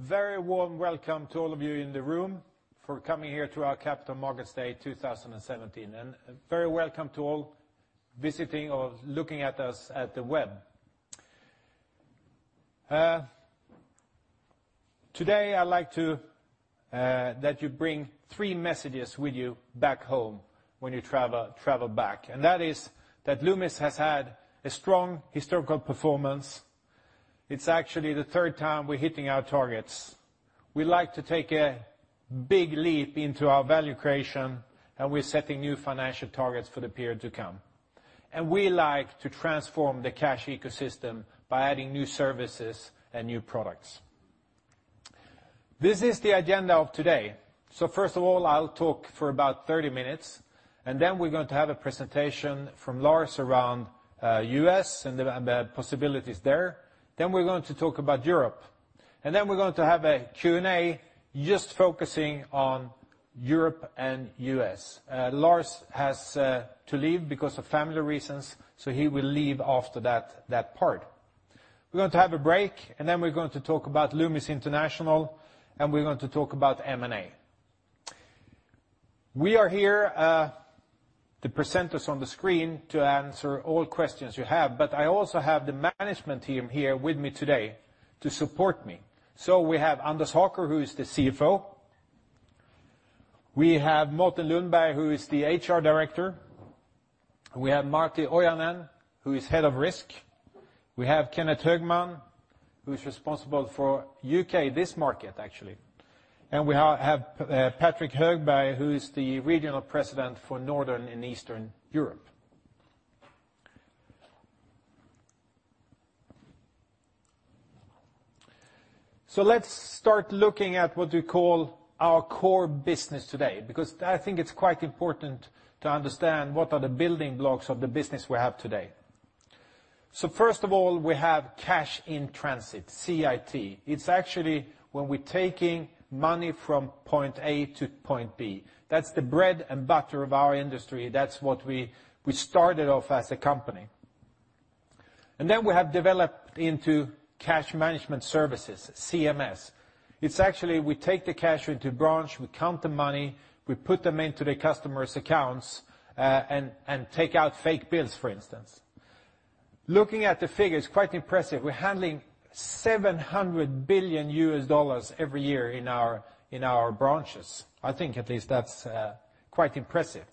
Very warm welcome to all of you in the room for coming here to our Capital Markets Day 2017, very welcome to all visiting or looking at us at the web. Today, I'd like that you bring three messages with you back home when you travel back, that is that Loomis has had a strong historical performance. It's actually the third time we're hitting our targets. We like to take a big leap into our value creation, we're setting new financial targets for the period to come. We like to transform the cash ecosystem by adding new services and new products. This is the agenda of today. First of all, I'll talk for about 30 minutes, then we're going to have a presentation from Lars around U.S. and the possibilities there. We're going to talk about Europe, then we're going to have a Q&A just focusing on Europe and U.S. Lars has to leave because of family reasons, he will leave after that part. We're going to have a break, then we're going to talk about Loomis International, we're going to talk about M&A. We are here, the presenters on the screen, to answer all questions you have, I also have the management team here with me today to support me. We have Anders Haker, who is the CFO. We have Mårten Lundberg, who is the HR director. We have Martti Ojanen, who is head of risk. We have Kenneth Högman, who's responsible for U.K., this market, actually. We have Patrik Högberg, who is the regional president for Northern and Eastern Europe. Let's start looking at what we call our core business today, because I think it's quite important to understand what are the building blocks of the business we have today. First of all, we have cash-in-transit, CIT. It's actually when we're taking money from point A to point B. That's the bread and butter of our industry. That's what we started off as a company. Then we have developed into cash management services, CMS. It's actually we take the cash into branch, we count the money, we put them into the customer's accounts, and take out fake bills, for instance. Looking at the figures, quite impressive. We're handling $700 billion every year in our branches. I think at least that's quite impressive.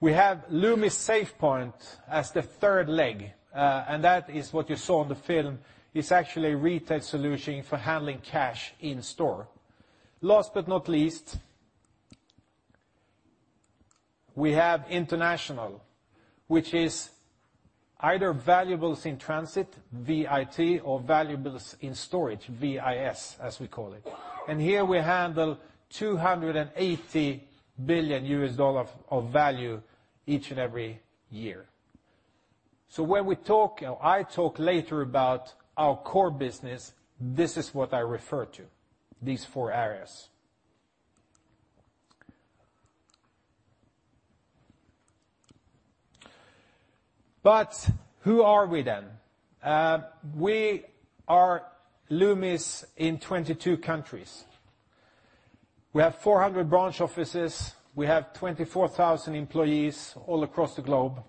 We have Loomis SafePoint as the third leg, that is what you saw in the film. It's actually a retail solution for handling cash in store. Last but not least, we have international, which is either valuables in transit, VIT, or valuables in storage, VIS, as we call it. Here we handle $280 billion of value each and every year. When we talk, or I talk later about our core business, this is what I refer to, these four areas. Who are we then? We are Loomis in 22 countries. We have 400 branch offices. We have 24,000 employees all across the globe.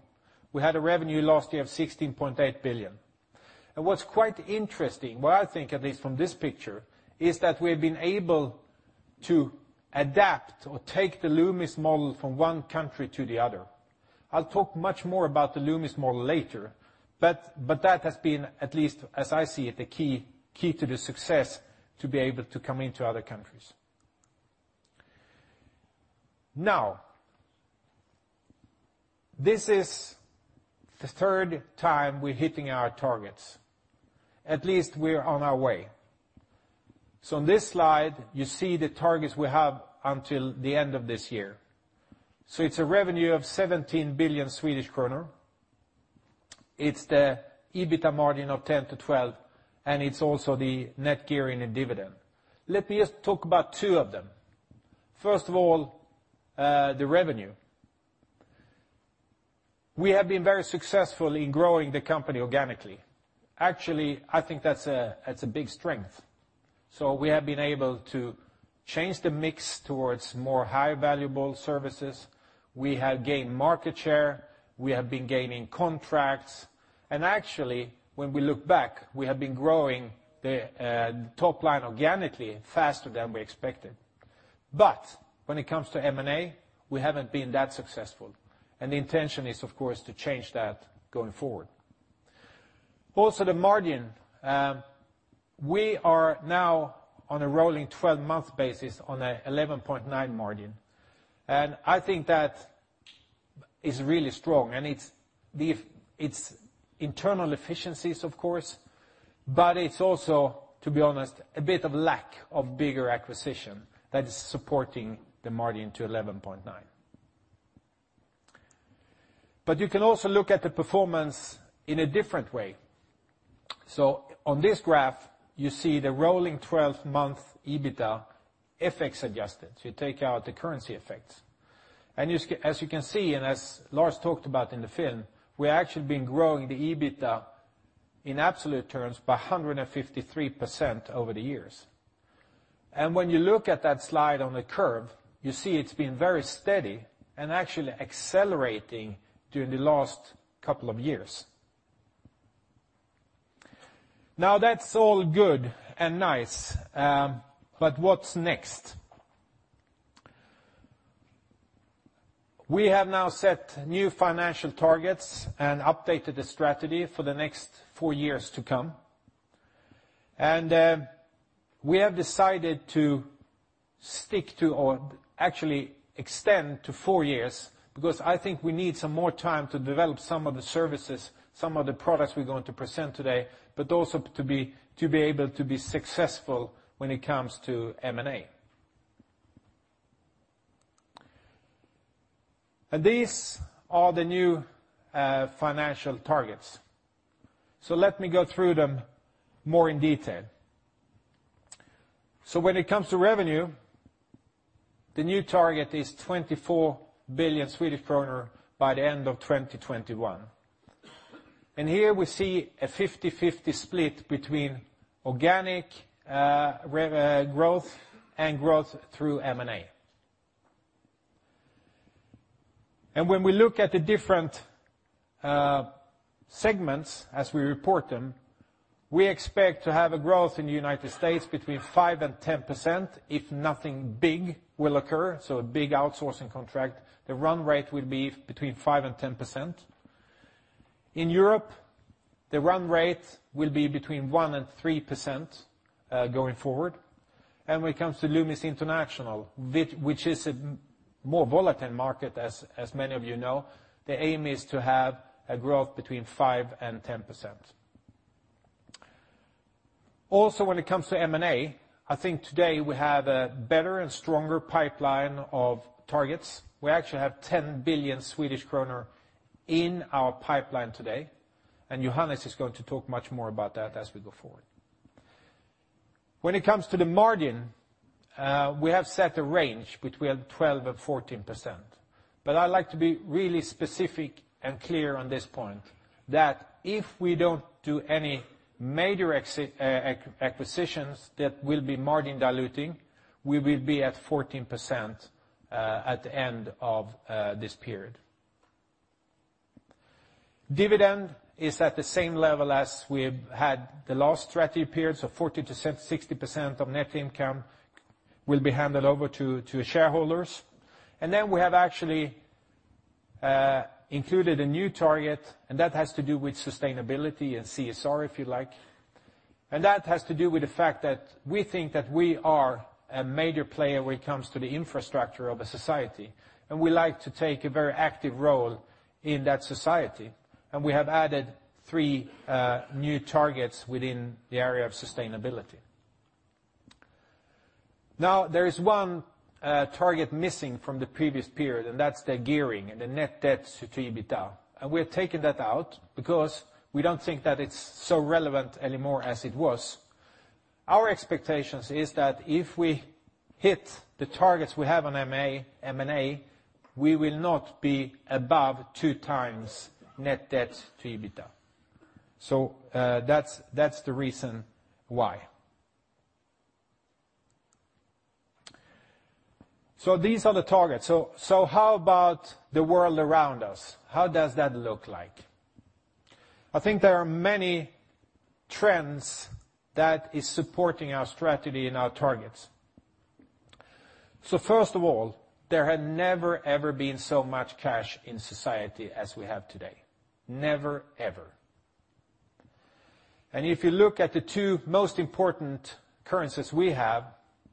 We had a revenue last year of 16.8 billion. What's quite interesting, what I think at least from this picture, is that we've been able to adapt or take the Loomis model from one country to the other. I'll talk much more about the Loomis model later, but that has been, at least as I see it, the key to the success to be able to come into other countries. This is the third time we're hitting our targets. At least we're on our way. On this slide, you see the targets we have until the end of this year. It's a revenue of 17 billion Swedish kronor. It's the EBITDA margin of 10%-12%, and it's also the net gearing and dividend. Let me just talk about two of them. First of all, the revenue. We have been very successful in growing the company organically. Actually, I think that's a big strength. We have been able to change the mix towards more high valuable services. We have gained market share. We have been gaining contracts. Actually, when we look back, we have been growing the top line organically faster than we expected. When it comes to M&A, we haven't been that successful. The intention is, of course, to change that going forward. Also the margin. We are now on a rolling 12-month basis on an 11.9% margin. I think that is really strong, and it's internal efficiencies, of course, but it's also, to be honest, a bit of lack of bigger acquisition that is supporting the margin to 11.9%. You can also look at the performance in a different way. On this graph, you see the rolling 12-month EBITDA FX adjusted. You take out the currency effects. As you can see, and as Lars talked about in the film, we actually have been growing the EBITDA in absolute terms by 153% over the years. When you look at that slide on the curve, you see it's been very steady and actually accelerating during the last couple of years. That's all good and nice. What's next? We have now set new financial targets and updated the strategy for the next four years to come. We have decided to stick to, or actually extend to four years because I think we need some more time to develop some of the services, some of the products we're going to present today, but also to be able to be successful when it comes to M&A. These are the new financial targets. Let me go through them more in detail. When it comes to revenue, the new target is 24 billion Swedish kronor by the end of 2021. Here we see a 50/50 split between organic growth and growth through M&A. When we look at the different segments as we report them, we expect to have a growth in the U.S. between 5% and 10% if nothing big will occur, so a big outsourcing contract. The run rate will be between 5% and 10%. In Europe, the run rate will be between 1% and 3% going forward. When it comes to Loomis International, which is a more volatile market as many of you know, the aim is to have a growth between 5% and 10%. When it comes to M&A, I think today we have a better and stronger pipeline of targets. We actually have 10 billion Swedish kronor in our pipeline today, and Johannes is going to talk much more about that as we go forward. When it comes to the margin, we have set a range between 12%-14%, but I like to be really specific and clear on this point, that if we don't do any major acquisitions that will be margin diluting, we will be at 14% at the end of this period. Dividend is at the same level as we have had the last strategy period, so 40%-60% of net income will be handed over to shareholders. We have actually included a new target, and that has to do with sustainability and CSR, if you like. That has to do with the fact that we think that we are a major player when it comes to the infrastructure of a society, and we like to take a very active role in that society. We have added three new targets within the area of sustainability. There is one target missing from the previous period, and that's the gearing and the net debt to EBITDA. We have taken that out because we don't think that it's so relevant anymore as it was. Our expectations is that if we hit the targets we have on M&A, we will not be above two times net debt to EBITDA. That's the reason why. These are the targets. How about the world around us? How does that look like? I think there are many trends that is supporting our strategy and our targets. First of all, there had never, ever been so much cash in society as we have today. Never, ever. If you look at the two most important currencies we have,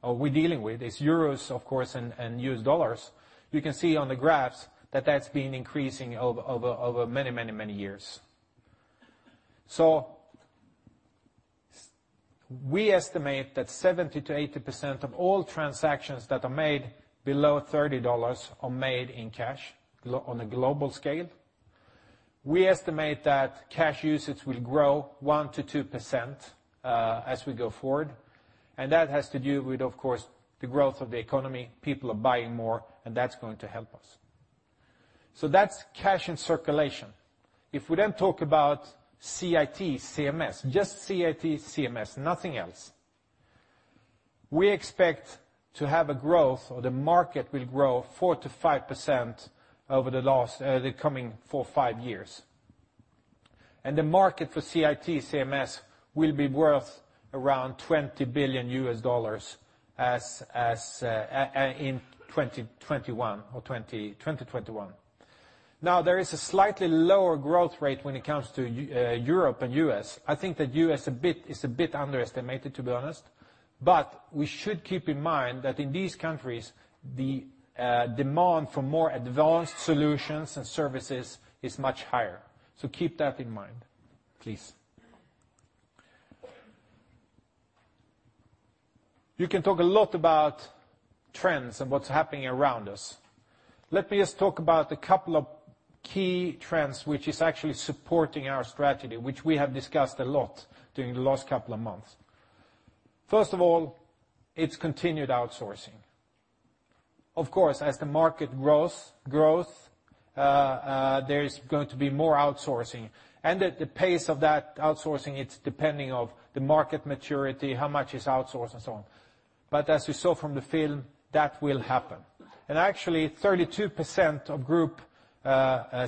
or we're dealing with, is EUR of course, and US dollars, you can see on the graphs that that's been increasing over many years. We estimate that 70%-80% of all transactions that are made below $30 are made in cash on a global scale. We estimate that cash usage will grow 1%-2% as we go forward. That has to do with, of course, the growth of the economy. People are buying more, and that's going to help us. That's cash in circulation. If we then talk about CIT, CMS, just CIT, CMS, nothing else. We expect to have a growth, or the market will grow 4%-5% over the coming four, five years. The market for CIT, CMS will be worth around $20 billion US dollars in 2021. There is a slightly lower growth rate when it comes to Europe and U.S. I think that U.S. is a bit underestimated, to be honest. We should keep in mind that in these countries, the demand for more advanced solutions and services is much higher. Keep that in mind, please. You can talk a lot about trends and what's happening around us. Let me just talk about a couple of key trends which is actually supporting our strategy, which we have discussed a lot during the last couple of months. First of all, it's continued outsourcing. Of course, as the market grows, there's going to be more outsourcing and the pace of that outsourcing, it's depending of the market maturity, how much is outsourced and so on. As you saw from the film, that will happen. Actually 32% of group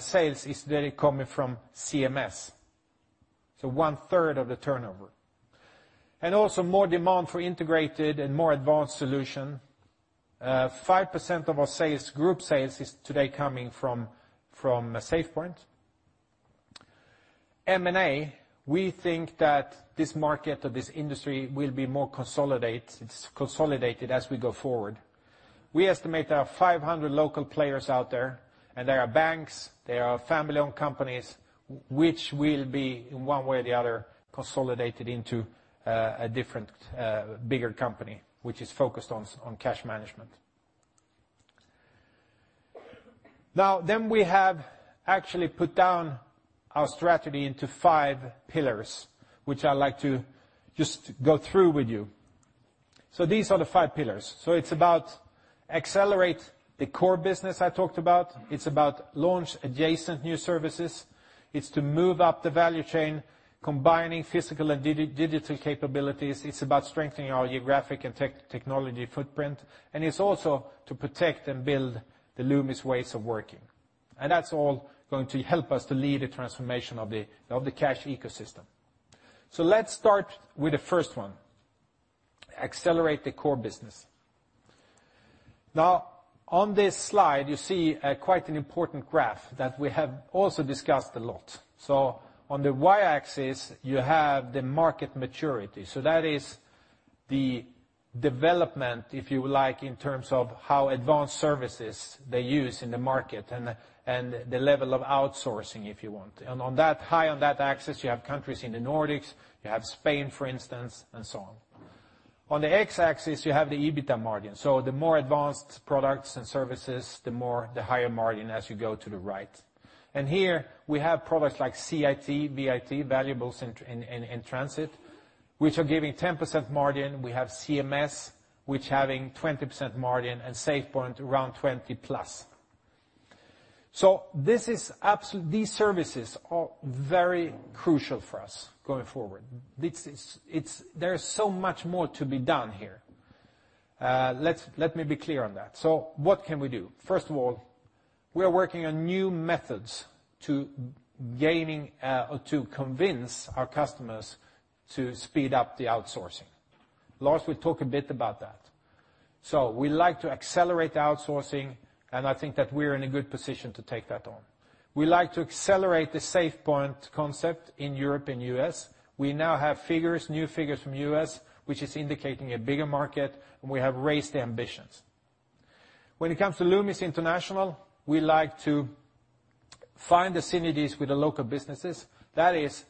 sales is really coming from CMS. One third of the turnover. Also more demand for integrated and more advanced solution. 5% of our group sales is today coming from SafePoint. M&A, we think that this market or this industry will be more consolidated as we go forward. We estimate there are 500 local players out there, and there are banks, there are family-owned companies, which will be in one way or the other, consolidated into a different, bigger company, which is focused on cash management. We have actually put down our strategy into five pillars, which I'd like to just go through with you. These are the five pillars. It's about accelerate the core business I talked about. It's about launch adjacent new services. It's to move up the value chain, combining physical and digital capabilities. It's about strengthening our geographic and technology footprint, and it's also to protect and build the Loomis ways of working. That's all going to help us to lead a transformation of the cash ecosystem. Let's start with the first one, accelerate the core business. On this slide, you see quite an important graph that we have also discussed a lot. On the Y-axis, you have the market maturity. That is the development, if you like, in terms of how advanced services they use in the market and the level of outsourcing, if you want. High on that axis, you have countries in the Nordics, you have Spain, for instance, and so on. On the X-axis, you have the EBITDA margin. The more advanced products and services, the higher margin as you go to the right. Here we have products like CIT, VIT, valuables in transit, which are giving 10% margin. We have CMS which having 20% margin and SafePoint around 20+. These services are very crucial for us going forward. There is so much more to be done here. Let me be clear on that. What can we do? First of all, we are working on new methods to convince our customers to speed up the outsourcing. Lars will talk a bit about that. We like to accelerate the outsourcing, and I think that we're in a good position to take that on. We like to accelerate the SafePoint concept in Europe and U.S. We now have new figures from U.S., which is indicating a bigger market, and we have raised the ambitions. When it comes to Loomis International, we like to find the synergies with the local businesses. That is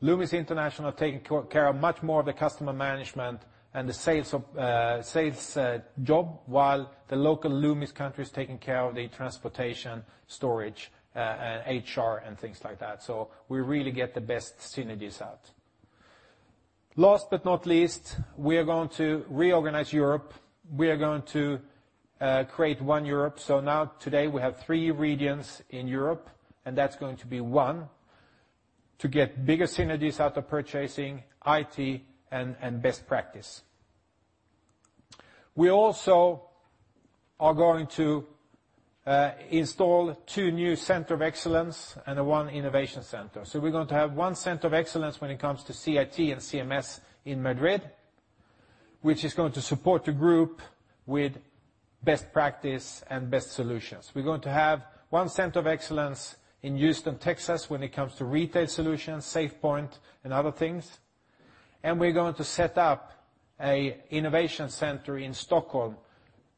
Loomis International taking care of much more of the customer management and the sales job while the local Loomis country is taking care of the transportation, storage, and HR and things like that. We really get the best synergies out. Last but not least, we are going to reorganize Europe. We are going to create one Europe. Today we have three regions in Europe, and that's going to be one to get bigger synergies out of purchasing, IT, and best practice. We also are going to install two new center of excellence and one innovation center. We're going to have one center of excellence when it comes to CIT and CMS in Madrid, which is going to support the group with best practice and best solutions. We're going to have one center of excellence in Houston, Texas, when it comes to retail solutions, SafePoint and other things. We're going to set up an innovation center in Stockholm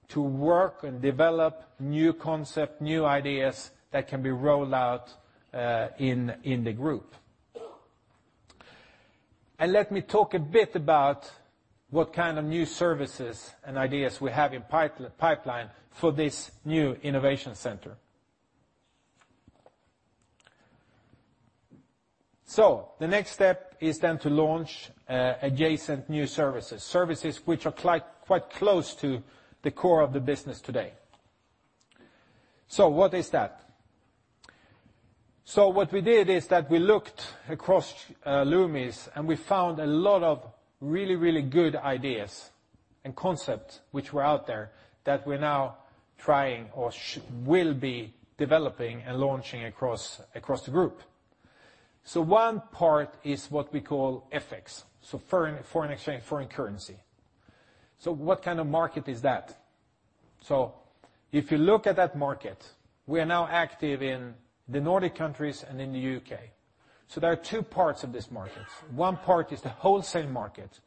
to work and develop new concept, new ideas that can be rolled out in the group. Let me talk a bit about what kind of new services and ideas we have in pipeline for this new innovation center. The next step is to launch adjacent new services which are quite close to the core of the business today. What is that? What we did is that we looked across Loomis and we found a lot of really, really good ideas and concepts which were out there that we're now trying or will be developing and launching across the group. One part is what we call FX. Foreign exchange, foreign currency. What kind of market is that? If you look at that market, we are now active in the Nordic countries and in the U.K. There are two parts of this market. One part is the wholesale market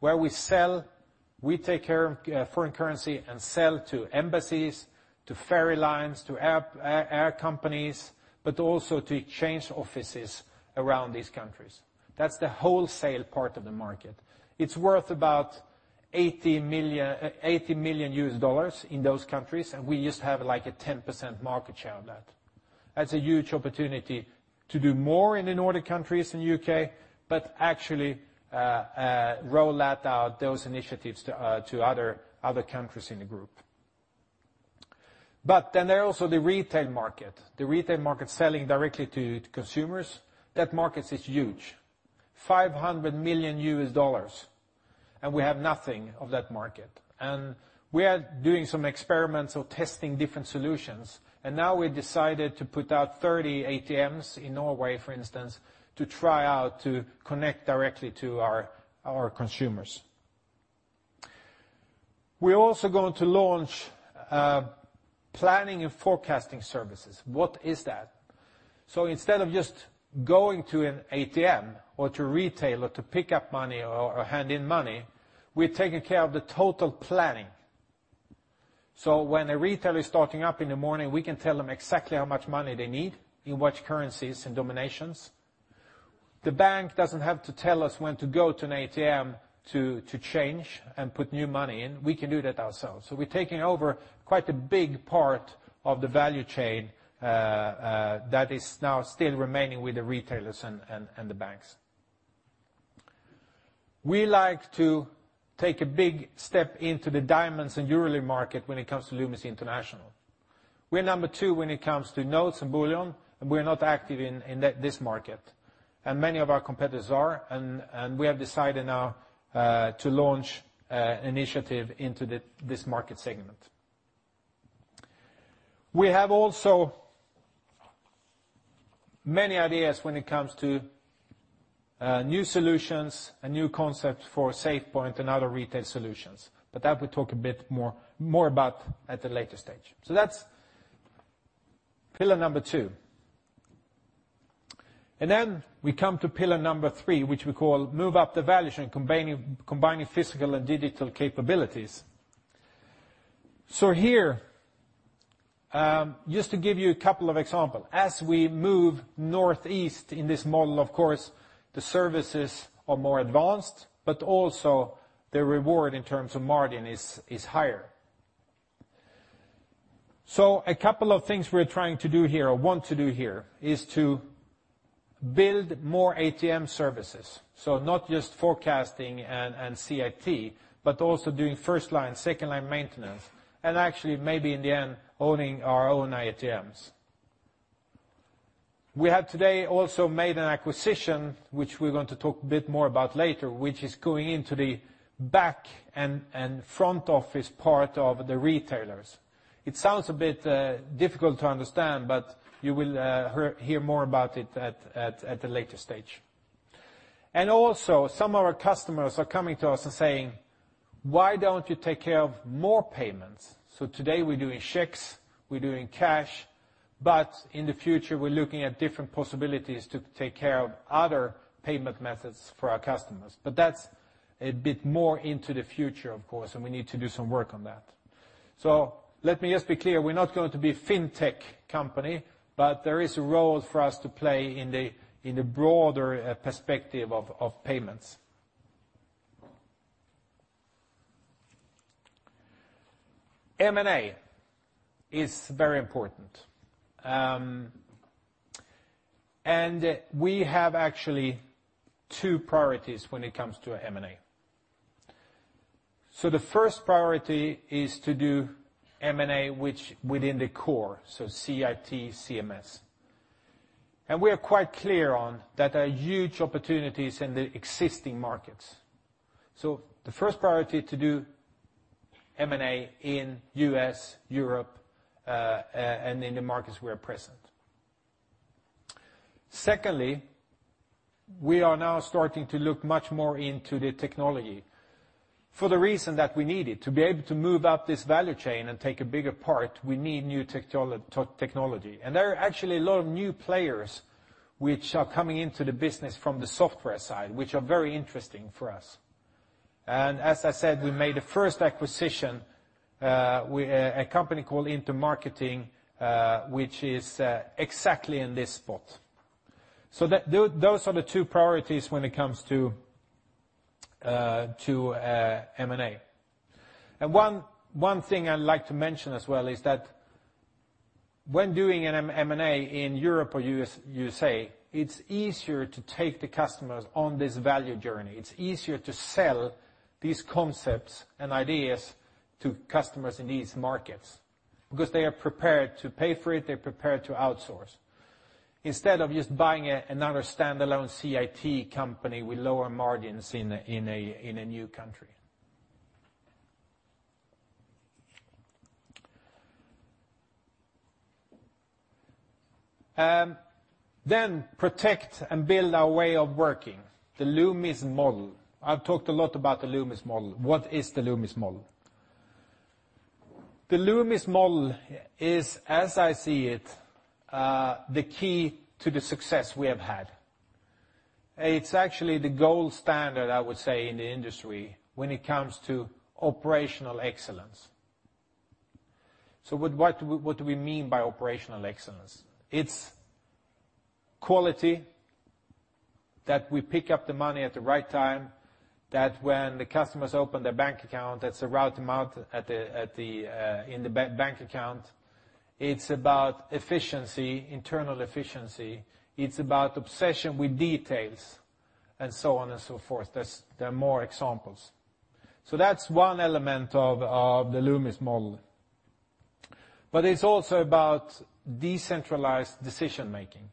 where we take care of foreign currency and sell to embassies, to ferry lines, to air companies, but also to exchange offices around these countries. That's the wholesale part of the market. It's worth about $80 million in those countries, and we used to have a 10% market share of that. That's a huge opportunity to do more in the Nordic countries and U.K., but actually roll out those initiatives to other countries in the group. There are also the retail market, the retail market selling directly to consumers. That market is huge, $500 million, and we have nothing of that market. We are doing some experiments of testing different solutions. Now we decided to put out 30 ATMs in Norway, for instance, to try out to connect directly to our consumers. We're also going to launch planning and forecasting services. What is that? Instead of just going to an ATM or to a retailer to pick up money or hand in money, we're taking care of the total planning. When a retailer is stocking up in the morning, we can tell them exactly how much money they need, in which currencies and denominations. The bank doesn't have to tell us when to go to an ATM to change and put new money in. We can do that ourselves. We're taking over quite a big part of the value chain that is now still remaining with the retailers and the banks. We like to take a big step into the diamonds and jewelry market when it comes to Loomis International. We're number 2 when it comes to notes and bullion, and we're not active in this market, and many of our competitors are. We have decided now to launch an initiative into this market segment. We have also many ideas when it comes to new solutions and new concepts for SafePoint and other retail solutions, but that we'll talk a bit more about at the later stage. That's pillar number 2. We come to pillar number 3, which we call move up the value chain, combining physical and digital capabilities. Here, just to give you a couple of examples. As we move northeast in this model, of course, the services are more advanced, but also the reward in terms of margin is higher. A couple of things we're trying to do here or want to do here is to build more ATM services. Not just forecasting and CIT, but also doing first-line, second-line maintenance and actually maybe in the end owning our own ATMs. We have today also made an acquisition, which we're going to talk a bit more about later, which is going into the back and front office part of the retailers. It sounds a bit difficult to understand, but you will hear more about it at a later stage. Also, some of our customers are coming to us and saying, "Why don't you take care of more payments?" Today we're doing checks, we're doing cash, but in the future, we're looking at different possibilities to take care of other payment methods for our customers. That's a bit more into the future, of course, and we need to do some work on that. Let me just be clear. We're not going to be a fintech company, but there is a role for us to play in the broader perspective of payments. M&A is very important. We have actually two priorities when it comes to M&A. The first priority is to do M&A within the core, CIT, CMS. We are quite clear on that are huge opportunities in the existing markets. The first priority to do M&A in U.S., Europe, and in the markets we are present. Secondly, we are now starting to look much more into the technology for the reason that we need it. To be able to move up this value chain and take a bigger part, we need new technology. There are actually a lot of new players which are coming into the business from the software side, which are very interesting for us. As I said, we made a first acquisition, a company called Intermarketing, which is exactly in this spot. Those are the two priorities when it comes to M&A. One thing I'd like to mention as well is that when doing an M&A in Europe or U.S.A., it's easier to take the customers on this value journey. It's easier to sell these concepts and ideas to customers in these markets because they are prepared to pay for it, they're prepared to outsource. Instead of just buying another standalone CIT company with lower margins in a new country. Then protect and build our way of working, the Loomis Model. I've talked a lot about the Loomis Model. What is the Loomis Model? The Loomis Model is, as I see it, the key to the success we have had. It's actually the gold standard, I would say, in the industry when it comes to operational excellence. What do we mean by operational excellence? It's Quality, that we pick up the money at the right time, that when the customers open their bank account, that's the right amount in the bank account. It's about efficiency, internal efficiency. It's about obsession with details, and so on and so forth. There are more examples. That's one element of the Loomis Model. It's also about decentralized decision-making.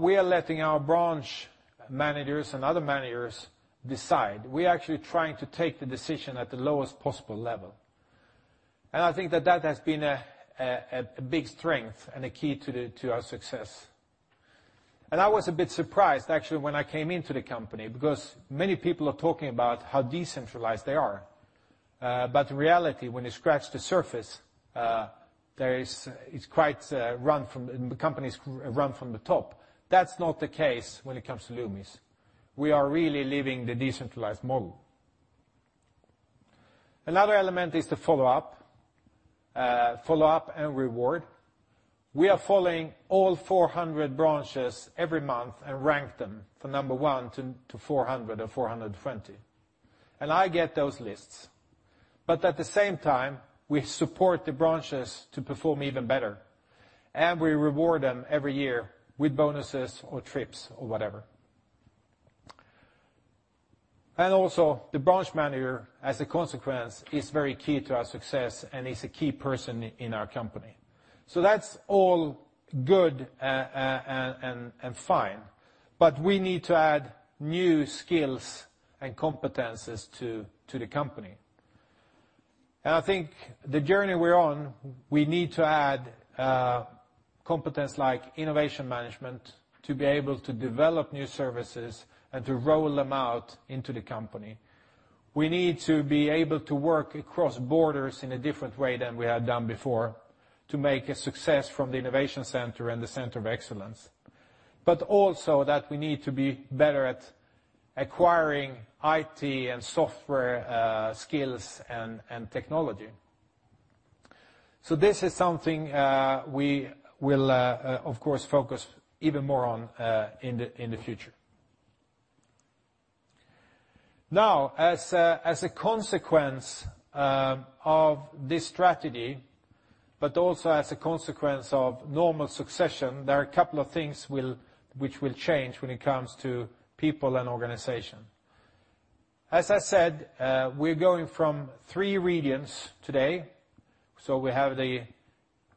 We are letting our branch managers and other managers decide. We are actually trying to take the decision at the lowest possible level, and I think that has been a big strength and a key to our success. I was a bit surprised, actually, when I came into the company, because many people are talking about how decentralized they are. In reality, when you scratch the surface, the companies run from the top. That's not the case when it comes to Loomis. We are really living the decentralized model. Another element is the follow-up. Follow-up and reward. We are following all 400 branches every month and rank them from number 1 to 400 or 420. I get those lists. At the same time, we support the branches to perform even better, and we reward them every year with bonuses or trips or whatever. Also the branch manager, as a consequence, is very key to our success and is a key person in our company. That's all good and fine, but we need to add new skills and competencies to the company. I think the journey we're on, we need to add competence like innovation management to be able to develop new services and to roll them out into the company. We need to be able to work across borders in a different way than we have done before to make a success from the innovation center and the center of excellence. Also that we need to be better at acquiring IT and software skills and technology. This is something we will, of course, focus even more on in the future. Now, as a consequence of this strategy, but also as a consequence of normal succession, there are a couple of things which will change when it comes to people and organization. As I said, we're going from three regions today. We have the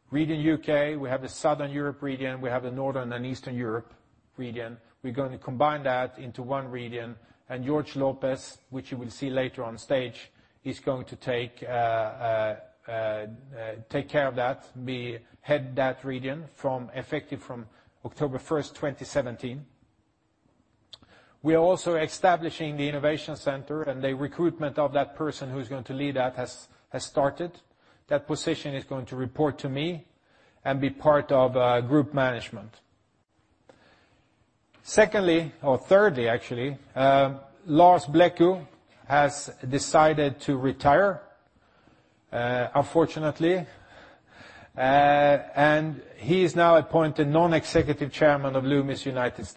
region U.K., we have the Southern Europe region, we have the Northern and Eastern Europe region. We're going to combine that into one region, and Georges Lopez, which you will see later on stage, is going to take care of that, head that region effective from October 1st, 2017. We are also establishing the innovation center and the recruitment of that person who's going to lead that has started. That position is going to report to me and be part of group management. Thirdly, Lars Blecko has decided to retire, unfortunately, and he is now appointed non-executive chairman of Loomis U.S.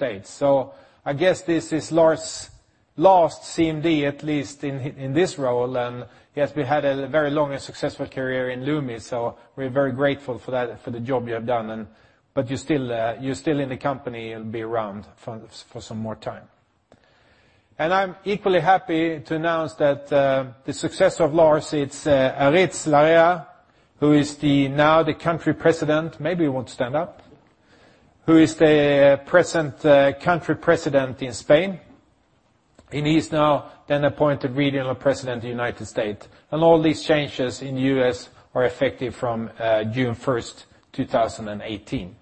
I guess this is Lars' last CMD, at least in this role. He has had a very long and successful career in Loomis, so we're very grateful for the job you have done. You're still in the company and be around for some more time. I'm equally happy to announce that the successor of Lars, it's Aritz Larrea, who is now the country president-- maybe you want to stand up, who is the present country president in Spain, and he's now appointed Regional President of the U.S. All these changes in U.S. are effective from June 1st, 2018.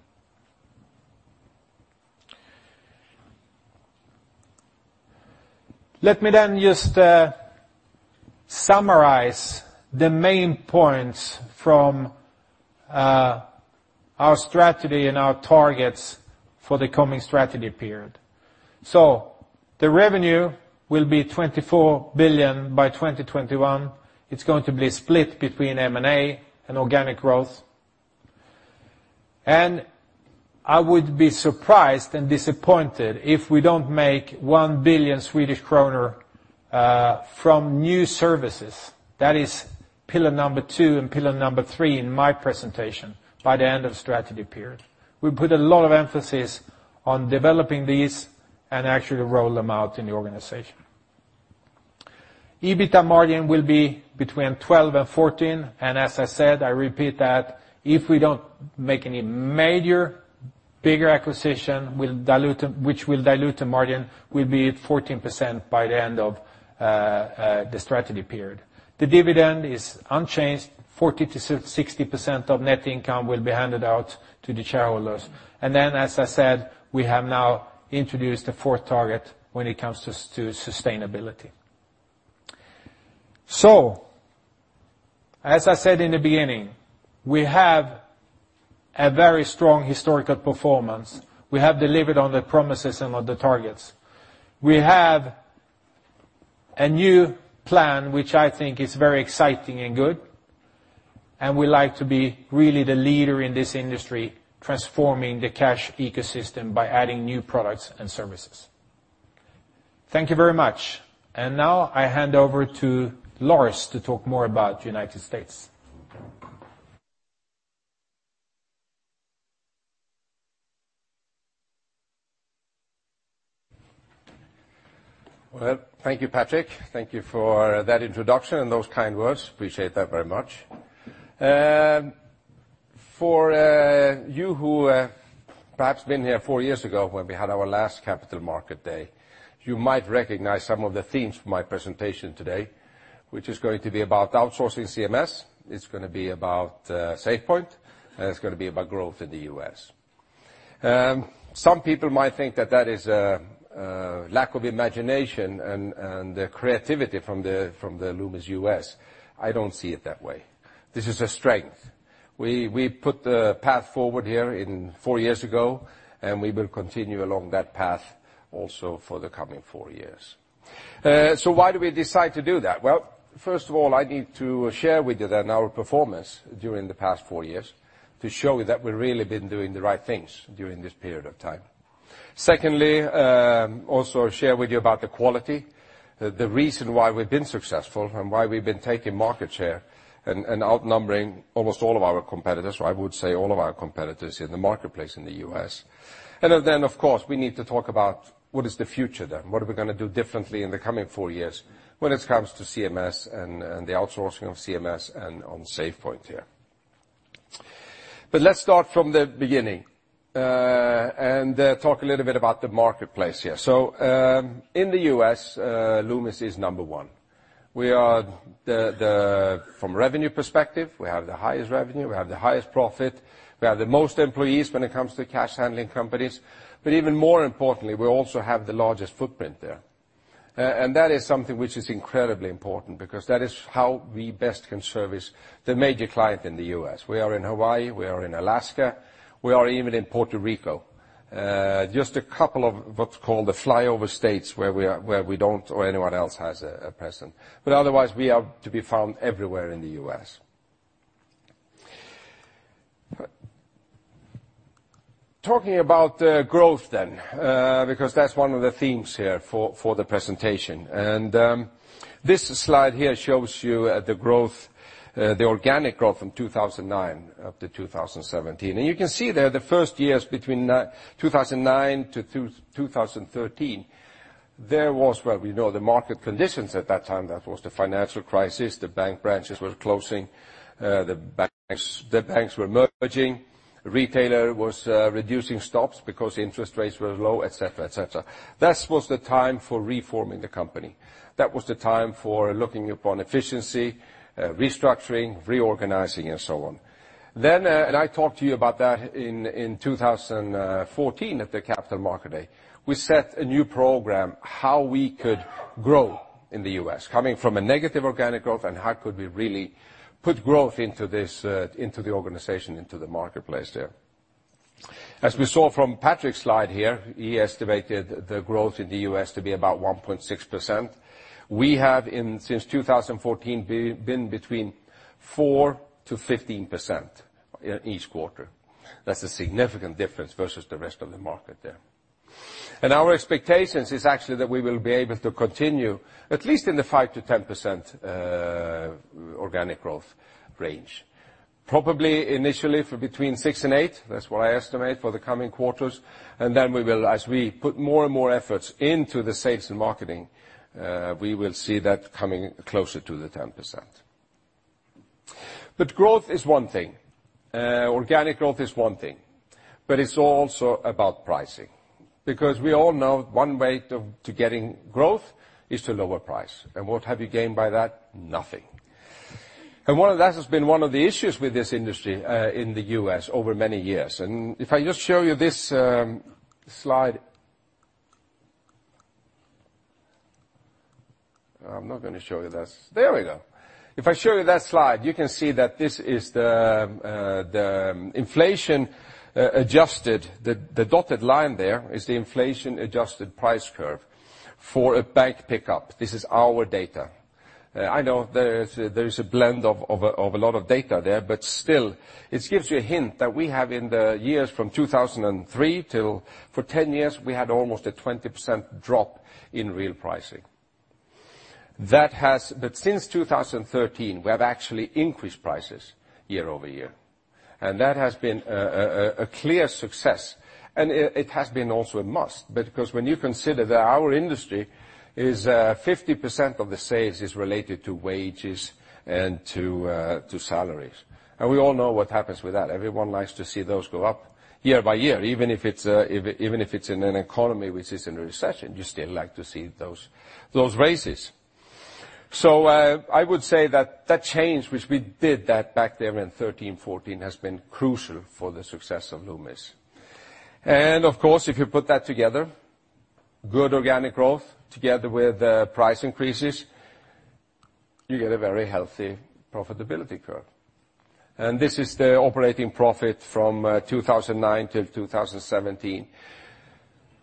Let me just summarize the main points from our strategy and our targets for the coming strategy period. The revenue will be 24 billion by 2021. It's going to be split between M&A and organic growth. I would be surprised and disappointed if we don't make 1 billion Swedish kronor from new services. That is pillar number 2 and pillar number 3 in my presentation by the end of strategy period. We put a lot of emphasis on developing these and actually roll them out in the organization. EBITDA margin will be between 12% and 14%, and as I said, I repeat that if we don't make any major, bigger acquisition, which will dilute the margin, we'll be at 14% by the end of the strategy period. The dividend is unchanged, 40%-60% of net income will be handed out to the shareholders. As I said, we have now introduced a fourth target when it comes to sustainability. As I said in the beginning, we have a very strong historical performance. We have delivered on the promises and on the targets. We have a new plan which I think is very exciting and good, and we like to be really the leader in this industry transforming the cash ecosystem by adding new products and services. Thank you very much. Now I hand over to Lars to talk more about U.S. Well, thank you, Patrik. Thank you for that introduction and those kind words. Appreciate that very much. For you who have perhaps been here 4 years ago when we had our last Capital Market Day, you might recognize some of the themes from my presentation today, which is going to be about outsourcing CMS, it's going to be about SafePoint, and it's going to be about growth in the U.S. Some people might think that that is a lack of imagination and creativity from the Loomis U.S. I don't see it that way. This is a strength. We put the path forward here 4 years ago, and we will continue along that path also for the coming 4 years. Why do we decide to do that? Well, first of all, I need to share with you then our performance during the past 4 years to show you that we've really been doing the right things during this period of time. Secondly, also share with you about the quality, the reason why we've been successful and why we've been taking market share and outnumbering almost all of our competitors, or I would say all of our competitors in the marketplace in the U.S. Of course, we need to talk about what is the future then. What are we going to do differently in the coming 4 years when it comes to CMS and the outsourcing of CMS and on SafePoint here? Let's start from the beginning and talk a little bit about the marketplace here. In the U.S., Loomis is number 1. From a revenue perspective, we have the highest revenue, we have the highest profit, we have the most employees when it comes to cash handling companies. Even more importantly, we also have the largest footprint there. That is something which is incredibly important because that is how we best can service the major client in the U.S. We are in Hawaii, we are in Alaska, we are even in Puerto Rico. Just a couple of what's called the flyover states where we don't or anyone else has a presence. Otherwise, we are to be found everywhere in the U.S. Talking about growth then because that's one of the themes here for the presentation. This slide here shows you the organic growth from 2009 up to 2017. You can see there the first years between 2009 to 2013, there was, well, we know the market conditions at that time. That was the financial crisis. The bank branches were closing. The banks were merging. Retailer was reducing stocks because interest rates were low, et cetera. That was the time for reforming the company. That was the time for looking upon efficiency, restructuring, reorganizing, and so on. Then, I talked to you about that in 2014 at the Capital Market Day, we set a new program, how we could grow in the U.S. Coming from a negative organic growth and how could we really put growth into the organization, into the marketplace there. As we saw from Patrik's slide here, he estimated the growth in the U.S. to be about 1.6%. We have since 2014 been between 4%-15% each quarter. That's a significant difference versus the rest of the market there. Our expectations is actually that we will be able to continue at least in the 5%-10% organic growth range. Probably initially for between 6% and 8%, that's what I estimate for the coming quarters, then as we put more and more efforts into the sales and marketing, we will see that coming closer to the 10%. Growth is one thing. Organic growth is one thing. It's also about pricing because we all know one way to getting growth is to lower price. What have you gained by that? Nothing. That has been one of the issues with this industry in the U.S. over many years. If I just show you this slide. I'm not going to show you this. There we go. If I show you that slide, you can see that this is the inflation-adjusted, the dotted line there is the inflation-adjusted price curve for a bank pickup. This is our data. I know there is a blend of a lot of data there, but still, it gives you a hint that we have in the years from 2003 for 10 years, we had almost a 20% drop in real pricing. Since 2013, we have actually increased prices year-over-year. That has been a clear success. It has been also a must because when you consider that our industry is 50% of the sales is related to wages and to salaries. We all know what happens with that. Everyone likes to see those go up year by year, even if it's in an economy which is in a recession. You still like to see those raises. I would say that that change which we did back then in 2013, 2014, has been crucial for the success of Loomis. Of course, if you put that together, good organic growth together with price increases. You get a very healthy profitability curve. This is the operating profit from 2009 till 2017,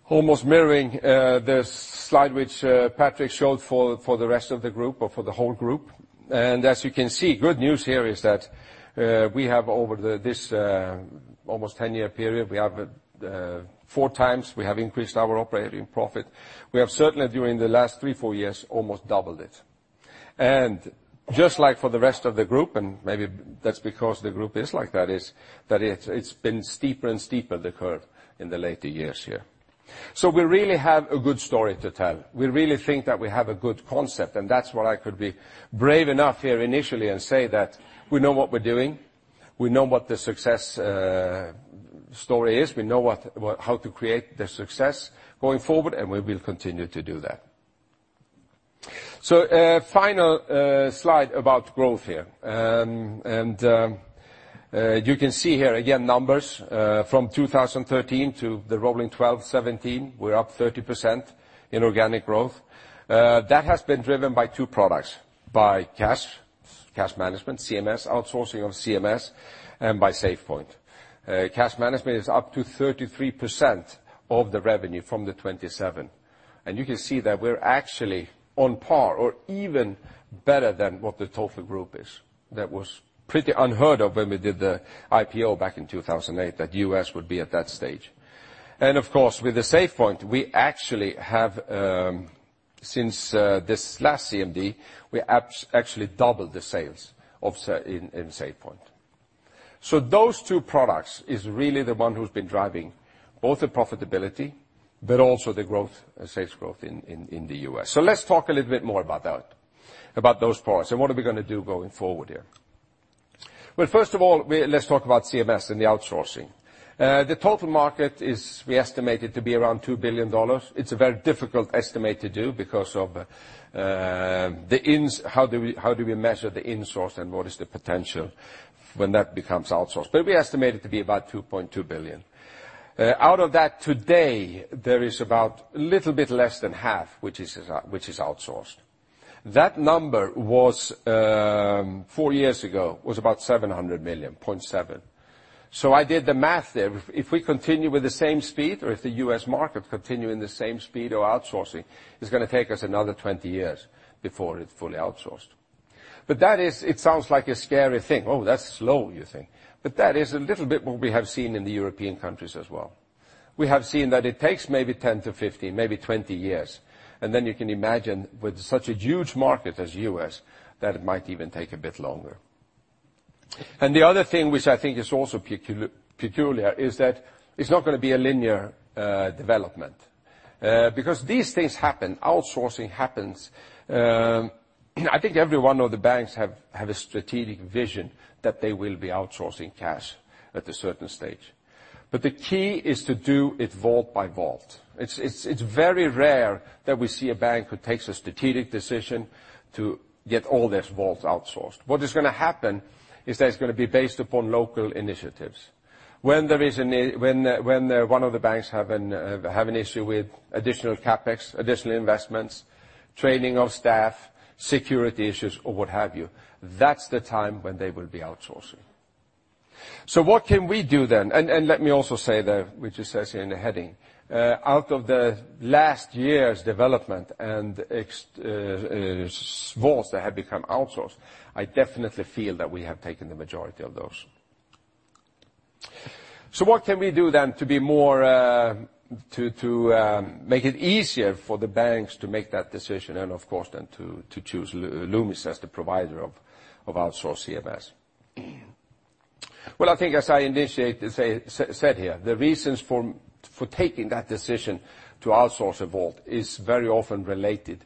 almost mirroring the slide which Patrik showed for the rest of the group or for the whole group. As you can see, good news here is that we have over this almost 10-year period, four times we have increased our operating profit. We have certainly, during the last three, four years, almost doubled it. Just like for the rest of the group, and maybe that's because the group is like that, is that it's been steeper and steeper the curve in the later years here. We really have a good story to tell. We really think that we have a good concept, that's why I could be brave enough here initially and say that we know what we're doing, we know what the success story is, we know how to create the success going forward, we will continue to do that. Final slide about growth here. You can see here, again, numbers, from 2013 to the rolling 12, 2017, we're up 30% in organic growth. That has been driven by two products. By cash management, CMS, outsourcing of CMS, and by SafePoint. Cash management is up to 33% of the revenue from the 27%. You can see that we're actually on par or even better than what the total group is. That was pretty unheard of when we did the IPO back in 2008, that U.S. would be at that stage. Of course, with the SafePoint, we actually have, since this last CMD, we actually doubled the sales in SafePoint. Those two products is really the one who's been driving both the profitability, but also the sales growth in the U.S. Let's talk a little bit more about those products and what are we going to do going forward here. First of all, let's talk about CMS and the outsourcing. The total market is, we estimate it to be around $2 billion. It's a very difficult estimate to do because of how do we measure the insource and what is the potential when that becomes outsourced. We estimate it to be about $2.2 billion. Out of that today, there is about a little bit less than half, which is outsourced. That number four years ago was about $700 million, $0.7 billion. I did the math there. If we continue with the same speed, or if the U.S. market continue in the same speed of outsourcing, it's going to take us another 20 years before it's fully outsourced. That is, it sounds like a scary thing. Oh, that's slow, you think. That is a little bit what we have seen in the European countries as well. We have seen that it takes maybe 10 to 15, maybe 20 years, then you can imagine with such a huge market as U.S., that it might even take a bit longer. The other thing which I think is also peculiar is that it's not going to be a linear development. These things happen, outsourcing happens. I think every one of the banks have a strategic vision that they will be outsourcing cash at a certain stage. The key is to do it vault by vault. It's very rare that we see a bank who takes a strategic decision to get all their vaults outsourced. What is going to happen is that it's going to be based upon local initiatives. When one of the banks have an issue with additional CapEx, additional investments, training of staff, security issues, or what have you. That's the time when they will be outsourcing. What can we do then? Let me also say that, which it says here in the heading. Out of the last year's development and vaults that have become outsourced, I definitely feel that we have taken the majority of those. What can we do then to make it easier for the banks to make that decision and, of course then, to choose Loomis as the provider of outsourced CMS? I think as I said here, the reasons for taking that decision to outsource a vault is very often related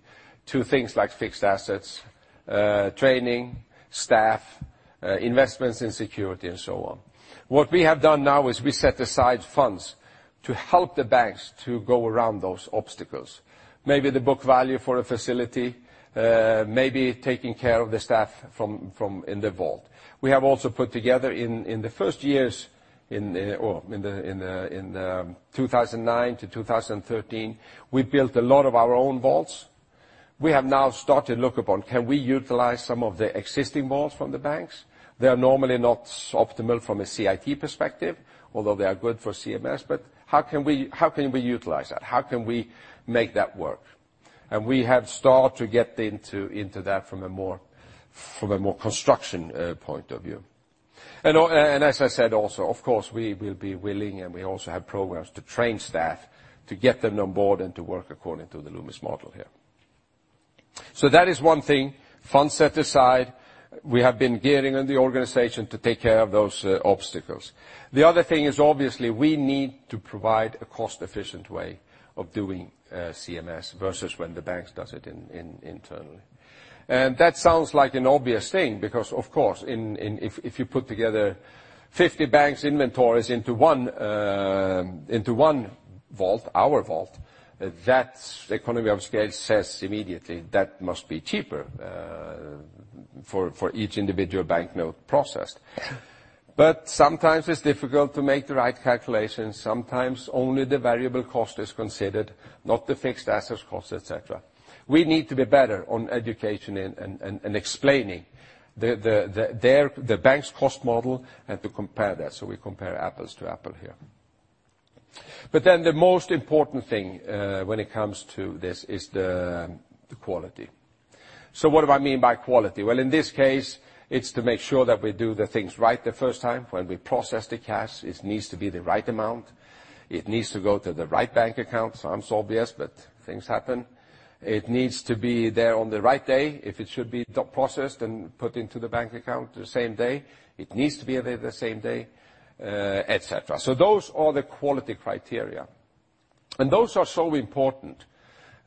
to things like fixed assets, training, staff, investments in security, and so on. What we have done now is we set aside funds to help the banks to go around those obstacles. Maybe the book value for a facility, maybe taking care of the staff in the vault. We have also put together in the first years, in 2009 to 2013, we built a lot of our own vaults. We have now started look upon, can we utilize some of the existing vaults from the banks? They are normally not optimal from a CIT perspective, although they are good for CMS, but how can we utilize that? How can we make that work? We have start to get into that from a more construction point of view. As I said also, of course, we will be willing and we also have programs to train staff to get them on board and to work according to the Loomis model here. That is one thing. Funds set aside. We have been gearing in the organization to take care of those obstacles. The other thing is obviously we need to provide a cost-efficient way of doing CMS versus when the banks does it internally. That sounds like an obvious thing because, of course, if you put together 50 banks' inventories into one vault, our vault, that economy of scale says immediately, that must be cheaper, for each individual banknote processed. Sometimes it's difficult to make the right calculations. Sometimes only the variable cost is considered, not the fixed assets cost, et cetera. We need to be better on education and explaining the bank's cost model and to compare that. We compare apples to apple here. The most important thing when it comes to this is the quality. What do I mean by quality? In this case, it's to make sure that we do the things right the first time. When we process the cash, it needs to be the right amount. It needs to go to the right bank account. Sounds obvious, but things happen. It needs to be there on the right day. If it should be processed and put into the bank account the same day, it needs to be there the same day, et cetera. Those are the quality criteria. Those are so important,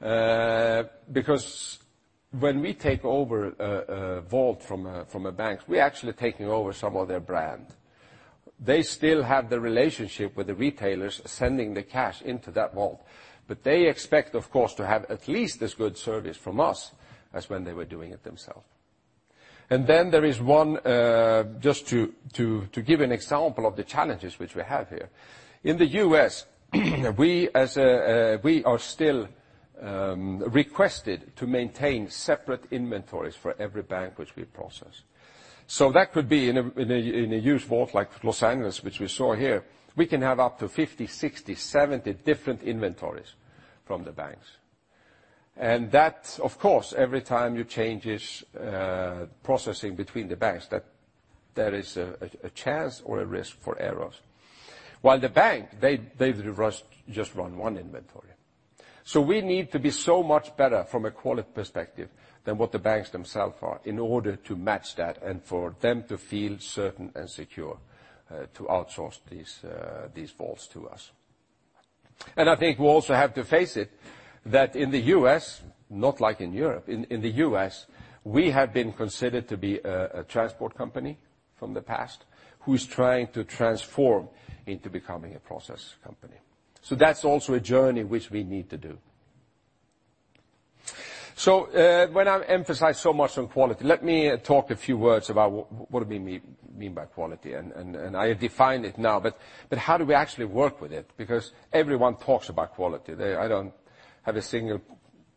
because when we take over a vault from a bank, we are actually taking over some of their brand. They still have the relationship with the retailers sending the cash into that vault. They expect, of course, to have at least as good service from us as when they were doing it themselves. There is one, just to give an example of the challenges which we have here. In the U.S., we are still requested to maintain separate inventories for every bank which we process. That could be in a huge vault like Los Angeles, which we saw here. We can have up to 50, 60, 70 different inventories from the banks. That, of course, every time you change this processing between the banks, there is a chance or a risk for errors. While the bank, they just run one inventory. We need to be so much better from a quality perspective than what the banks themselves are in order to match that and for them to feel certain and secure to outsource these vaults to us. I think we also have to face it, that in the U.S., not like in Europe, in the U.S., we have been considered to be a transport company from the past who's trying to transform into becoming a process company. That's also a journey which we need to do. When I emphasize so much on quality, let me talk a few words about what we mean by quality. I have defined it now, but how do we actually work with it? Because everyone talks about quality. I don't have a single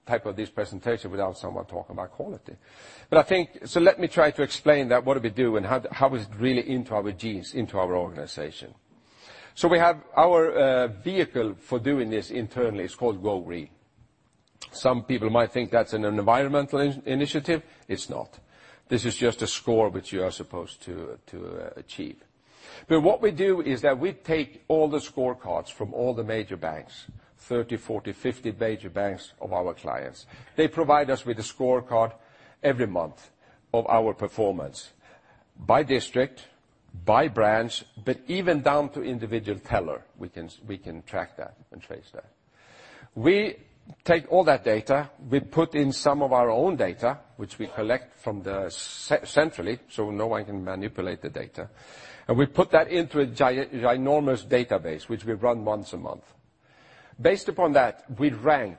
type of this presentation without someone talking about quality. Let me try to explain that what do we do and how it's really into our genes, into our organization. We have our vehicle for doing this internally. It's called Go Green. Some people might think that's an environmental initiative. It's not. This is just a score which you are supposed to achieve. What we do is that we take all the scorecards from all the major banks, 30, 40, 50 major banks of our clients. They provide us with a scorecard every month of our performance by district, by branch, but even down to individual teller, we can track that and trace that. We take all that data. We put in some of our own data, which we collect centrally, no one can manipulate the data. We put that into a ginormous database, which we run once a month. Based upon that, we rank,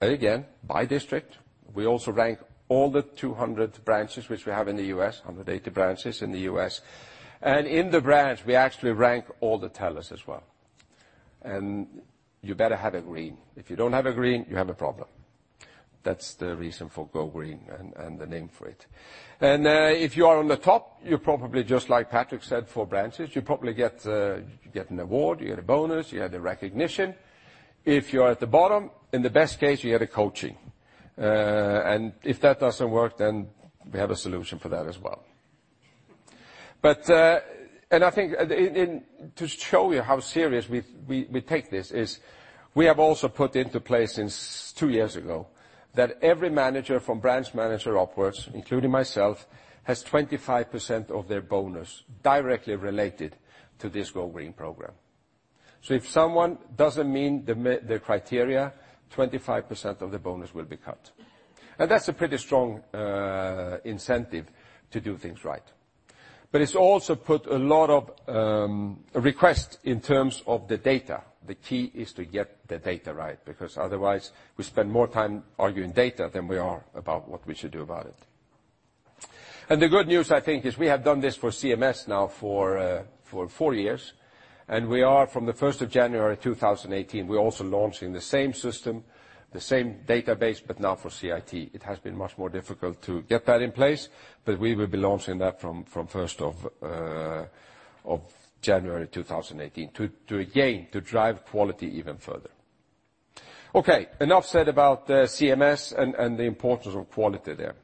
again, by district. We also rank all the 200 branches which we have in the U.S., 180 branches in the U.S. In the branch, we actually rank all the tellers as well. You better have a green. If you don't have a green, you have a problem. That's the reason for Go Green and the name for it. If you are on the top, you probably just like Patrik said, four branches, you probably get an award, you get a bonus, you have the recognition. If you are at the bottom, in the best case, you get a coaching. If that doesn't work, then we have a solution for that as well. I think to show you how serious we take this is we have also put into place since two years ago that every manager from branch manager upwards, including myself, has 25% of their bonus directly related to this Go Green program. If someone doesn't meet the criteria, 25% of the bonus will be cut. That's a pretty strong incentive to do things right. It's also put a lot of requests in terms of the data. The key is to get the data right, because otherwise we spend more time arguing data than we are about what we should do about it. The good news, I think, is we have done this for CMS now for four years, and we are from the 1st of January 2018, we're also launching the same system, the same database, but now for CIT. It has been much more difficult to get that in place, but we will be launching that from 1st of January 2018 to again, to drive quality even further. Enough said about CMS and the importance of quality there.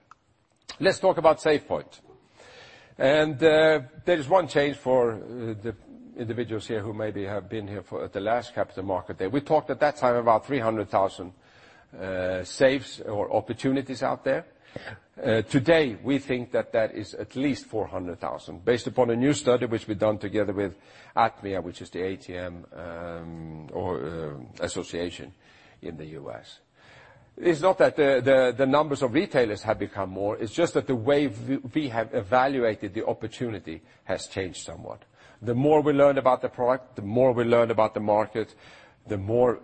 Let's talk about SafePoint. There is one change for the individuals here who maybe have been here for the last Capital Market Day. We talked at that time about 300,000 safes or opportunities out there. Today, we think that that is at least 400,000 based upon a new study which we've done together with ATMIA, which is the ATM or association in the U.S. It's not that the numbers of retailers have become more, it's just that the way we have evaluated the opportunity has changed somewhat. The more we learn about the product, the more we learn about the market, the more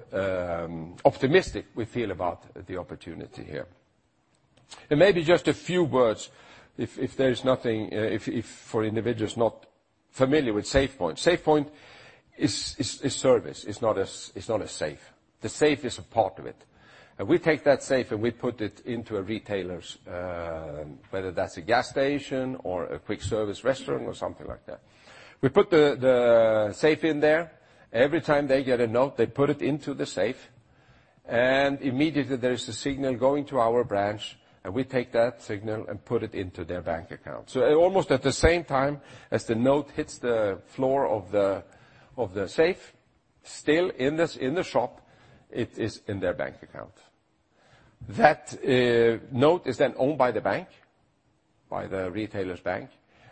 optimistic we feel about the opportunity here. Maybe just a few words, if for individuals not familiar with SafePoint. SafePoint is a service. It's not a safe. The safe is a part of it. We take that safe, and we put it into a retailer's, whether that's a gas station or a quick service restaurant or something like that. We put the safe in there. Every time they get a note, they put it into the safe, immediately there is a signal going to our branch, we take that signal and put it into their bank account. Almost at the same time as the note hits the floor of the safe, still in the shop, it is in their bank account. That note is then owned by the bank, by the retailer's bank.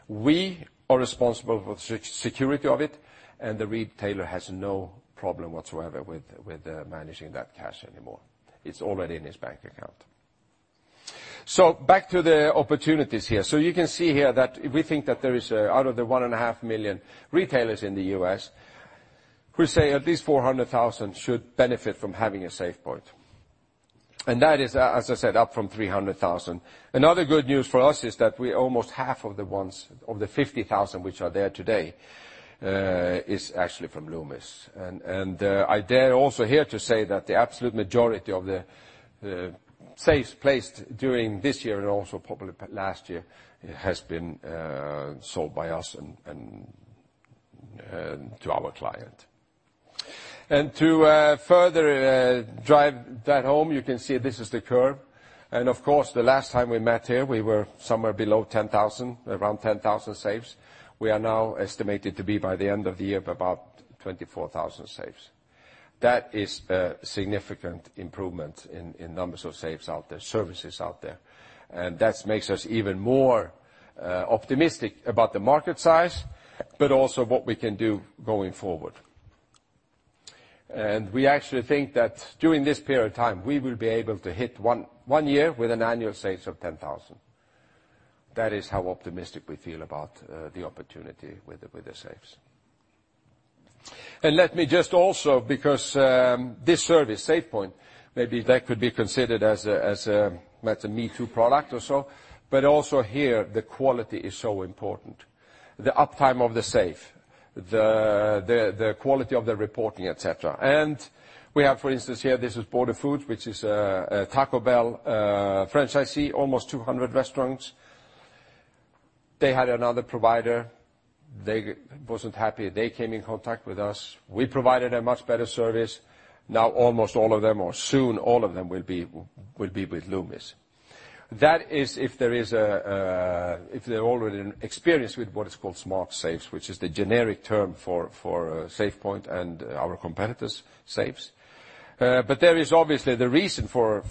We are responsible for security of it, the retailer has no problem whatsoever with managing that cash anymore. It's already in his bank account. Back to the opportunities here. You can see here that we think that there is, out of the one and a half million retailers in the U.S., we say at least 400,000 should benefit from having a SafePoint. That is, as I said, up from 300,000. Another good news for us is that we almost half of the ones, of the 50,000 which are there today, is actually from Loomis. I dare also here to say that the absolute majority of the safes placed during this year and also probably last year has been sold by us and to our client. To further drive that home, you can see this is the curve. Of course, the last time we met here, we were somewhere below 10,000, around 10,000 safes. We are now estimated to be, by the end of the year, about 24,000 safes. That is a significant improvement in numbers of safes out there, services out there. That makes us even more optimistic about the market size, but also what we can do going forward. We actually think that during this period of time, we will be able to hit one year with an annual sales of 10,000. That is how optimistic we feel about the opportunity with the safes. Let me just also, because this service, SafePoint, maybe that could be considered as a me-too product or so, but also here, the quality is so important. The uptime of the safe, the quality of the reporting, et cetera. We have, for instance, here, this is Border Foods, which is a Taco Bell franchisee, almost 200 restaurants. They had another provider. They wasn't happy. They came in contact with us. We provided a much better service. Now almost all of them, or soon all of them, will be with Loomis. That is if they're already experienced with what is called smart safes, which is the generic term for SafePoint and our competitors' safes. There is obviously the reason for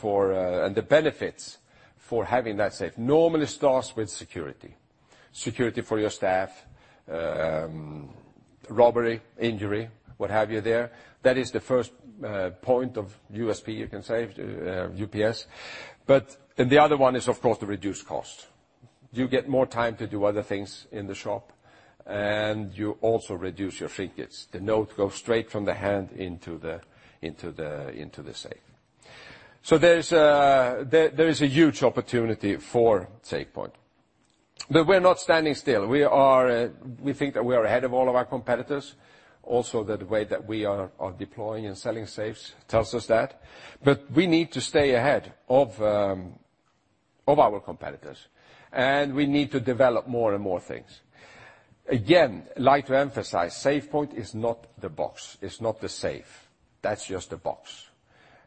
and the benefits for having that safe. Normally starts with security. Security for your staff, robbery, injury, what have you there. That is the first point of USP, you can say, USP. The other one is, of course, the reduced cost. You get more time to do other things in the shop, and you also reduce your shrinkage. The note goes straight from the hand into the safe. There is a huge opportunity for SafePoint. We're not standing still. We think that we are ahead of all of our competitors. Also, the way that we are deploying and selling safes tells us that. We need to stay ahead of our competitors, and we need to develop more and more things. Again, like to emphasize, SafePoint is not the box. It's not the safe. That's just a box.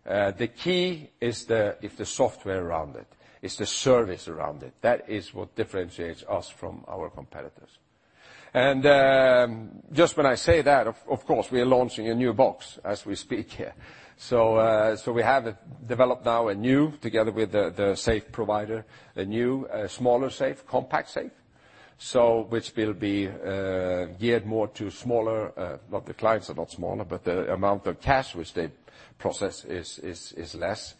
The key is the software around it. It's the service around it. That is what differentiates us from our competitors. Just when I say that, of course, we are launching a new box as we speak here. We have developed now a new, together with the safe provider, a new smaller safe, compact safe. Which will be geared more to smaller, well, the clients are not smaller, but the amount of cash which they process is less.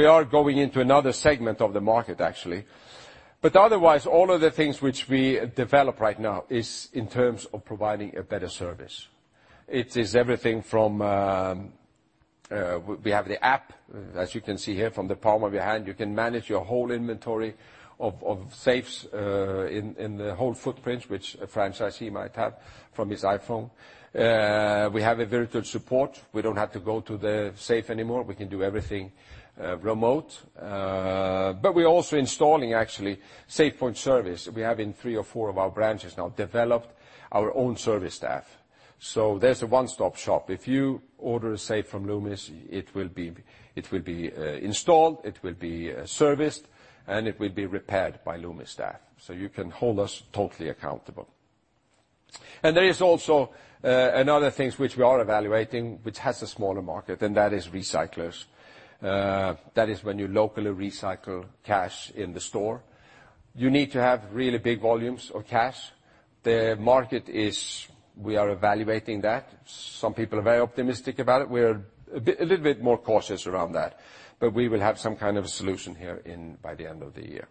We are going into another segment of the market, actually. Otherwise, all of the things which we develop right now is in terms of providing a better service. It is everything from we have the app, as you can see here, from the palm of your hand. You can manage your whole inventory of safes in the whole footprint, which a franchisee might have from his iPhone. We have a very good support. We don't have to go to the safe anymore. We can do everything remote. We're also installing, actually, SafePoint service. We have in three or four of our branches now developed our own service staff. There's a one-stop shop. If you order a safe from Loomis, it will be installed, it will be serviced, and it will be repaired by Loomis staff. You can hold us totally accountable. There is also another things which we are evaluating, which has a smaller market, and that is recyclers. That is when you locally recycle cash in the store. You need to have really big volumes of cash. The market is, we are evaluating that. Some people are very optimistic about it. We're a little bit more cautious around that. We will have some kind of a solution here by the end of the year.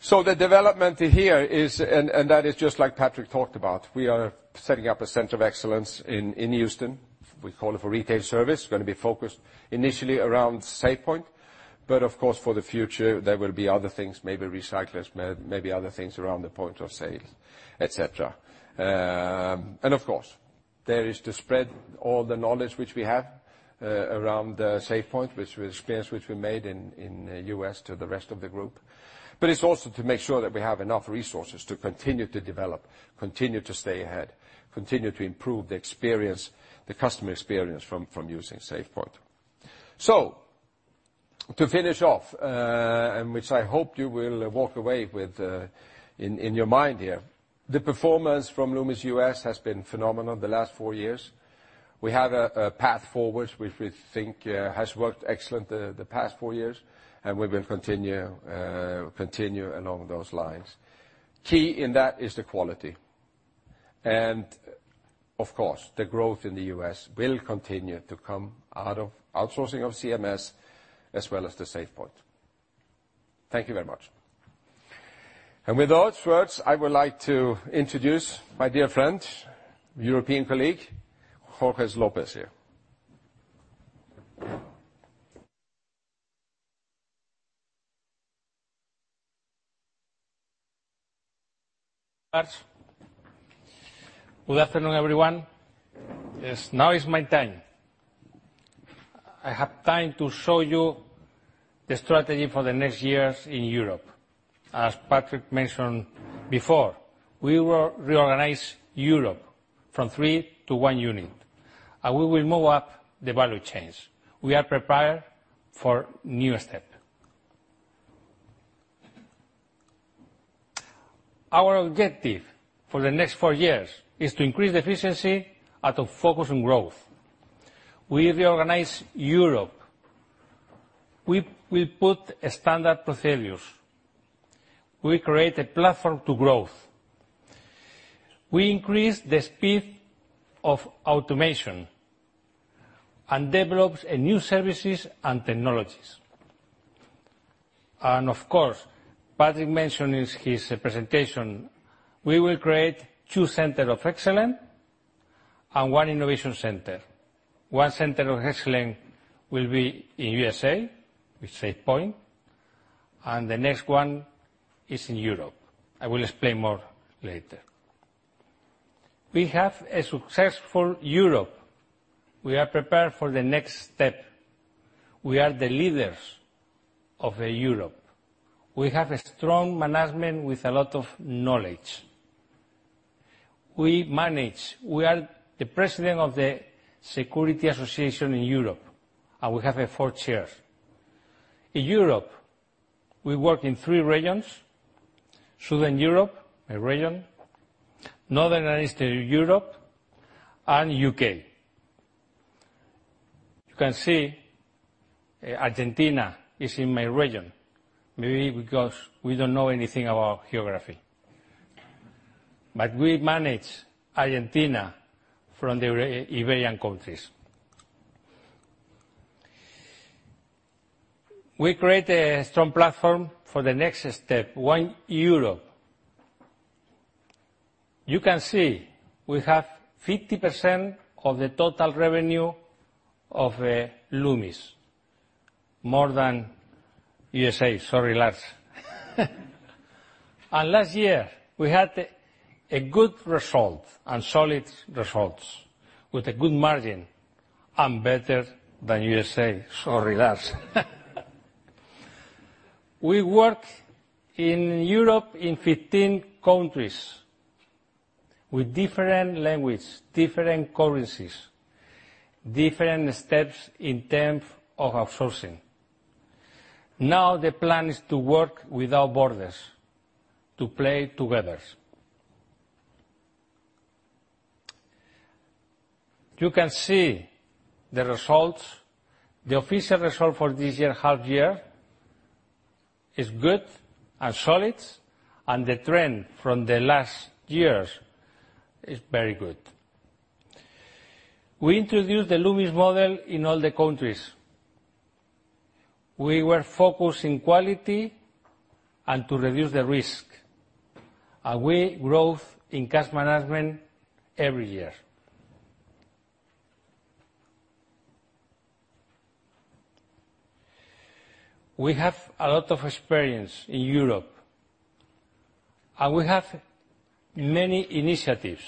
The development here is, and that is just like Patrik talked about, we are setting up a center of excellence in Houston. We call it for retail service. It's going to be focused initially around SafePoint, but of course, for the future, there will be other things, maybe recyclers, maybe other things around the point of sale, et cetera. Of course, there is to spread all the knowledge which we have around SafePoint, which experience which we made in U.S. to the rest of the group. It's also to make sure that we have enough resources to continue to develop, continue to stay ahead, continue to improve the customer experience from using SafePoint. To finish off, and which I hope you will walk away with in your mind here, the performance from Loomis U.S. has been phenomenal the last four years. We have a path forward, which we think has worked excellent the past four years, and we will continue along those lines. Key in that is the quality. Of course, the growth in the U.S. will continue to come out of outsourcing of CMS as well as the SafePoint. Thank you very much. With those words, I would like to introduce my dear friend, European colleague, Georges Lopez here. Lars. Good afternoon, everyone. Yes, now is my time. I have time to show you the strategy for the next years in Europe. As Patrik mentioned before, we will reorganize Europe from three to one unit, and we will move up the value chains. We are prepared for new step. Our objective for the next four years is to increase efficiency and to focus on growth. We reorganize Europe. We put standard procedures. We create a platform to growth. We increase the speed of automation and develops a new services and technologies. Of course, Patrik mentioned in his presentation, we will create two center of excellence and one innovation center. One center of excellence will be in USA with SafePoint, and the next one is in Europe. I will explain more later. We have a successful Europe. We are prepared for the next step. We are the leaders of Europe. We have a strong management with a lot of knowledge. We manage. We are the president of the European Security Transport Association in Europe. We have four chairs. In Europe, we work in three regions: Southern Europe, my region, Northern and Eastern Europe, and the U.K. You can see Argentina is in my region, maybe because we don't know anything about geography. We manage Argentina from the Iberian countries. We create a strong platform for the next step. One Europe. You can see we have 50% of the total revenue of Loomis, more than USA. Sorry, Lars. Last year, we had good results and solid results with a good margin, better than USA. Sorry, Lars. We work in Europe in 15 countries with different languages, different currencies, different steps in terms of outsourcing. The plan is to work without borders, to play together. You can see the results. The official result for this year, half year, is good and solid. The trend from the last years is very good. We introduced the Loomis model in all the countries. We were focused on quality and to reduce the risk. We grew in cash management every year. We have a lot of experience in Europe. We have many initiatives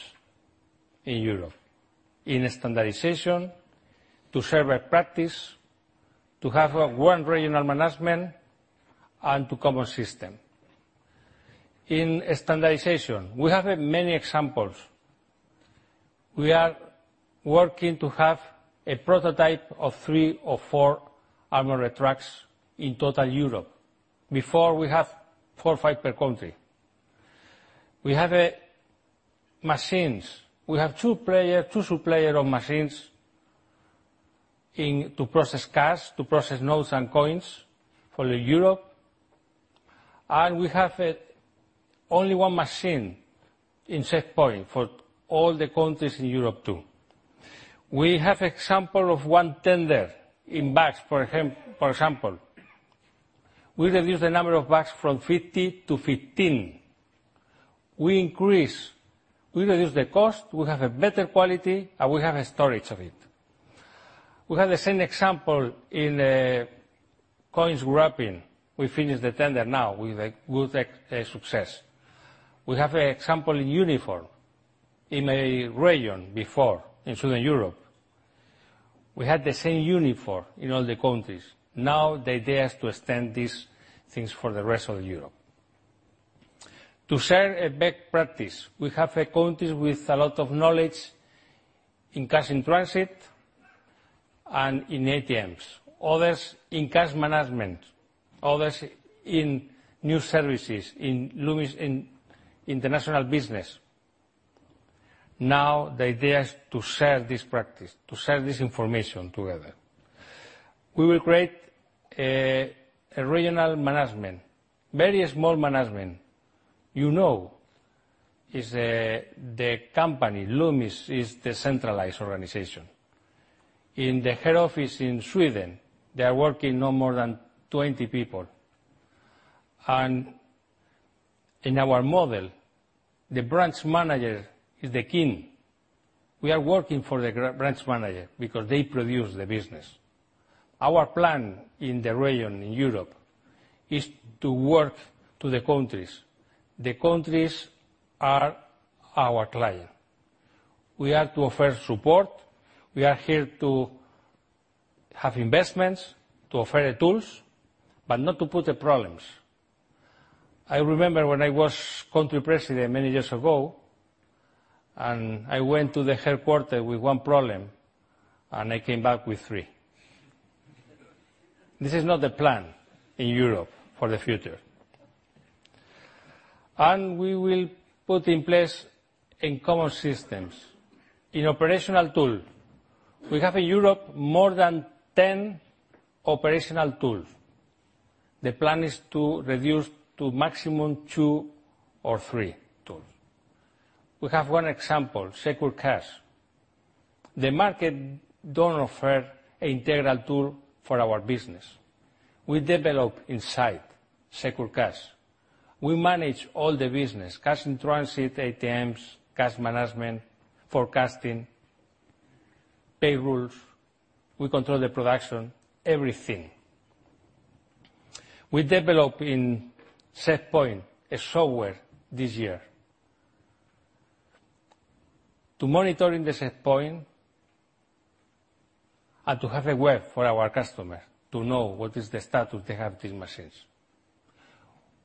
in Europe in standardization to serve a practice, to have one regional management and common systems. In standardization, we have many examples. We are working to have a prototype of three or four armored trucks in total Europe. Before we had four or five per country. We have machines. We have two suppliers of machines to process cash, to process notes and coins for Europe. We have only one machine in SafePoint for all the countries in Europe too. We have an example of one tender in bags, for example. We reduce the number of bags from 50 to 15. We reduce the cost, we have better quality, and we have storage of it. We have the same example in coins wrapping. We finished the tender now with a success. We have an example in uniform in a region before in Southern Europe. We had the same uniform in all the countries. The idea is to extend these things for the rest of Europe. To share best practices. We have countries with a lot of knowledge in cash-in-transit and in ATMs. Others in cash management, others in new services, in Loomis International business. The idea is to share this practice, to share this information together. We will create a regional management, very small management. You know, the company, Loomis, is a decentralized organization. In the headquarters in Sweden, they are working no more than 20 people. In our model, the branch manager is the king. We are working for the branch manager because they produce the business. Our plan in the region, in Europe, is to work with the countries. The countries are our clients. We are here to offer support. We are here to have investments, to offer tools, not to put problems. I remember when I was country president many years ago. I went to the headquarters with one problem and I came back with three. This is not the plan in Europe for the future. We will put in place common systems. In operational tools, we have in Europe more than 10 operational tools. The plan is to reduce to maximum two or three tools. We have one example, secure cash. The market don't offer integral tool for our business. We develop inside secure cash. We manage all the business, cash-in-transit, ATMs, cash management, forecasting, payrolls. We control the production, everything. We develop in SafePoint a software this year. To monitor in the SafePoint and to have a web for our customer to know what is the status they have these machines.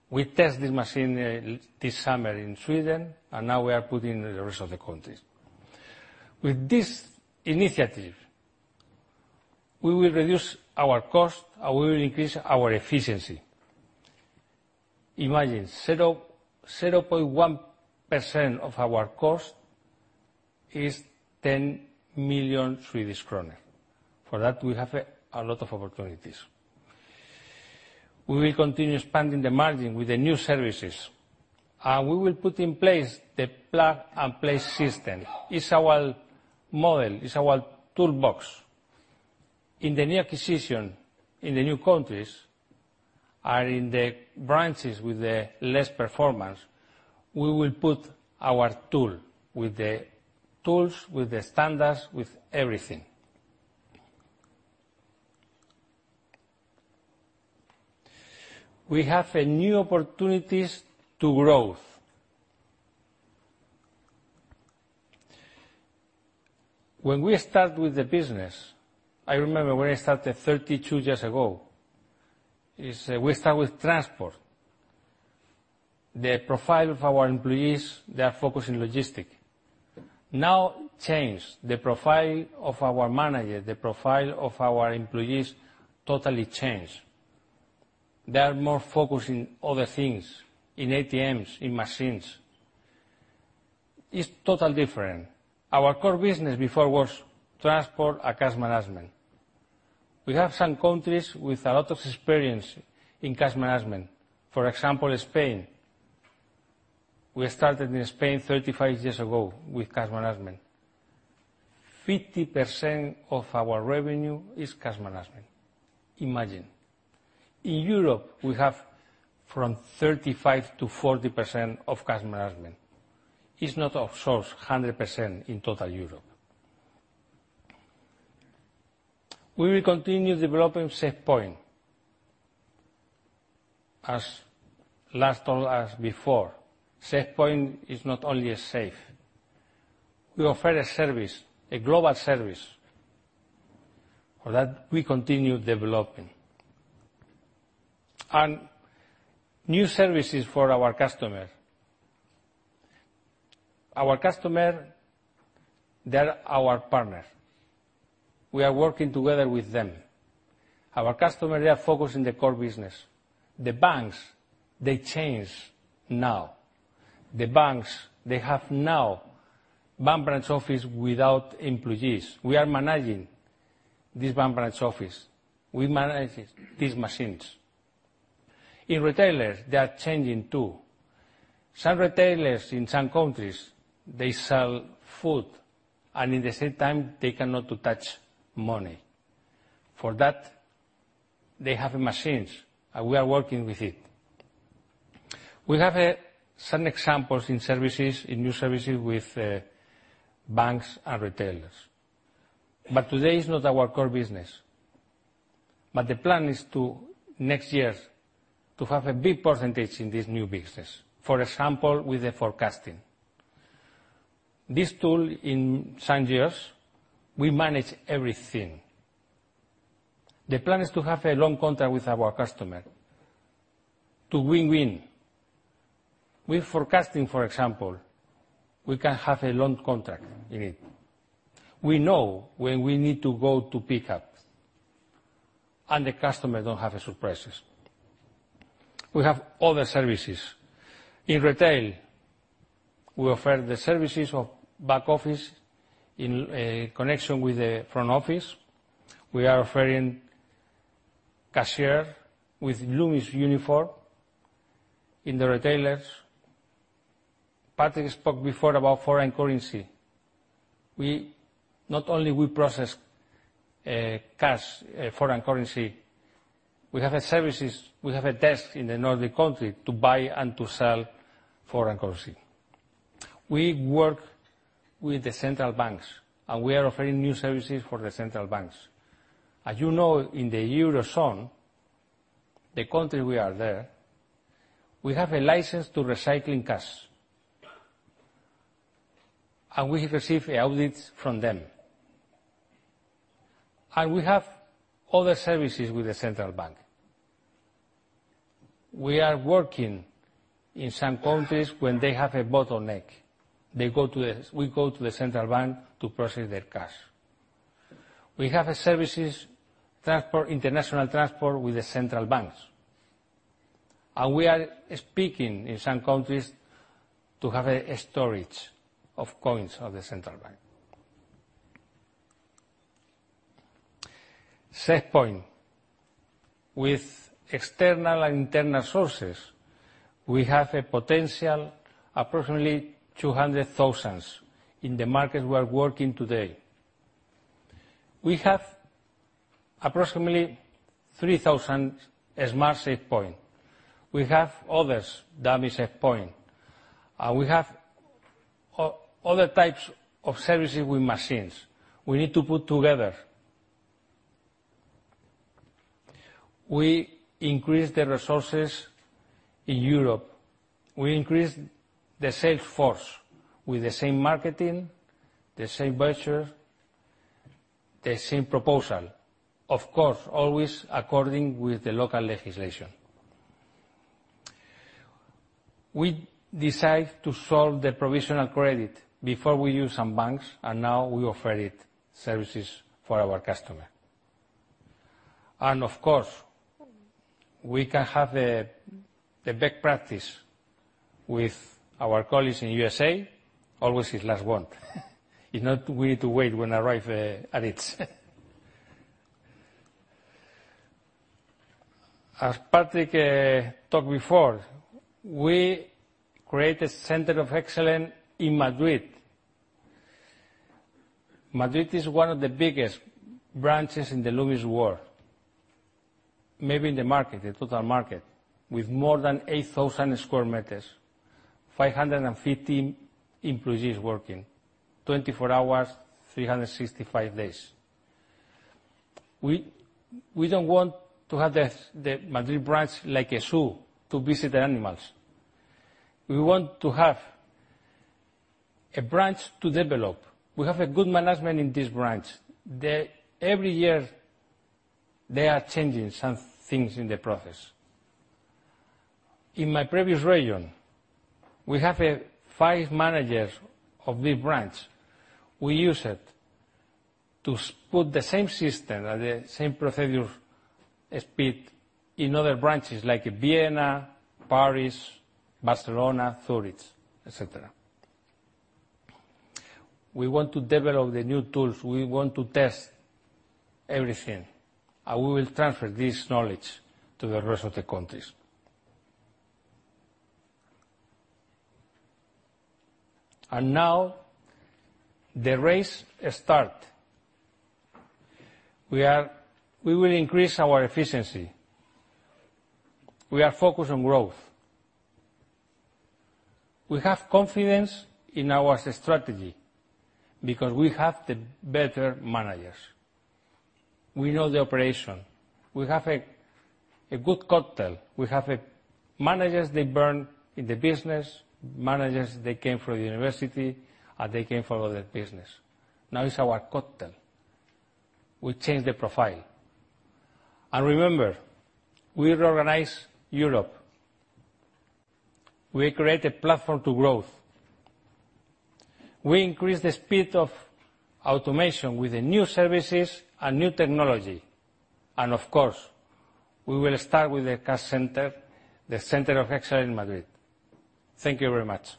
We test this machine this summer in Sweden, now we are putting in the rest of the countries. With this initiative, we will reduce our cost and we will increase our efficiency. Imagine 0.1% of our cost is 10 million Swedish kronor. For that, we have a lot of opportunities. We will continue expanding the margin with the new services, and we will put in place the plug-and-play system. It's our model, it's our toolbox. In the new acquisition, in the new countries and in the branches with the less performance, we will put our tool with the tools, with the standards, with everything. We have a new opportunities to growth. When we start with the business, I remember when I started 32 years ago, we start with transport. The profile of our employees, they are focused in logistic. Now change. The profile of our manager, the profile of our employees totally change. They are more focused in other things, in ATMs, in machines. It's total different. Our core business before was transport and cash management. We have some countries with a lot of experience in cash management. For example, Spain. We started in Spain 35 years ago with cash management. 50% of our revenue is cash management. Imagine. In Europe, we have from 35%-40% of cash management. It's not outsourced 100% in total Europe. We will continue developing SafePoint as last or as before. SafePoint is not only a safe. We offer a service, a global service. For that, we continue developing. New services for our customer. Our customer, they are our partner. We are working together with them. Our customer, they are focused in the core business. The banks, they change now. The banks, they have now bank branch office without employees. We are managing this bank branch office. We manage these machines. In retailers, they are changing too. Some retailers in some countries, they sell food, and at the same time, they cannot touch money. For that, they have machines, and we are working with it. We have some examples in services, in new services with banks and retailers. Today is not our core business. The plan is to, next year, to have a big percentage in this new business. For example, with the forecasting. This tool in some years, we manage everything. The plan is to have a long contract with our customer. To win-win. With forecasting, for example, we can have a long contract in it. We know when we need to go to pick up, and the customer don't have surprises. We have other services. In retail, we offer the services of back office in connection with the front office. We are offering cashier with Loomis uniform in the retailers. Patrik spoke before about foreign currency. Not only we process cash, foreign currency, we have a services, we have a desk in the Nordic country to buy and to sell foreign currency. We work with the central banks. We are offering new services for the central banks. As you know, in the Eurozone, the country we are there, we have a license to recycling cash. We receive audits from them. We have other services with the central bank. We are working in some countries when they have a bottleneck. We go to the central bank to process their cash. We have a services transport, international transport with the central banks. We are speaking in some countries to have a storage of coins of the central bank. SafePoint. With external and internal sources, we have a potential approximately 200,000 in the market we are working today. We have approximately 3,000 Smart SafePoint. We have others, dummy SafePoint. We have other types of services with machines we need to put together. We increase the resources in Europe. We increase the sales force with the same marketing, the same brochure, the same proposal. Of course, always according with the local legislation. We decide to solve the provisional credit. Before, we use some banks. Now we offer it services for our customer. Of course, we can have the best practice with our colleagues in USA. Always his last one. If not, we need to wait when arrive at it. As Patrik talked before, we create a center of excellence in Madrid. Madrid is one of the biggest branches in the Loomis world. Maybe in the market, the total market, with more than 8,000 sq m, 550 employees working 24 hours, 365 days. We don't want to have the Madrid branch like a zoo to visit animals. We want to have a branch to develop. We have a good management in this branch. Every year, they are changing some things in the process. In my previous region, we have five managers of this branch. We use it to put the same system and the same procedure speed in other branches, like Vienna, Paris, Barcelona, Zurich, et cetera. We want to develop the new tools. We want to test everything. We will transfer this knowledge to the rest of the countries. Now the race start. We will increase our efficiency. We are focused on growth. We have confidence in our strategy because we have the better managers. We know the operation. We have a good cocktail. We have managers, they are born in the business, managers, they came from university. They came from other business. Now it's our cocktail. We change the profile. Remember, we organize Europe. We create a platform to growth. We increase the speed of automation with the new services and new technology. Of course, we will start with the cash center, the center of excellence in Madrid. Thank you very much.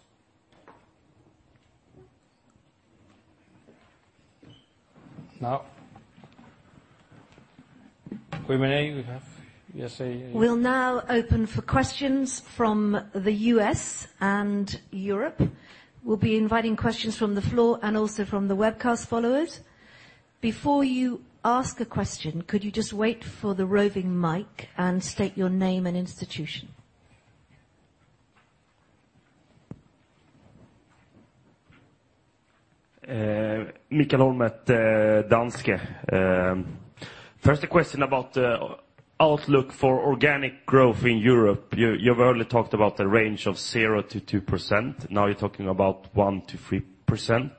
Now. Q&A we have. Yes. We'll now open for questions from the U.S. and Europe. We'll be inviting questions from the floor and also from the webcast followers. Before you ask a question, could you just wait for the roving mic and state your name and institution? Michael Holm, Danske Bank. First question about the outlook for organic growth in Europe. You've only talked about the range of 0%-2%. Now you're talking about 1%-3%.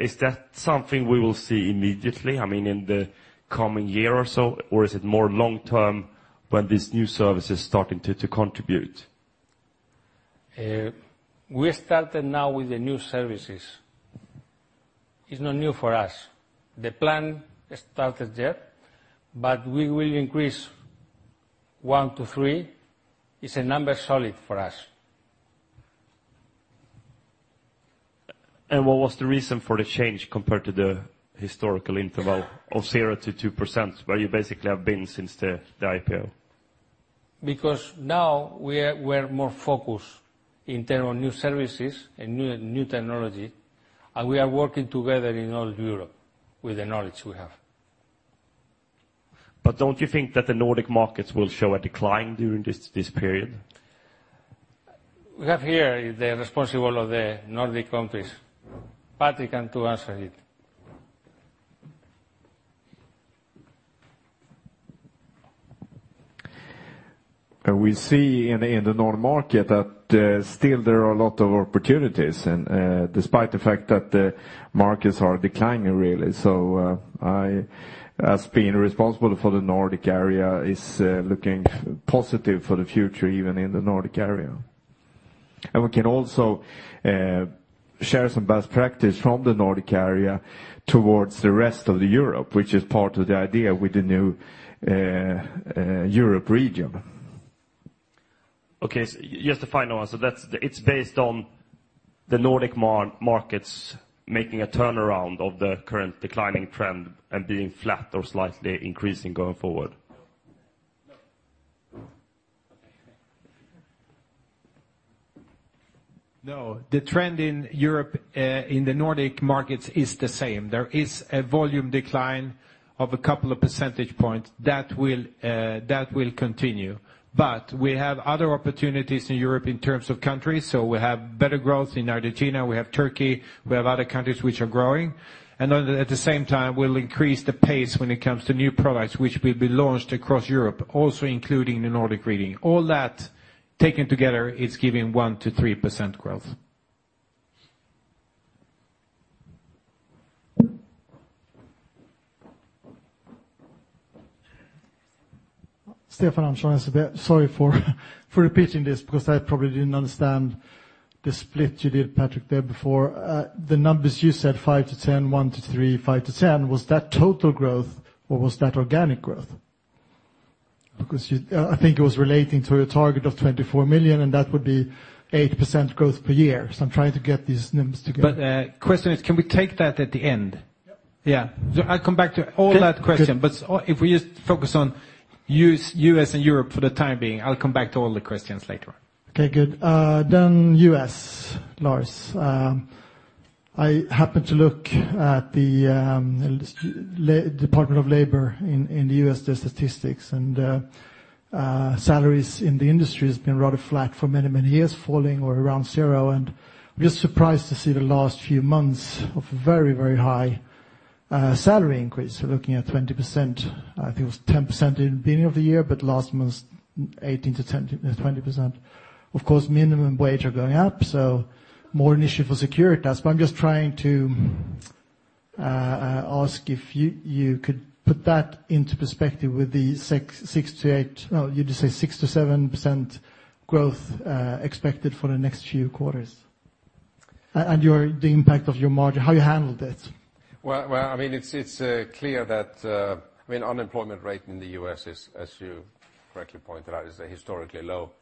Is that something we will see immediately in the coming year or so? Or is it more long-term when this new service is starting to contribute? We started now with the new services. It's not new for us. The plan started there, we will increase 1%-3%. It's a number solid for us. What was the reason for the change compared to the historical interval of 0%-2%, where you basically have been since the IPO? Now we're more focused in terms of new services and new technology, and we are working together in all of Europe with the knowledge we have. Don't you think that the Nordic markets will show a decline during this period? We have here the responsible of the Nordic countries. Patrik can to answer it. We see in the Nordic market that still there are a lot of opportunities and, despite the fact that the markets are declining, really. I, as being responsible for the Nordic area, is looking positive for the future, even in the Nordic area. We can also share some best practice from the Nordic area towards the rest of Europe, which is part of the idea with the new Europe region. Okay. Just the final answer. It is based on the Nordic markets making a turnaround of the current declining trend and being flat or slightly increasing going forward. No. The trend in Europe, in the Nordic markets is the same. There is a volume decline of a couple of percentage points. That will continue. We have other opportunities in Europe in terms of countries. We have better growth in Argentina. We have Turkey. We have other countries which are growing. At the same time, we'll increase the pace when it comes to new products, which will be launched across Europe, also including the Nordic region. All that taken together, it is giving 1%-3% growth. Stefan Hantson. Sorry for repeating this because I probably didn't understand the split you did, Patrik, there before. The numbers you said, 5%-10%, 1%-3%, 5%-10%. Was that total growth or was that organic growth? I think it was relating to a target of 24 million, and that would be 8% growth per year. I'm trying to get these numbers together. Question is, can we take that at the end? Yep. Yeah. I'll come back to all that question. Okay, good. If we just focus on U.S. and Europe for the time being, I'll come back to all the questions later. Okay, good. U.S., Lars. I happened to look at the U.S. Department of Labor in the U.S., their statistics, and salaries in the industry has been rather flat for many, many years, falling or around zero. I'm just surprised to see the last few months of very high salary increase. We're looking at 20%. I think it was 10% in the beginning of the year, but last month, 18%-20%. Of course, minimum wage are going up, so more an issue for Securitas. I'm just trying to ask if you could put that into perspective with the 6%-7% growth expected for the next few quarters. The impact of your margin, how you handled it. Well, it's clear that unemployment rate in the U.S. is, as you correctly pointed out, is historically low.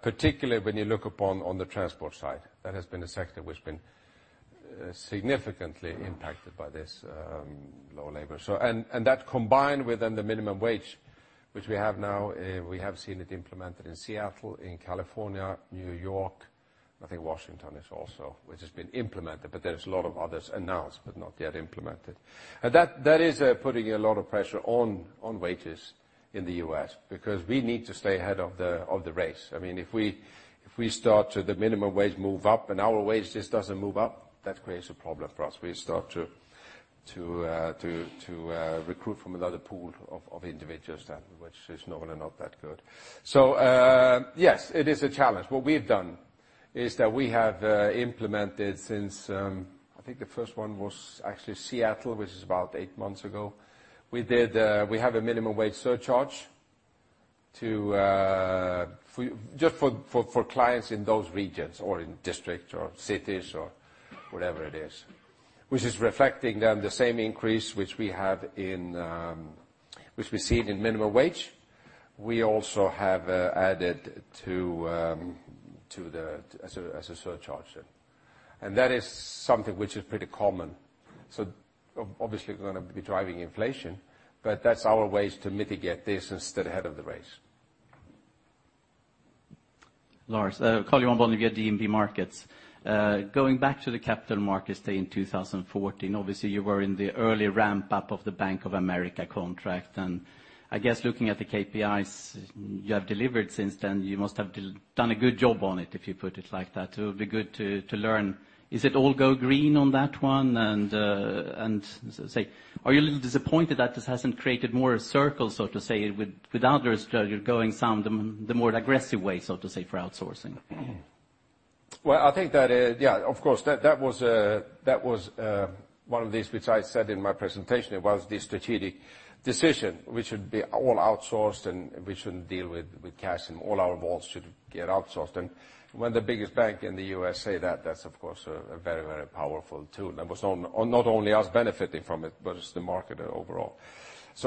Particularly when you look upon on the transport side, that has been a sector which been significantly impacted by this low labor. That combined with the minimum wage, which we have now, we have seen it implemented in Seattle, in California, New York. I think Washington is also, which has been implemented. There's a lot of others announced, but not yet implemented. That is putting a lot of pressure on wages in the U.S. because we need to stay ahead of the race. If the minimum wage move up and our wage just doesn't move up, that creates a problem for us. We start to recruit from another pool of individuals then, which is normally not that good. Yes, it is a challenge. What we've done is that we have implemented since, I think the first one was actually Seattle, which is about eight months ago. We have a minimum wage surcharge just for clients in those regions or in districts or cities or whatever it is, which is reflecting then the same increase which we see it in minimum wage. We also have added as a surcharge. That is something which is pretty common. Obviously, we're going to be driving inflation, but that's our ways to mitigate this and stay ahead of the race. Lars, Karl-Johan Bonnevier, DNB Markets. Going back to the Capital Markets Day in 2014, obviously, you were in the early ramp-up of the Bank of America contract. I guess looking at the KPIs you have delivered since then, you must have done a good job on it, if you put it like that. It'll be good to learn. Is it all Go Green on that one? Are you a little disappointed that this hasn't created more circles, so to say, with others going some of the more aggressive ways, so to say, for outsourcing? I think that, of course, that was one of these, which I said in my presentation. It was the strategic decision. We should be all outsourced, we shouldn't deal with cash, all our vaults should get outsourced. When the biggest bank in the U.S. say that's of course a very powerful tool. Not only us benefiting from it, but it's the market overall.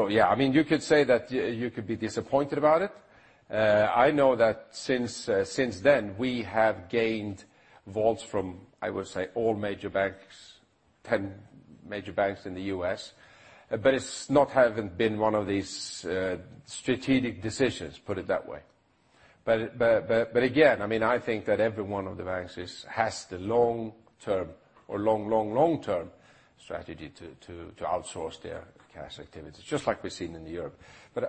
Yeah, you could say that you could be disappointed about it. I know that since then, we have gained vaults from, I would say, all major banks, 10 major banks in the U.S. It's not haven't been one of these strategic decisions, put it that way. Again, I think that every one of the banks has the long term or long term strategy to outsource their cash activities, just like we've seen in Europe.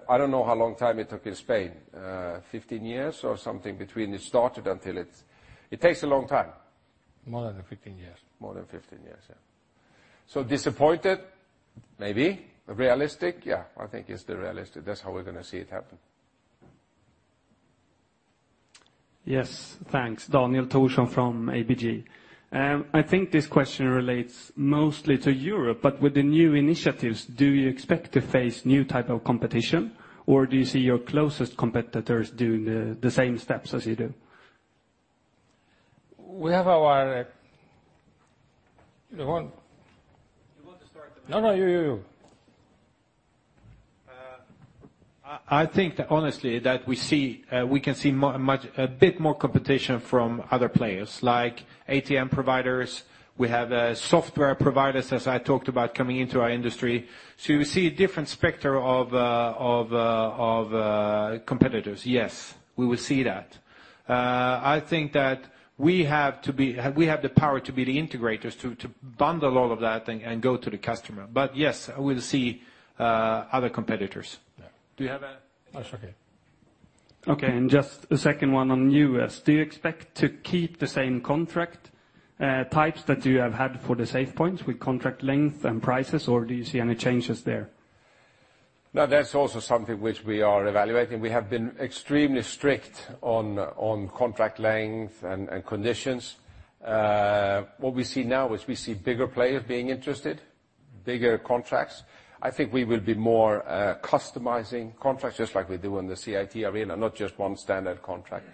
I don't know how long time it took in Spain. 15 years or something between it started until it takes a long time. More than 15 years. More than 15 years, yeah. Disappointed? Maybe. Realistic? Yeah. I think it's the realistic. That's how we're going to see it happen. Yes. Thanks. Daniel Thorsson from ABG. I think this question relates mostly to Europe. With the new initiatives, do you expect to face new type of competition? Do you see your closest competitors doing the same steps as you do? We have Johan? You want to start? No, you. I think that honestly, that we can see a bit more competition from other players, like ATM providers. We have software providers, as I talked about, coming into our industry. You see a different specter of competitors. Yes, we will see that. I think that we have the power to be the integrators to bundle all of that and go to the customer. Yes, we'll see other competitors there. Do you have? Oh, sorry. Okay, just a second one on U.S. Do you expect to keep the same contract types that you have had for the SafePoint with contract length and prices or do you see any changes there? That's also something which we are evaluating. We have been extremely strict on contract length and conditions. What we see now is we see bigger players being interested, bigger contracts. I think we will be more customizing contracts just like we do in the CIT arena, not just one standard contract.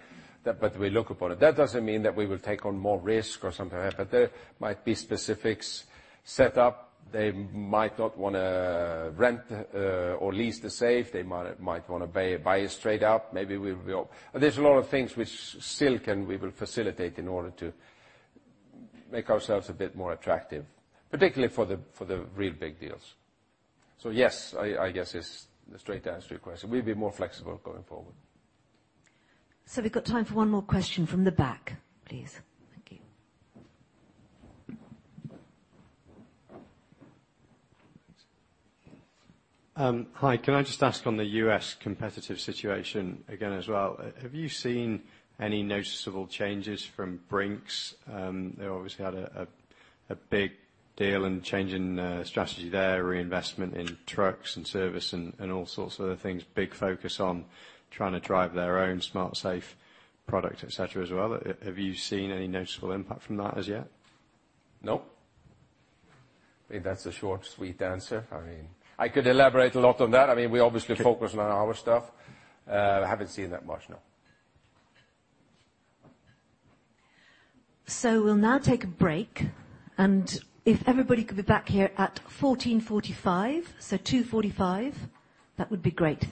We look upon it. That doesn't mean that we will take on more risk or something like that, but there might be specifics set up. They might not want to rent or lease the safe. They might want to buy it straight out. There's a lot of things which still we will facilitate in order to make ourselves a bit more attractive, particularly for the real big deals. Yes, I guess is the straight answer to your question. We'll be more flexible going forward. We've got time for one more question from the back, please. Thank you. Hi, can I just ask on the U.S. competitive situation again as well. Have you seen any noticeable changes from Brink's? They obviously had a big deal and change in strategy there, reinvestment in trucks and service and all sorts of other things, big focus on trying to drive their own SmartSafe product, et cetera, as well. Have you seen any noticeable impact from that as yet? No. I think that's a short, sweet answer. I could elaborate a lot on that. We obviously focus on our stuff. I haven't seen that much, no. We'll now take a break, and if everybody could be back here at 14:45, 2:45, that would be great.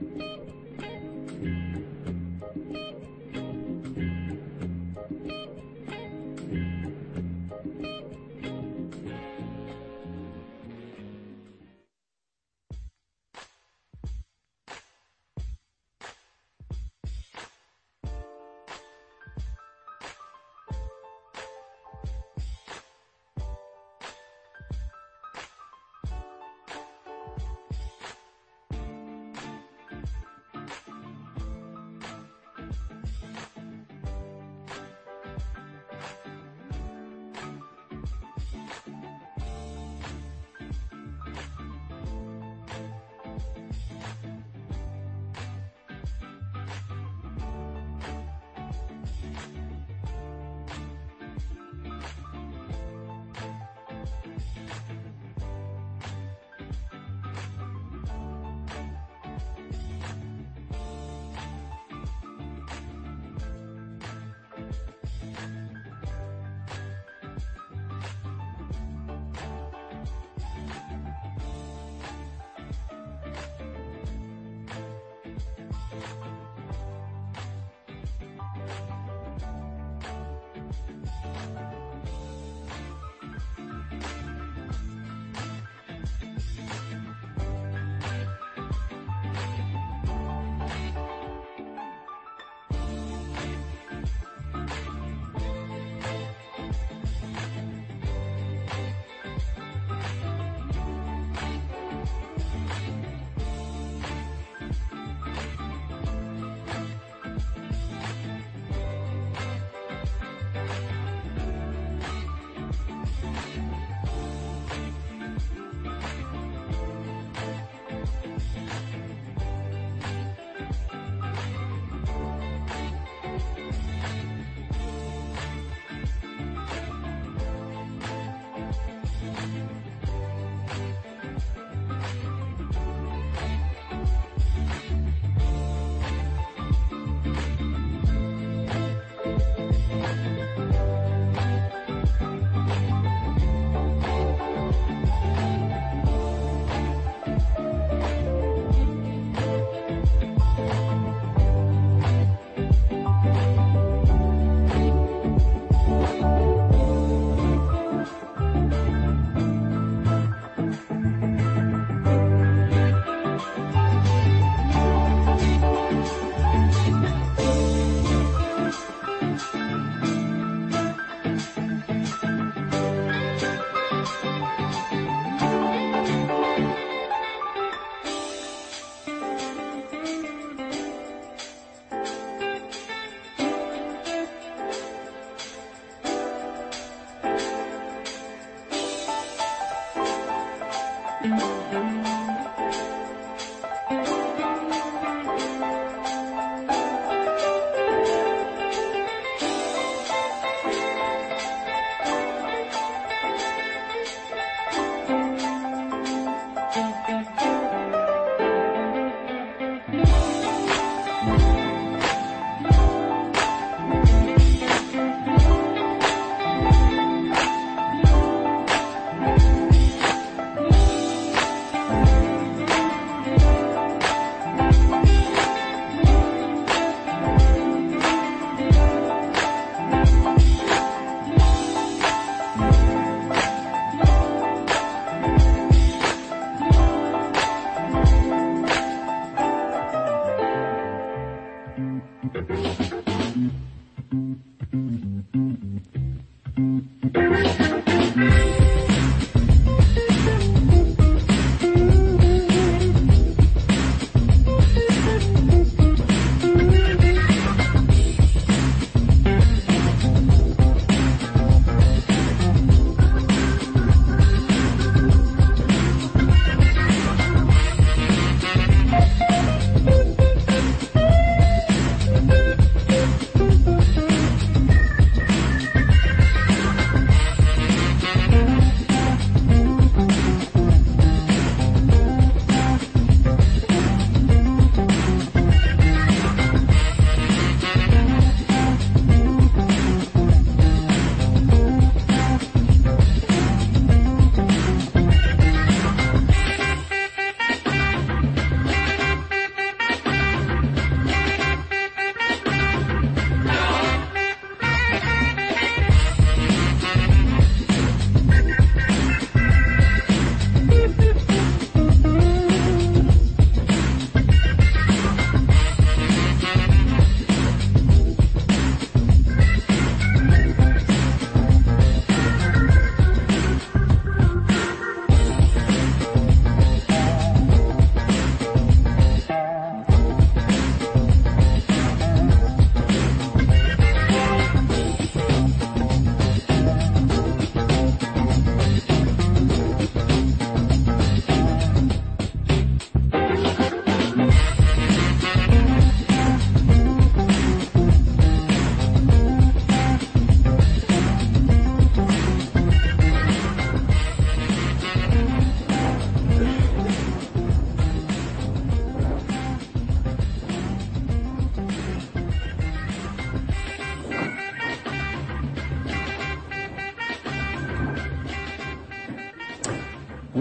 Thank you.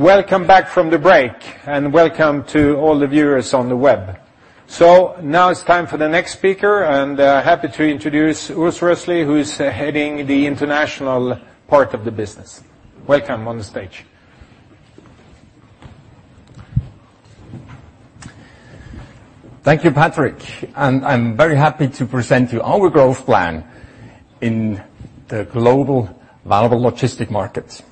Welcome back from the break, and welcome to all the viewers on the web. Now it's time for the next speaker, and happy to introduce Urs Röösli, who's heading the international part of the business. Welcome on the stage. Thank you, Patrik, and I'm very happy to present you our growth plan in the global valuable logistic markets.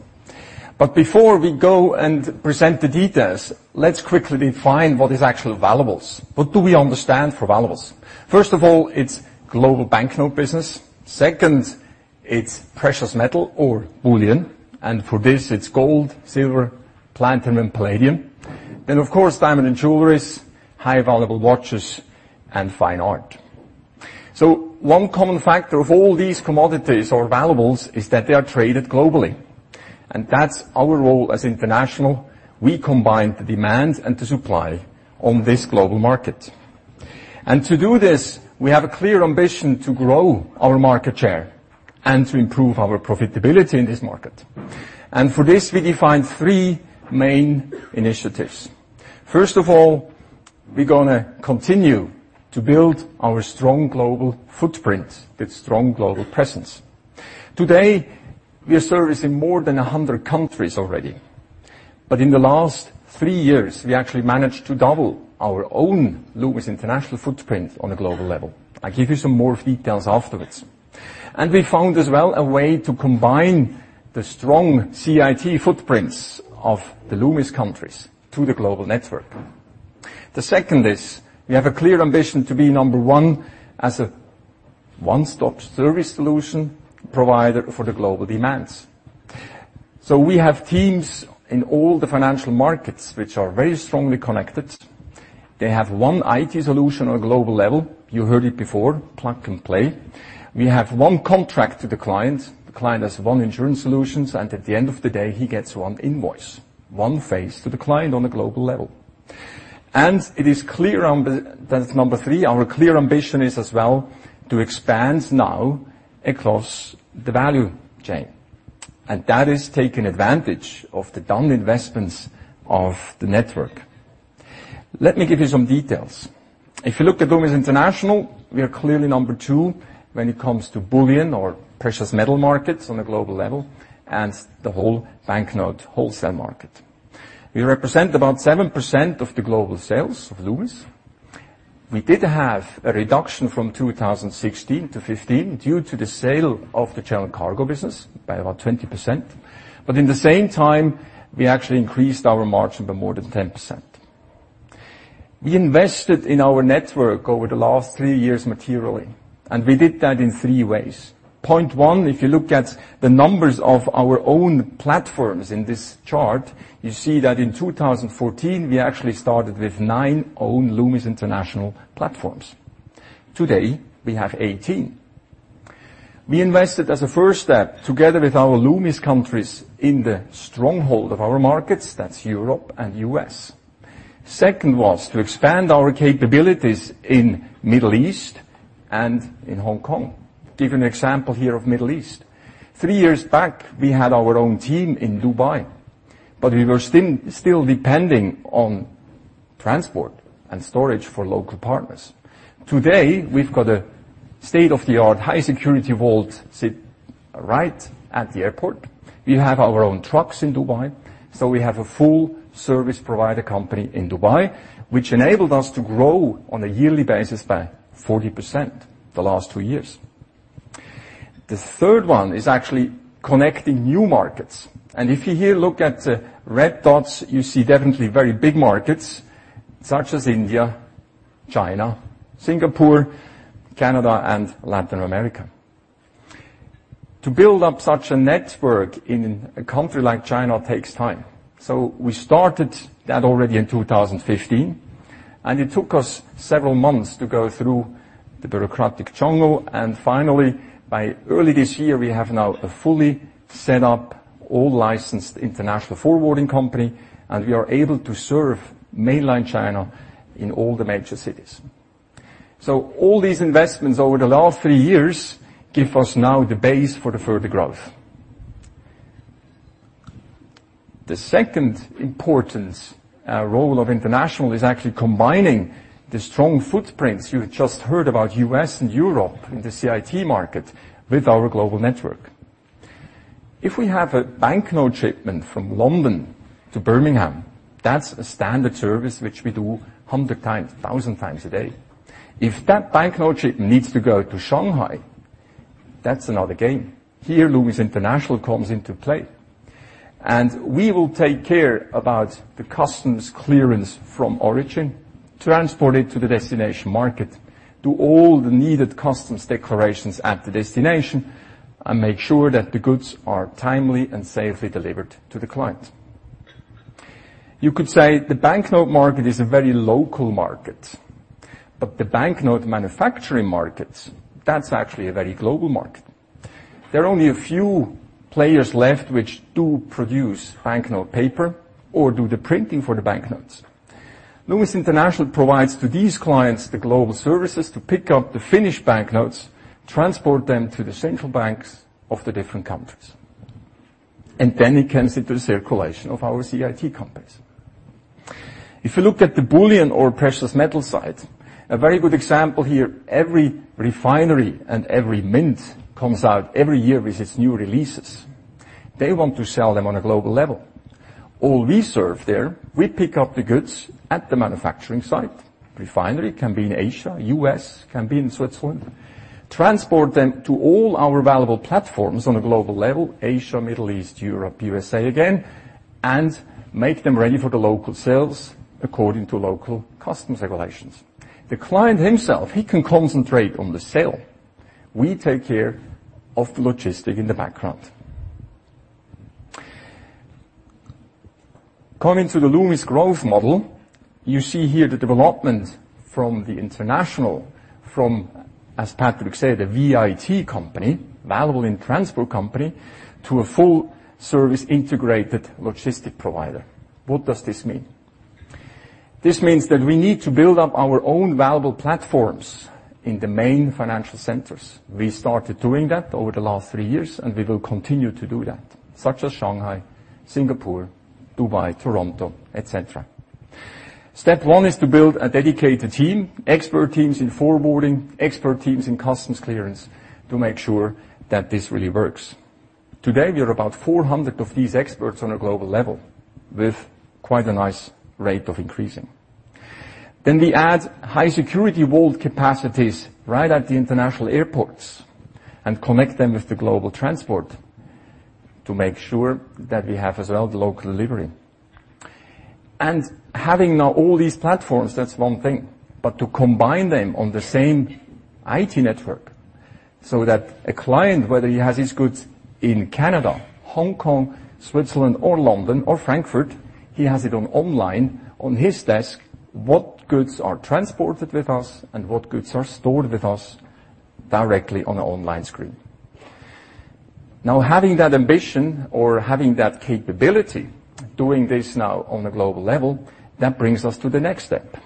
Before we go and present the details, let's quickly define what is actually valuables. What do we understand for valuables? First of all, it's global banknote business. Second, it's precious metal or bullion, and for this, it's gold, silver, platinum, and palladium. Of course, diamond and jewelries, high valuable watches, and fine art. One common factor of all these commodities or valuables is that they are traded globally, and that's our role as international. We combine the demand and the supply on this global market. To do this, we have a clear ambition to grow our market share and to improve our profitability in this market. For this, we defined three main initiatives. First of all, we're going to continue to build our strong global footprint with strong global presence. Today, we are servicing more than 100 countries already. In the last three years, we actually managed to double our own Loomis International footprint on a global level. I'll give you some more details afterwards. We found as well a way to combine the strong CIT footprints of the Loomis countries to the global network. The second is we have a clear ambition to be number 1 as a one-stop service solution provider for the global demands. We have teams in all the financial markets which are very strongly connected. They have one IT solution on a global level. You heard it before, plug-and-play. We have one contract to the client. The client has one insurance solutions, and at the end of the day, he gets one invoice. One face to the client on a global level. That's number 3. Our clear ambition is as well to expand now across the value chain. That is taking advantage of the done investments of the network. Let me give you some details. If you look at Loomis International, we are clearly number 2 when it comes to bullion or precious metal markets on a global level, and the whole banknote wholesale market. We represent about 7% of the global sales of Loomis. We did have a reduction from 2016 to 2015 due to the sale of the Challen Cargo business by about 20%. In the same time, we actually increased our margin by more than 10%. We invested in our network over the last three years materially, and we did that in three ways. Point 1, if you look at the numbers of our own platforms in this chart, you see that in 2014, we actually started with nine own Loomis International platforms. Today, we have 18. We invested as a first step, together with our Loomis countries in the stronghold of our markets, that's Europe and U.S. Second was to expand our capabilities in Middle East and in Hong Kong. Give you an example here of Middle East. Three years back, we had our own team in Dubai, but we were still depending on transport and storage for local partners. Today, we've got a state-of-the-art high security vault site right at the airport. We have our own trucks in Dubai, so we have a full service provider company in Dubai, which enabled us to grow on a yearly basis by 40% the last two years. The 3rd one is actually connecting new markets. If you here look at red dots, you see definitely very big markets such as India, China, Singapore, Canada, and Latin America. To build up such a network in a country like China takes time. We started that already in 2015, it took us several months to go through the bureaucratic jungle, finally, by early this year, we have now a fully set up all licensed international forwarding company, we are able to serve mainland China in all the major cities. All these investments over the last three years give us now the base for the further growth. The 2nd important role of international is actually combining the strong footprints you just heard about U.S. and Europe in the CIT market with our global network. If we have a banknote shipment from London to Birmingham, that's a standard service which we do 100 times, 1,000 times a day. If that banknote shipment needs to go to Shanghai, that's another game. Loomis International comes into play. We will take care about the customs clearance from origin, transport it to the destination market, do all the needed customs declarations at the destination, and make sure that the goods are timely and safely delivered to the client. You could say the banknote market is a very local market, but the banknote manufacturing markets, that's actually a very global market. There are only a few players left which do produce banknote paper or do the printing for the banknotes. Loomis International provides to these clients the global services to pick up the finished banknotes, transport them to the central banks of the different countries. Then it comes into the circulation of our CIT companies. If you look at the bullion or precious metal side, a very good example here, every refinery and every mint comes out every year with its new releases. They want to sell them on a global level. All we serve there, we pick up the goods at the manufacturing site. Refinery can be in Asia, U.S., can be in Switzerland. Transport them to all our valuable platforms on a global level, Asia, Middle East, Europe, USA again, and make them ready for the local sales according to local customs regulations. The client himself, he can concentrate on the sale. We take care of the logistic in the background. Coming to the Loomis growth model, you see here the development from the international, from, as Patrik said, a VIT company, valuable in transport company, to a full service integrated logistic provider. What does this mean? This means that we need to build up our own valuable platforms in the main financial centers. We started doing that over the last 3 years, and we will continue to do that, such as Shanghai, Singapore, Dubai, Toronto, et cetera. Step 1 is to build a dedicated team, expert teams in forwarding, expert teams in customs clearance to make sure that this really works. Today, we are about 400 of these experts on a global level with quite a nice rate of increasing. Then we add high security vault capacities right at the international airports and connect them with the global transport to make sure that we have as well the local delivery. Having now all these platforms, that's one thing. To combine them on the same IT network so that a client, whether he has his goods in Canada, Hong Kong, Switzerland or London or Frankfurt, he has it on online on his desk, what goods are transported with us and what goods are stored with us directly on online screen. Having that ambition or having that capability, doing this now on a global level, that brings us to the next step.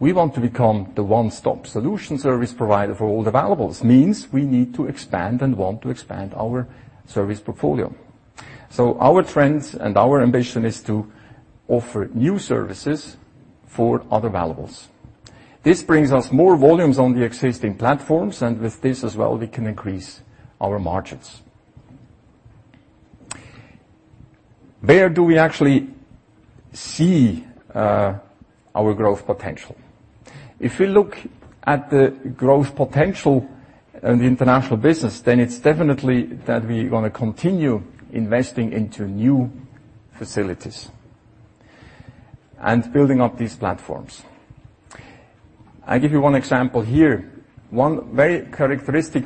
We want to become the one-stop solution service provider for all the valuables. This means we need to expand and want to expand our service portfolio. Our trends and our ambition is to offer new services for other valuables. This brings us more volumes on the existing platforms, and with this as well, we can increase our margins. Where do we actually see our growth potential? If we look at the growth potential in the international business, then it is definitely that we want to continue investing into new facilities and building up these platforms. I give you one example here. One very characteristic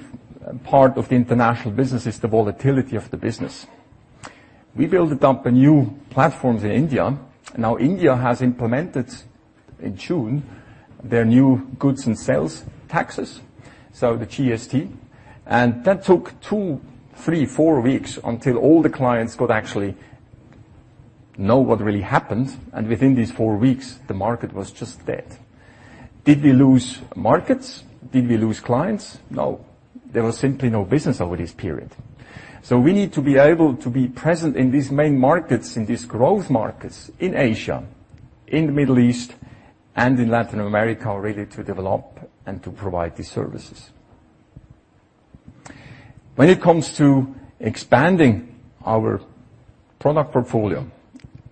part of the international business is the volatility of the business. We build up new platforms in India. India has implemented, in June, their new goods and sales taxes, so the GST. That took two, three, four weeks until all the clients could actually know what really happened. Within these four weeks, the market was just dead. Did we lose markets? Did we lose clients? No. There was simply no business over this period. We need to be able to be present in these main markets, in these growth markets in Asia, in the Middle East, and in Latin America, really to develop and to provide these services. When it comes to expanding our product portfolio,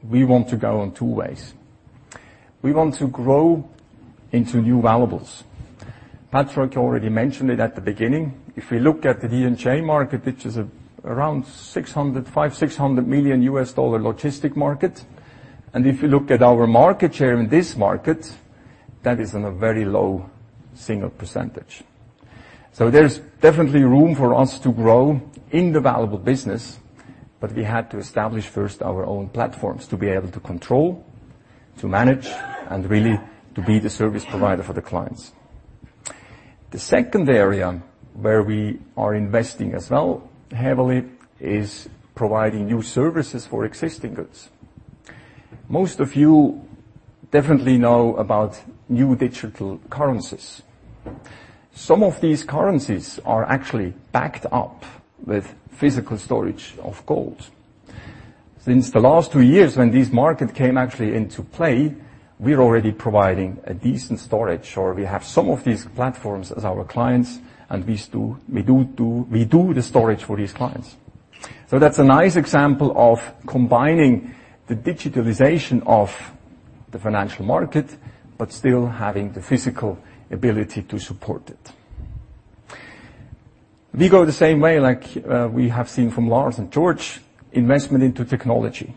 we want to go on two ways. We want to grow into new valuables. Patrik already mentioned it at the beginning. If we look at the D&J market, which is around $600 million, $500 million, $600 million US dollar logistic market, and if we look at our market share in this market, that is on a very low single percentage. There is definitely room for us to grow in the valuable business, but we had to establish first our own platforms to be able to control, to manage, and really to be the service provider for the clients. The second area where we are investing as well heavily is providing new services for existing goods. Most of you definitely know about new digital currencies. Some of these currencies are actually backed up with physical storage of gold. Since the last two years, when this market came actually into play, we are already providing a decent storage, or we have some of these platforms as our clients, and we do the storage for these clients. That is a nice example of combining the digitalization of the financial market, but still having the physical ability to support it. We go the same way like we have seen from Lars and Georges, investment into technology.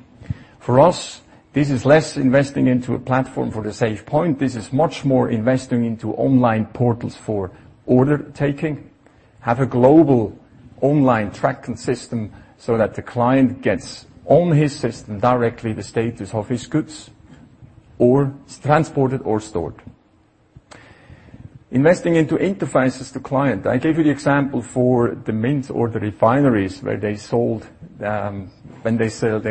For us, this is less investing into a platform for the SafePoint. This is much more investing into online portals for order taking, have a global online tracking system so that the client gets on his system directly the status of his goods, or it is transported or stored. Investing into interfaces to client. I gave you the example for the mint or the refineries when they sell their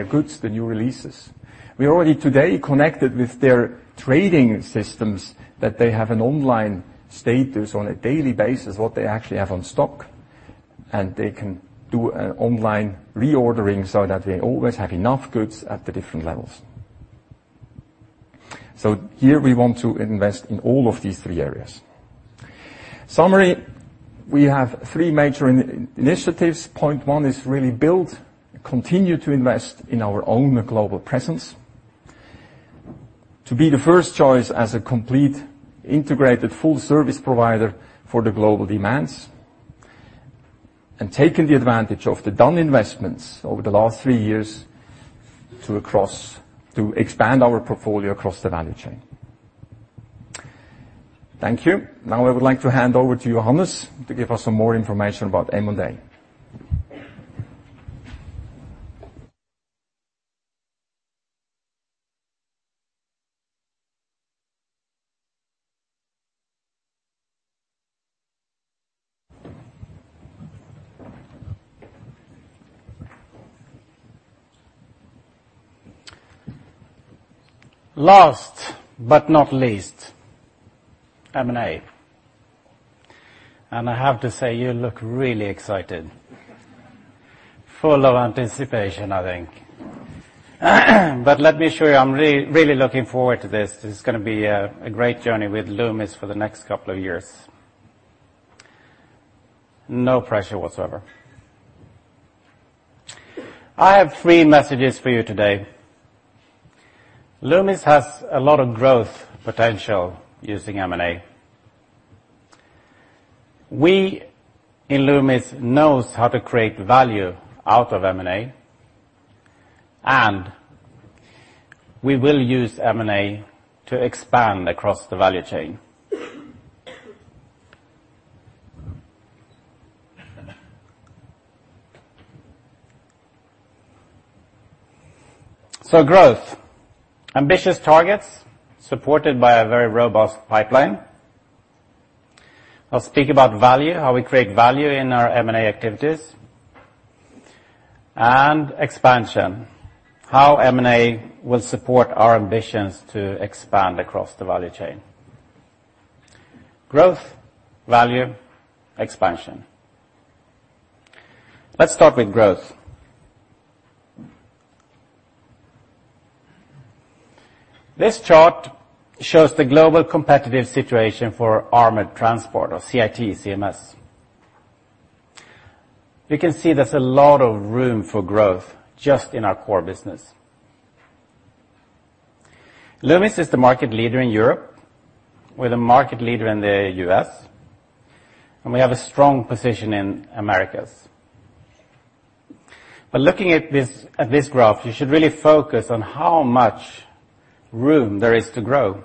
goods, the new releases. We already today connected with their trading systems that they have an online status on a daily basis, what they actually have on stock, and they can do an online reordering so that they always have enough goods at the different levels. Here we want to invest in all of these three areas. Summary, we have three major initiatives. Point one is really build, continue to invest in our own global presence, to be the first choice as a complete integrated full service provider for the global demands, and taking the advantage of the done investments over the last three years to expand our portfolio across the value chain. Thank you. Now I would like to hand over to Johannes to give us some more information about M&A. Last but not least, M&A. I have to say, you look really excited. Full of anticipation, I think. Let me show you, I'm really looking forward to this. This is going to be a great journey with Loomis for the next couple of years. No pressure whatsoever. I have three messages for you today. Loomis has a lot of growth potential using M&A. We in Loomis knows how to create value out of M&A, and we will use M&A to expand across the value chain. Growth. Ambitious targets supported by a very robust pipeline I'll speak about value, how we create value in our M&A activities, and expansion, how M&A will support our ambitions to expand across the value chain. Growth, value, expansion. Let's start with growth. This chart shows the global competitive situation for armored transport or CIT/CMS. You can see there's a lot of room for growth just in our core business. Loomis is the market leader in Europe. We're the market leader in the U.S., and we have a strong position in Americas. Looking at this graph, you should really focus on how much room there is to grow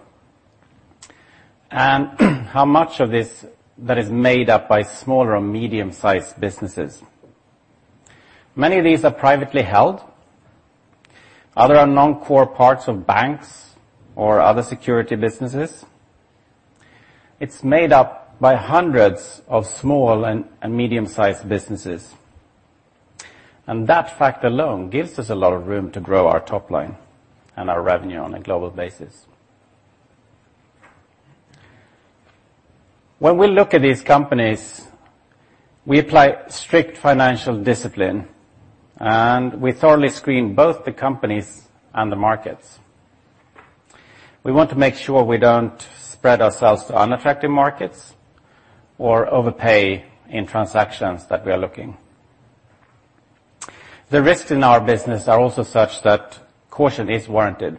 and how much of this that is made up by smaller or medium-sized businesses. Many of these are privately held. Other are non-core parts of banks or other security businesses. It's made up by hundreds of small and medium-sized businesses, and that fact alone gives us a lot of room to grow our top line and our revenue on a global basis. When we look at these companies, we apply strict financial discipline, and we thoroughly screen both the companies and the markets. We want to make sure we don't spread ourselves to unaffected markets or overpay in transactions that we are looking. The risks in our business are also such that caution is warranted.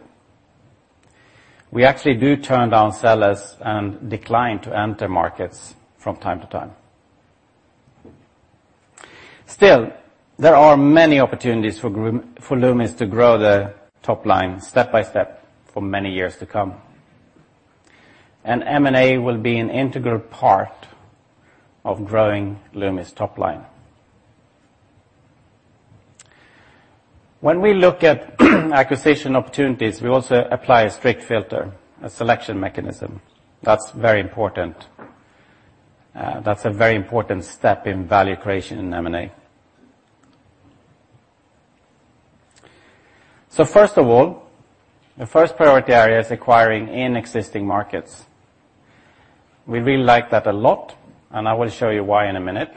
We actually do turn down sellers and decline to enter markets from time to time. Still, there are many opportunities for Loomis to grow the top line step by step for many years to come, and M&A will be an integral part of growing Loomis' top line. When we look at acquisition opportunities, we also apply a strict filter, a selection mechanism. That's very important. That's a very important step in value creation in M&A. First of all, the first priority area is acquiring in existing markets. We really like that a lot, and I will show you why in a minute.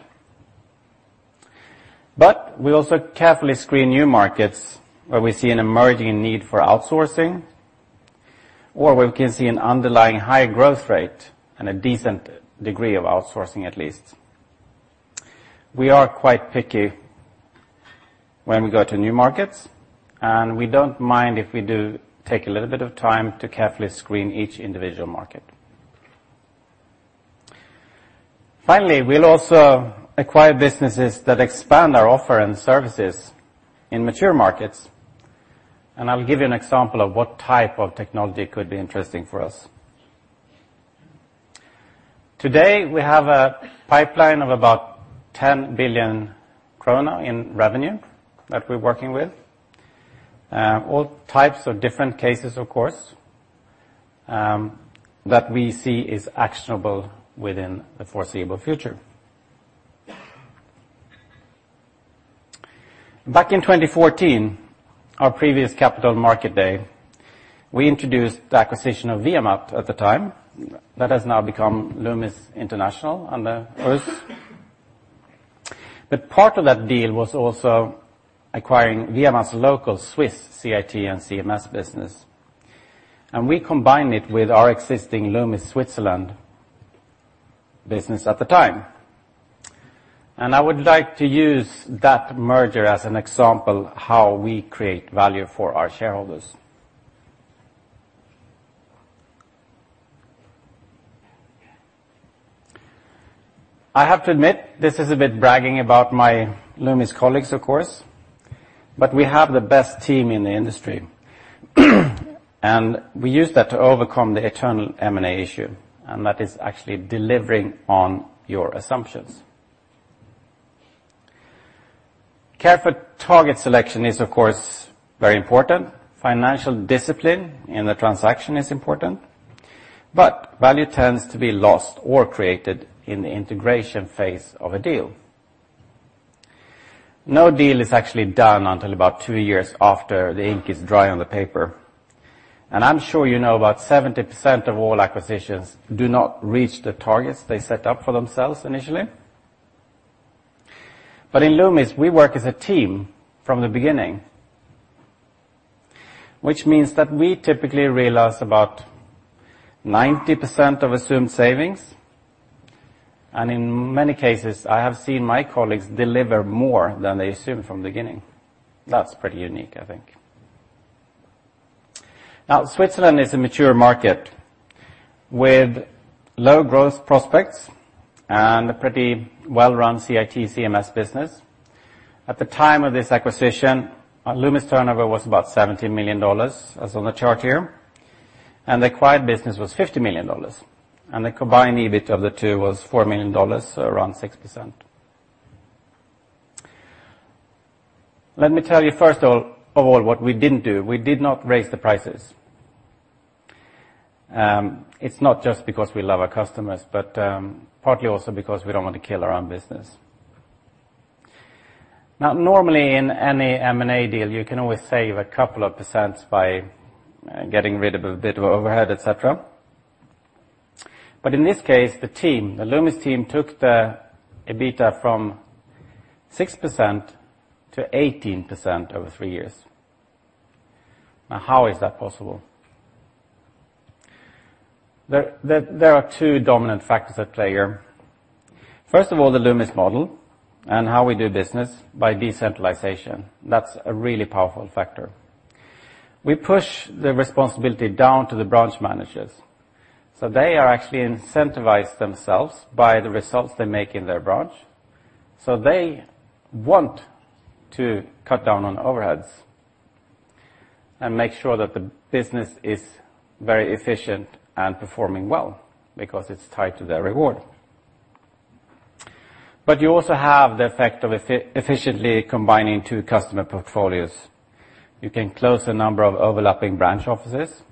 We also carefully screen new markets where we see an emerging need for outsourcing or where we can see an underlying high growth rate and a decent degree of outsourcing at least. We are quite picky when we go to new markets, and we don't mind if we do take a little bit of time to carefully screen each individual market. Finally, we'll also acquire businesses that expand our offer and services in mature markets, and I'll give you an example of what type of technology could be interesting for us. Today, we have a pipeline of about 10 billion krona in revenue that we're working with. All types of different cases, of course, that we see is actionable within the foreseeable future. Back in 2014, our previous capital market day, we introduced the acquisition of VIA MAT at the time. That has now become Loomis International under Urs. Part of that deal was also acquiring VIA MAT's local Swiss CIT and CMS business, and we combined it with our existing Loomis Switzerland business at the time. I would like to use that merger as an example how we create value for our shareholders. I have to admit, this is a bit bragging about my Loomis colleagues, of course, but we have the best team in the industry. And we use that to overcome the eternal M&A issue, and that is actually delivering on your assumptions. Careful target selection is, of course, very important. Financial discipline in the transaction is important, but value tends to be lost or created in the integration phase of a deal. No deal is actually done until about two years after the ink is dry on the paper. I'm sure you know about 70% of all acquisitions do not reach the targets they set up for themselves initially. But in Loomis, we work as a team from the beginning, which means that we typically realize about 90% of assumed savings. And in many cases, I have seen my colleagues deliver more than they assumed from the beginning. That's pretty unique, I think. Switzerland is a mature market with low growth prospects and a pretty well-run CIT/CMS business. At the time of this acquisition, Loomis turnover was about SEK 70 million, as on the chart here. And the acquired business was SEK 50 million. And the combined EBIT of the two was SEK 4 million, around 6%. Let me tell you first of all what we didn't do. We did not raise the prices. It's not just because we love our customers, but partly also because we don't want to kill our own business. Normally in any M&A deal, you can always save a couple of percent by getting rid of a bit of overhead, et cetera. But in this case, the team, the Loomis team, took the EBITDA from 6% to 18% over three years. Now, how is that possible? There are two dominant factors at play here. First of all, the Loomis model and how we do business by decentralization. That's a really powerful factor. We push the responsibility down to the branch managers. So they are actually incentivize themselves by the results they make in their branch. So they want to cut down on overheads and make sure that the business is very efficient and performing well because it's tied to their reward. You also have the effect of efficiently combining two customer portfolios. You can close a number of overlapping branch offices.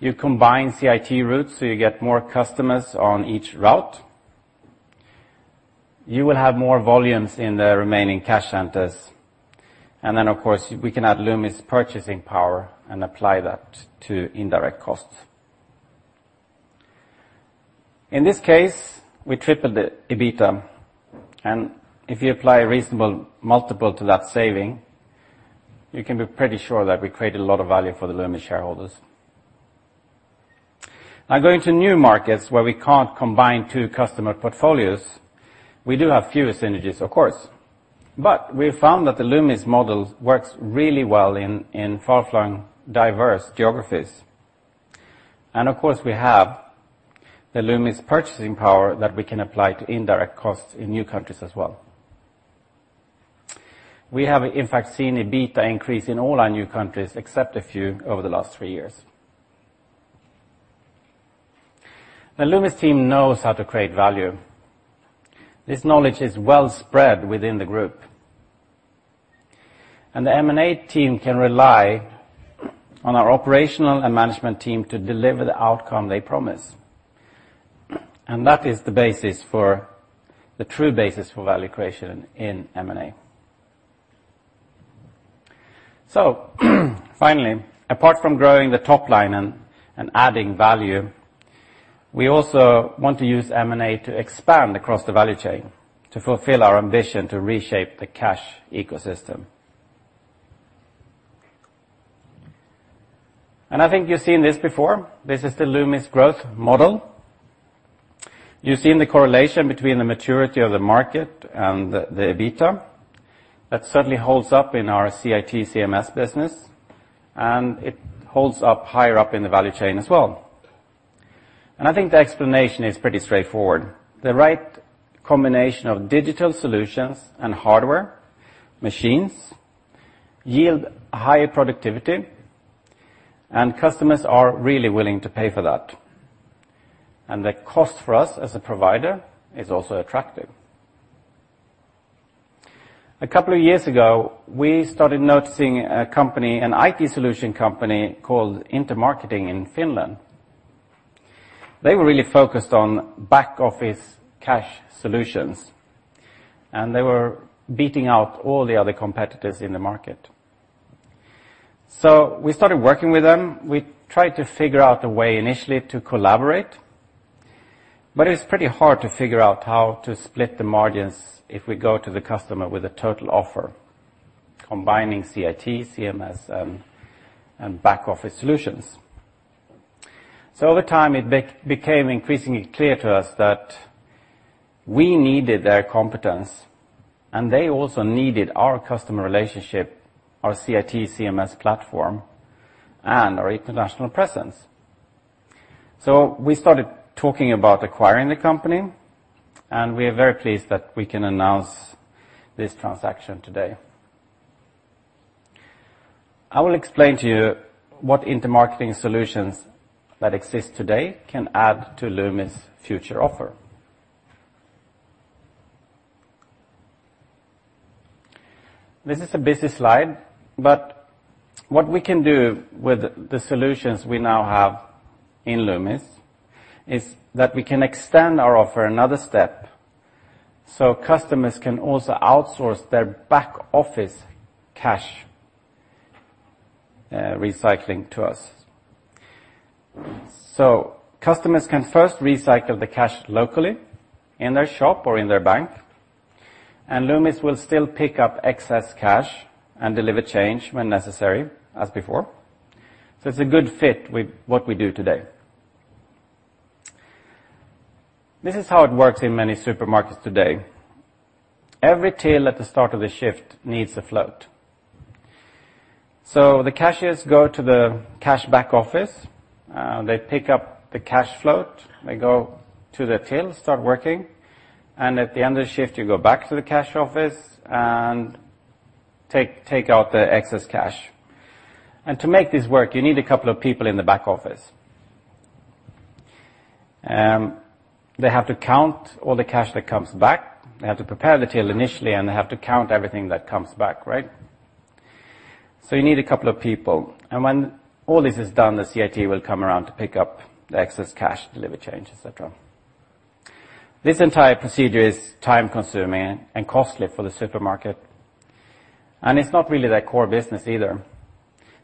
You combine CIT routes, so you get more customers on each route. Then of course, we can add Loomis purchasing power and apply that to indirect costs. In this case, we tripled the EBITDA. If you apply a reasonable multiple to that saving, you can be pretty sure that we created a lot of value for the Loomis shareholders. Now going to new markets where we can't combine two customer portfolios, we do have fewer synergies, of course. We found that the Loomis model works really well in far-flung, diverse geographies. Of course, we have the Loomis purchasing power that we can apply to indirect costs in new countries as well. We have, in fact, seen EBITDA increase in all our new countries except a few over the last three years. The Loomis team knows how to create value. This knowledge is well spread within the group. The M&A team can rely on our operational and management team to deliver the outcome they promise. That is the true basis for value creation in M&A. Finally, apart from growing the top line and adding value, we also want to use M&A to expand across the value chain to fulfill our ambition to reshape the cash ecosystem. I think you've seen this before. This is the Loomis growth model. You've seen the correlation between the maturity of the market and the EBITDA. That certainly holds up in our CIT CMS business, and it holds up higher up in the value chain as well. I think the explanation is pretty straightforward. The right combination of digital solutions and hardware, machines yield high productivity, and customers are really willing to pay for that. The cost for us as a provider is also attractive. A couple of years ago, we started noticing a company, an IT solution company called Intermarketing in Finland. They were really focused on back office cash solutions, and they were beating out all the other competitors in the market. We started working with them. We tried to figure out a way initially to collaborate, but it's pretty hard to figure out how to split the margins if we go to the customer with a total offer combining CIT, CMS, and back office solutions. Over time, it became increasingly clear to us that we needed their competence, and they also needed our customer relationship, our CIT CMS platform, and our international presence. We started talking about acquiring the company, and we are very pleased that we can announce this transaction today. I will explain to you what Intermarketing solutions that exist today can add to Loomis' future offer. This is a busy slide, but what we can do with the solutions we now have in Loomis is that we can extend our offer another step so customers can also outsource their back-office cash recycling to us. Customers can first recycle the cash locally in their shop or in their bank, and Loomis will still pick up excess cash and deliver change when necessary as before. It's a good fit with what we do today. This is how it works in many supermarkets today. Every till at the start of the shift needs a float. The cashiers go to the cash back office, they pick up the cash float, they go to their till, start working. At the end of the shift, you go back to the cash office and take out the excess cash. To make this work, you need a couple of people in the back office. They have to count all the cash that comes back. They have to prepare the till initially, and they have to count everything that comes back, right? You need a couple of people. When all this is done, the CIT will come around to pick up the excess cash, deliver change, et cetera. This entire procedure is time-consuming and costly for the supermarket. It's not really their core business either.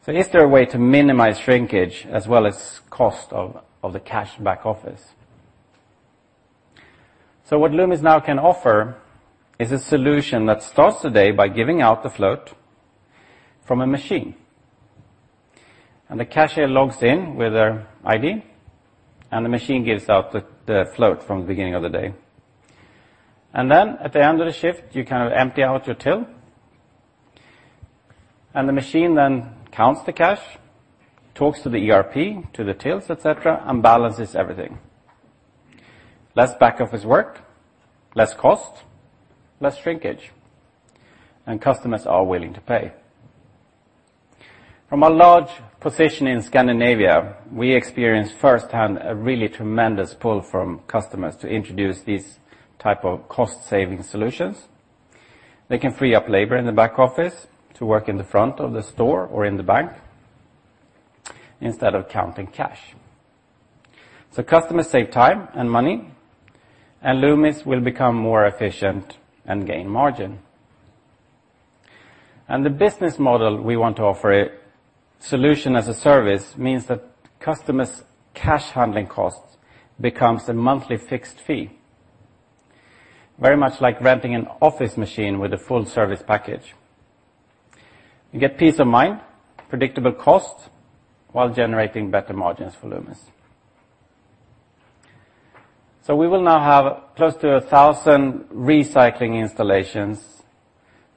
Is there a way to minimize shrinkage as well as cost of the cash back office? What Loomis now can offer is a solution that starts the day by giving out the float from a machine. The cashier logs in with their ID. The machine gives out the float from the beginning of the day. At the end of the shift, you empty out your till. The machine then counts the cash, talks to the ERP, to the tills, et cetera, and balances everything. Less back office work, less cost, less shrinkage. Customers are willing to pay. From a large position in Scandinavia, we experienced firsthand a really tremendous pull from customers to introduce these type of cost-saving solutions. They can free up labor in the back office to work in the front of the store or in the bank instead of counting cash. Customers save time and money. Loomis will become more efficient and gain margin. The business model we want to offer a solution as a service means that customers' cash handling costs becomes a monthly fixed fee. Very much like renting an office machine with a full service package. You get peace of mind, predictable cost, while generating better margins for Loomis. We will now have close to 1,000 recycling installations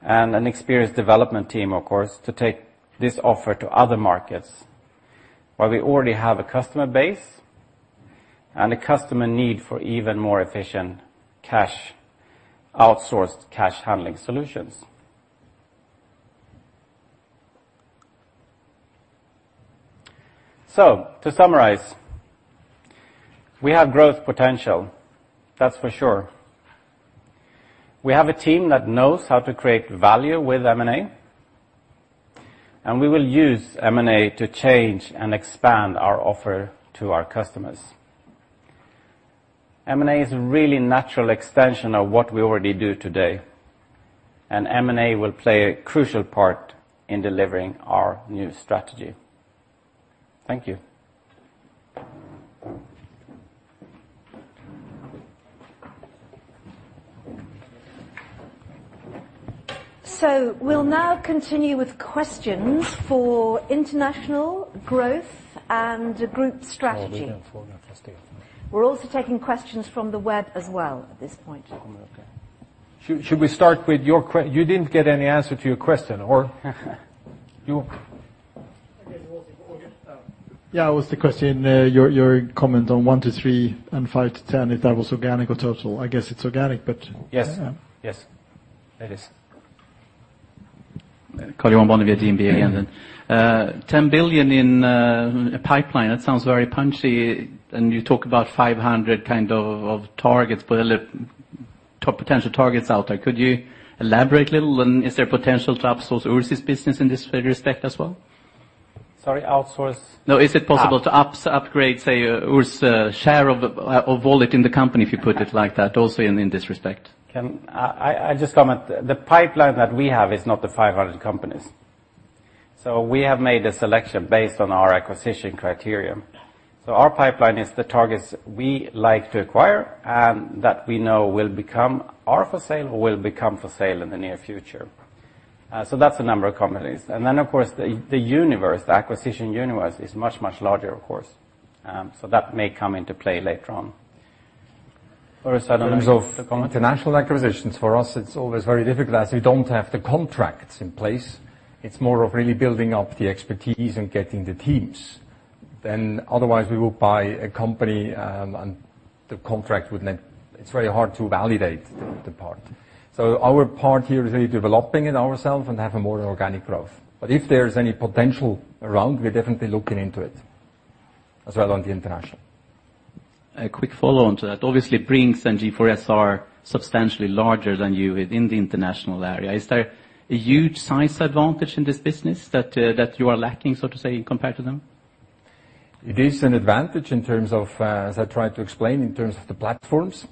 and an experienced development team, of course, to take this offer to other markets where we already have a customer base and a customer need for even more efficient outsourced cash handling solutions. To summarize, we have growth potential, that's for sure. We have a team that knows how to create value with M&A. We will use M&A to change and expand our offer to our customers. M&A is a really natural extension of what we already do today. M&A will play a crucial part in delivering our new strategy. Thank you. We'll now continue with questions for international growth and group strategy. We're going to stay. We're also taking questions from the web as well at this point. Okay. Should we start with your question? You didn't get any answer to your question? Okay. Oh, yeah. It was the question, your comment on one to three and five to ten, if that was organic or total. I guess it's organic, but. Yes. It is. Karl-Johan Bonnevier, DNB again then. 10 billion in pipeline. That sounds very punchy. You talk about 500 kind of targets, potential targets out there. Could you elaborate a little? Is there potential to outsource Urs' business in this respect as well? Sorry, outsource. Is it possible to upgrade, say, Urs' share of wallet in the company, if you put it like that, also in this respect? Can I just comment? The pipeline that we have is not the 500 companies. We have made a selection based on our acquisition criteria. Our pipeline is the targets we like to acquire and that we know will become are for sale or will become for sale in the near future. That's a number of companies. The universe, the acquisition universe is much, much larger, of course. That may come into play later on. Urs, I don't know if you want to comment. In terms of international acquisitions, for us, it's always very difficult as we don't have the contracts in place. It's more of really building up the expertise and getting the teams. Otherwise, we will buy a company, and the contract would it's very hard to validate the part. Our part here is really developing it ourself and have a more organic growth. If there's any potential around, we're definitely looking into it as well on the international. A quick follow on to that. Obviously, Brink's and G4S are substantially larger than you within the international area. Is there a huge size advantage in this business that you are lacking, so to say, compared to them? It is an advantage in terms of, as I tried to explain, in terms of the platforms.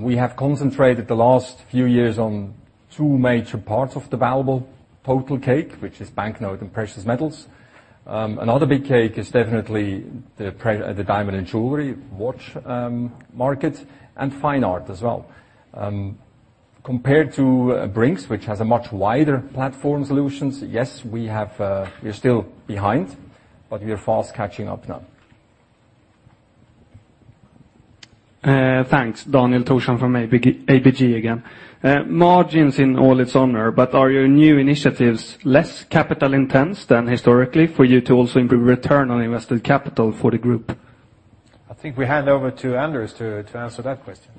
We have concentrated the last few years on two major parts of the valuable total cake, which is banknote and precious metals. Another big cake is definitely the diamond and jewelry watch market and fine art as well. Compared to Brink's, which has a much wider platform solutions, yes, we're still behind, but we are fast catching up now. Thanks. Daniel Thorsson from ABG again. Are your new initiatives less capital-intense than historically for you to also improve return on invested capital for the group? I think we hand over to Anders to answer that question.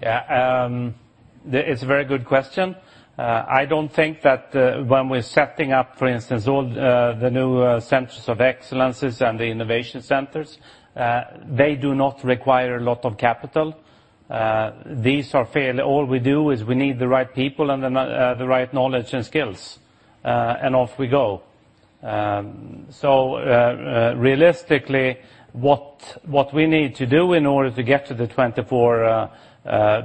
It's a very good question. I don't think that when we're setting up, for instance, all the new centers of excellence and the innovation centers, they do not require a lot of capital. All we do is we need the right people and the right knowledge and skills. Off we go. Realistically, what we need to do in order to get to the 24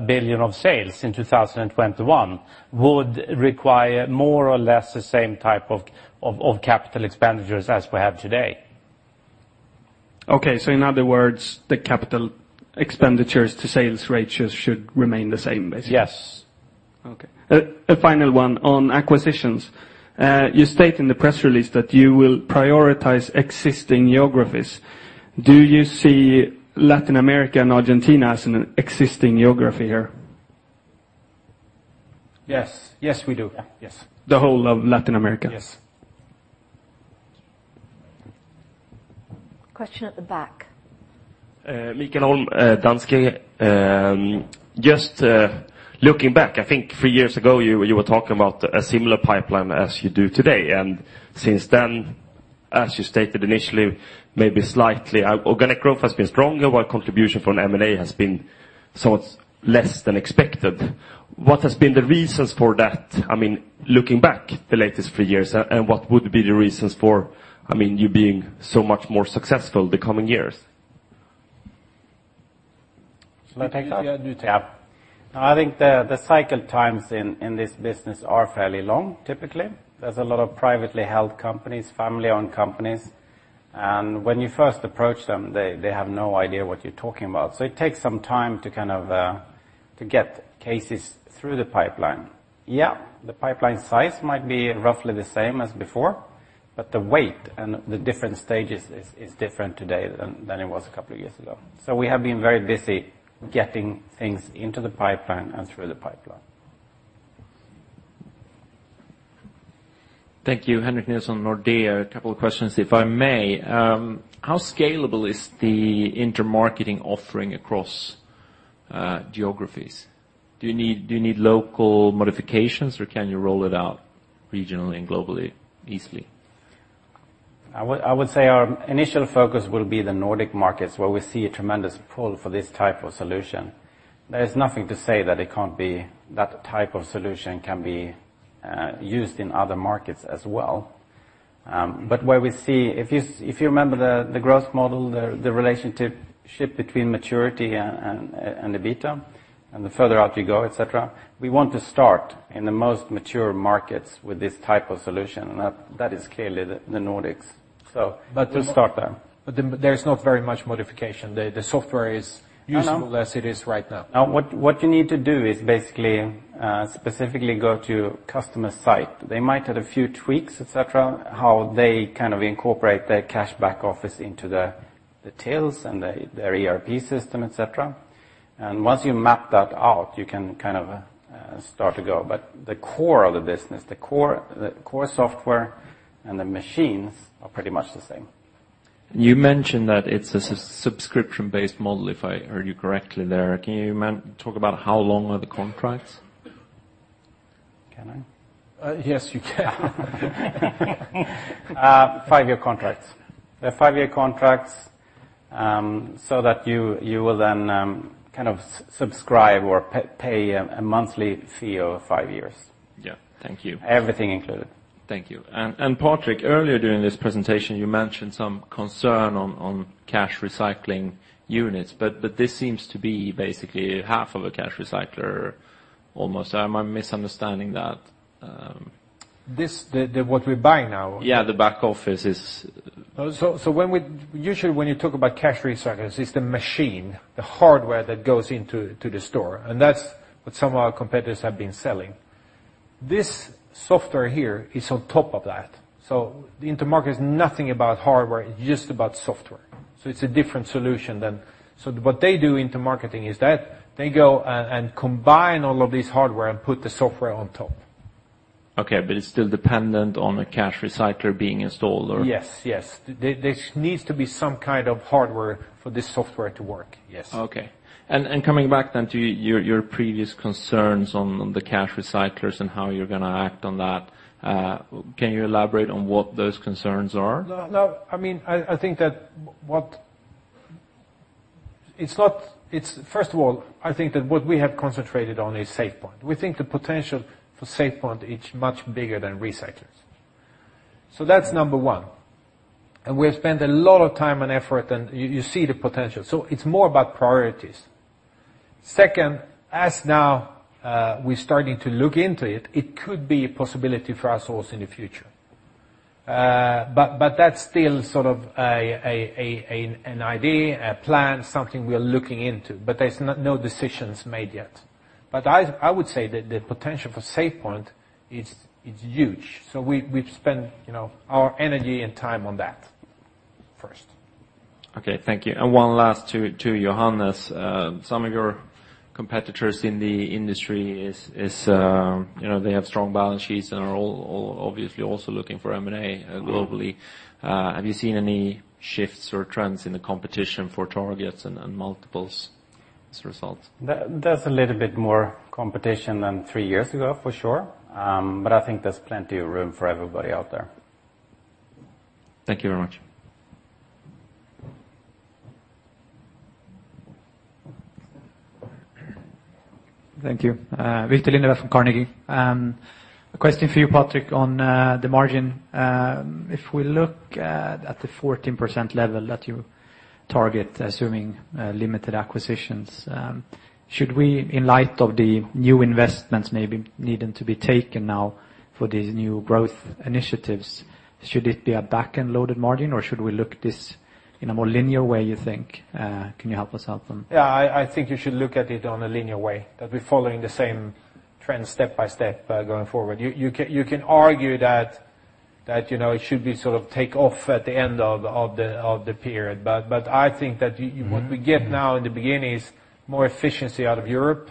billion of sales in 2021 would require more or less the same type of capital expenditures as we have today. Okay. In other words, the capital expenditures to sales ratios should remain the same, basically? Yes. Okay. A final one on acquisitions. You state in the press release that you will prioritize existing geographies. Do you see Latin America and Argentina as an existing geography here? Yes. Yes, we do. Yes. The whole of Latin America? Yes. Question at the back. Mikael Holm, Danske. Just looking back, I think three years ago, you were talking about a similar pipeline as you do today. Since then, as you stated initially, maybe slightly, organic growth has been stronger while contribution from M&A has been so it's less than expected. What has been the reasons for that, looking back the latest three years, and what would be the reasons for you being so much more successful the coming years? Shall I take that? You take that. Yeah. No, I think the cycle times in this business are fairly long, typically. There's a lot of privately held companies, family-owned companies, and when you first approach them, they have no idea what you're talking about. It takes some time to get cases through the pipeline. Yeah, the pipeline size might be roughly the same as before, but the weight and the different stages is different today than it was a couple of years ago. We have been very busy getting things into the pipeline and through the pipeline. Thank you. Henrik Nilsson, Nordea. A couple of questions, if I may. How scalable is the Intermarketing offering across geographies? Do you need local modifications, or can you roll it out regionally and globally easily? I would say our initial focus will be the Nordic markets, where we see a tremendous pull for this type of solution. There is nothing to say that it can't be that type of solution can be used in other markets as well. If you remember the growth model, the relationship between maturity and EBITDA, and the further out you go, et cetera, we want to start in the most mature markets with this type of solution, and that is clearly the Nordics. We'll start there. There's not very much modification. The software is- No usable as it is right now. What you need to do is basically, specifically go to customer site. They might add a few tweaks, et cetera, how they incorporate their cash-back office into the tills and their ERP system, et cetera. Once you map that out, you can start to go. The core of the business, the core software and the machines are pretty much the same. You mentioned that it's a subscription-based model, if I heard you correctly there. Can you talk about how long are the contracts? Can I? Yes, you can. Five-year contracts. They're five-year contracts, so that you will then subscribe or pay a monthly fee over five years. Yeah. Thank you. Everything included. Thank you. Patrik, earlier during this presentation, you mentioned some concern on cash recycling units, but this seems to be basically half of a cash recycler almost. Am I misunderstanding that? What we're buying now? Yeah, the back office is Usually, when you talk about cash recyclers, it's the machine, the hardware that goes into the store, and that's what some of our competitors have been selling. This software here is on top of that. Intermarketing is nothing about hardware, it's just about software. It's a different solution. What they do, Intermarketing, is that they go and combine all of this hardware and put the software on top. Okay. It's still dependent on a cash recycler being installed, or? Yes. There needs to be some kind of hardware for this software to work. Yes. Okay. Coming back then to your previous concerns on the cash recyclers and how you're going to act on that, can you elaborate on what those concerns are? No. First of all, I think that what we have concentrated on is SafePoint. We think the potential for SafePoint is much bigger than recyclers. That's number 1. We have spent a lot of time and effort, and you see the potential. It's more about priorities. Second, as now we're starting to look into it could be a possibility for us also in the future. That's still sort of an idea, a plan, something we are looking into, there's no decisions made yet. I would say that the potential for SafePoint is huge. We've spent our energy and time on that first. Okay, thank you. One last to Johannes. Some of your competitors in the industry, they have strong balance sheets and are all obviously also looking for M&A globally. Have you seen any shifts or trends in the competition for targets and multiples as a result? There's a little bit more competition than three years ago, for sure. I think there's plenty of room for everybody out there. Thank you very much. Thank you. Viktor Lindeblad from Carnegie. A question for you, Patrik, on the margin. If we look at the 14% level that you target, assuming limited acquisitions, should we, in light of the new investments maybe needing to be taken now for these new growth initiatives, should it be a backend loaded margin, or should we look at this in a more linear way, you think? Can you help us out then? Yeah. I think you should look at it on a linear way, that we're following the same trend step by step going forward. You can argue that it should be sort of take off at the end of the period, I think that what we get now in the beginning is more efficiency out of Europe,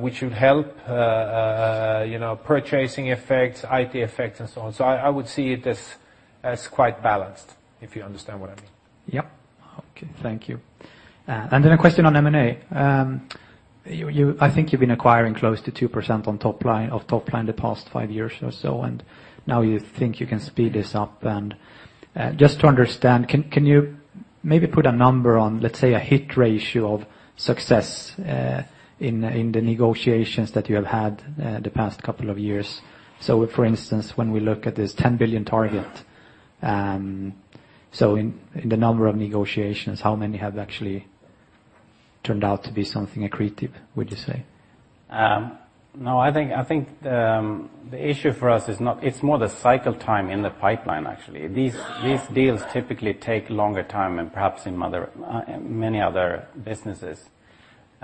which would help, purchasing effects, IT effects and so on. I would see it as quite balanced, if you understand what I mean. Yep. Okay. Thank you. A question on M&A. I think you've been acquiring close to 2% of top line the past five years or so, and now you think you can speed this up and just to understand, can you maybe put a number on, let's say, a hit ratio of success, in the negotiations that you have had the past couple of years? For instance, when we look at this 10 billion target, in the number of negotiations, how many have actually turned out to be something accretive, would you say? I think the issue for us is more the cycle time in the pipeline actually. These deals typically take longer time than perhaps in many other businesses.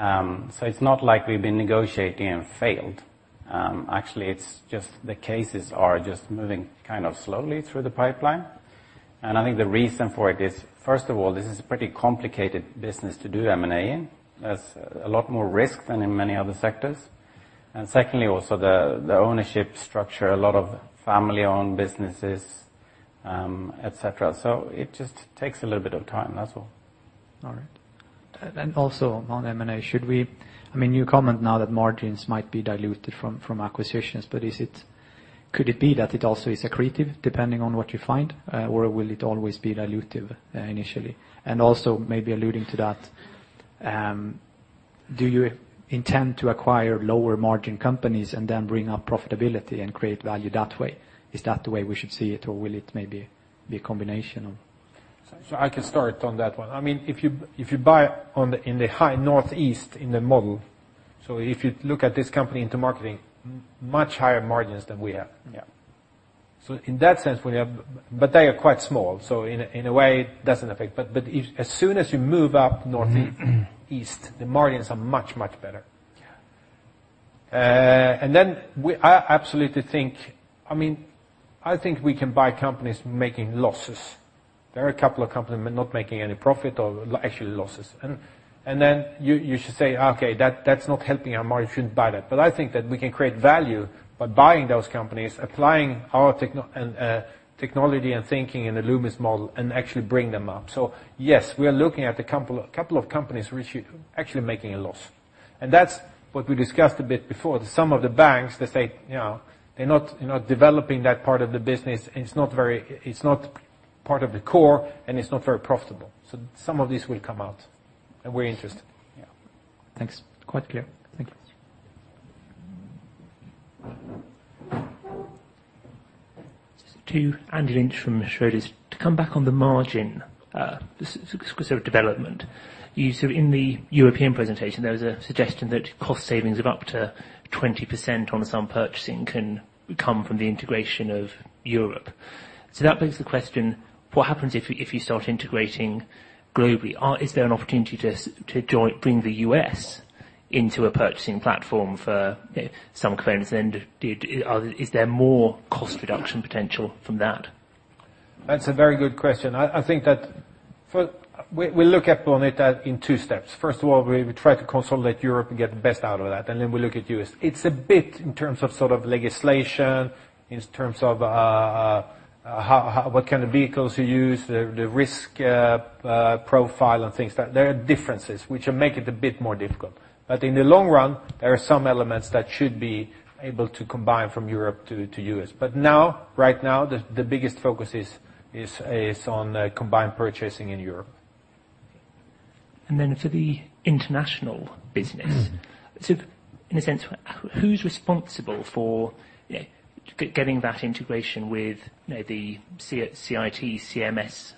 It's not like we've been negotiating and failed. Actually, it's just the cases are just moving kind of slowly through the pipeline. I think the reason for it is, first of all, this is a pretty complicated business to do M&A in. There's a lot more risk than in many other sectors. Secondly, also the ownership structure, a lot of family-owned businesses, et cetera. It just takes a little bit of time, that's all. All right. Also on M&A, you comment now that margins might be diluted from acquisitions, but could it be that it also is accretive depending on what you find? Will it always be dilutive initially? Also maybe alluding to that, do you intend to acquire lower margin companies and then bring up profitability and create value that way? Is that the way we should see it, or will it maybe be a combination of- I can start on that one. If you buy in the high northeast in the model, if you look at this company Intermarketing Oy, much higher margins than we have. Yeah. In that sense, when you have. They are quite small, so in a way it doesn't affect. As soon as you move up northeast, the margins are much, much better. Yeah. I absolutely think we can buy companies making losses. There are a couple of companies not making any profit or actually losses. You should say, "Okay, that's not helping our margin, shouldn't buy that." I think that we can create value by buying those companies, applying our technology and thinking in the Loomis model and actually bring them up. Yes, we are looking at a couple of companies which are actually making a loss. That's what we discussed a bit before. Some of the banks, they say they're not developing that part of the business and it's not part of the core, and it's not very profitable. Some of these will come out, and we're interested. Yeah. Thanks. Quite clear. Thank you. To Andrew Lynch from Schroders. To come back on the margin sort of development, in the European presentation, there was a suggestion that cost savings of up to 20% on some purchasing can come from the integration of Europe. That begs the question, what happens if you start integrating globally? Is there an opportunity to join, bring the U.S. into a purchasing platform for some convenience, and is there more cost reduction potential from that? That's a very good question. I think that we look up on it at in two steps. First of all, we try to consolidate Europe and get the best out of that. Then we look at U.S. It's a bit in terms of sort of legislation, in terms of what kind of vehicles you use, the risk profile and things that there are differences, which will make it a bit more difficult. In the long run, there are some elements that should be able to combine from Europe to U.S. Now, right now, the biggest focus is on combined purchasing in Europe. Then for the international business. In a sense, who's responsible for getting that integration with the CIT, CMS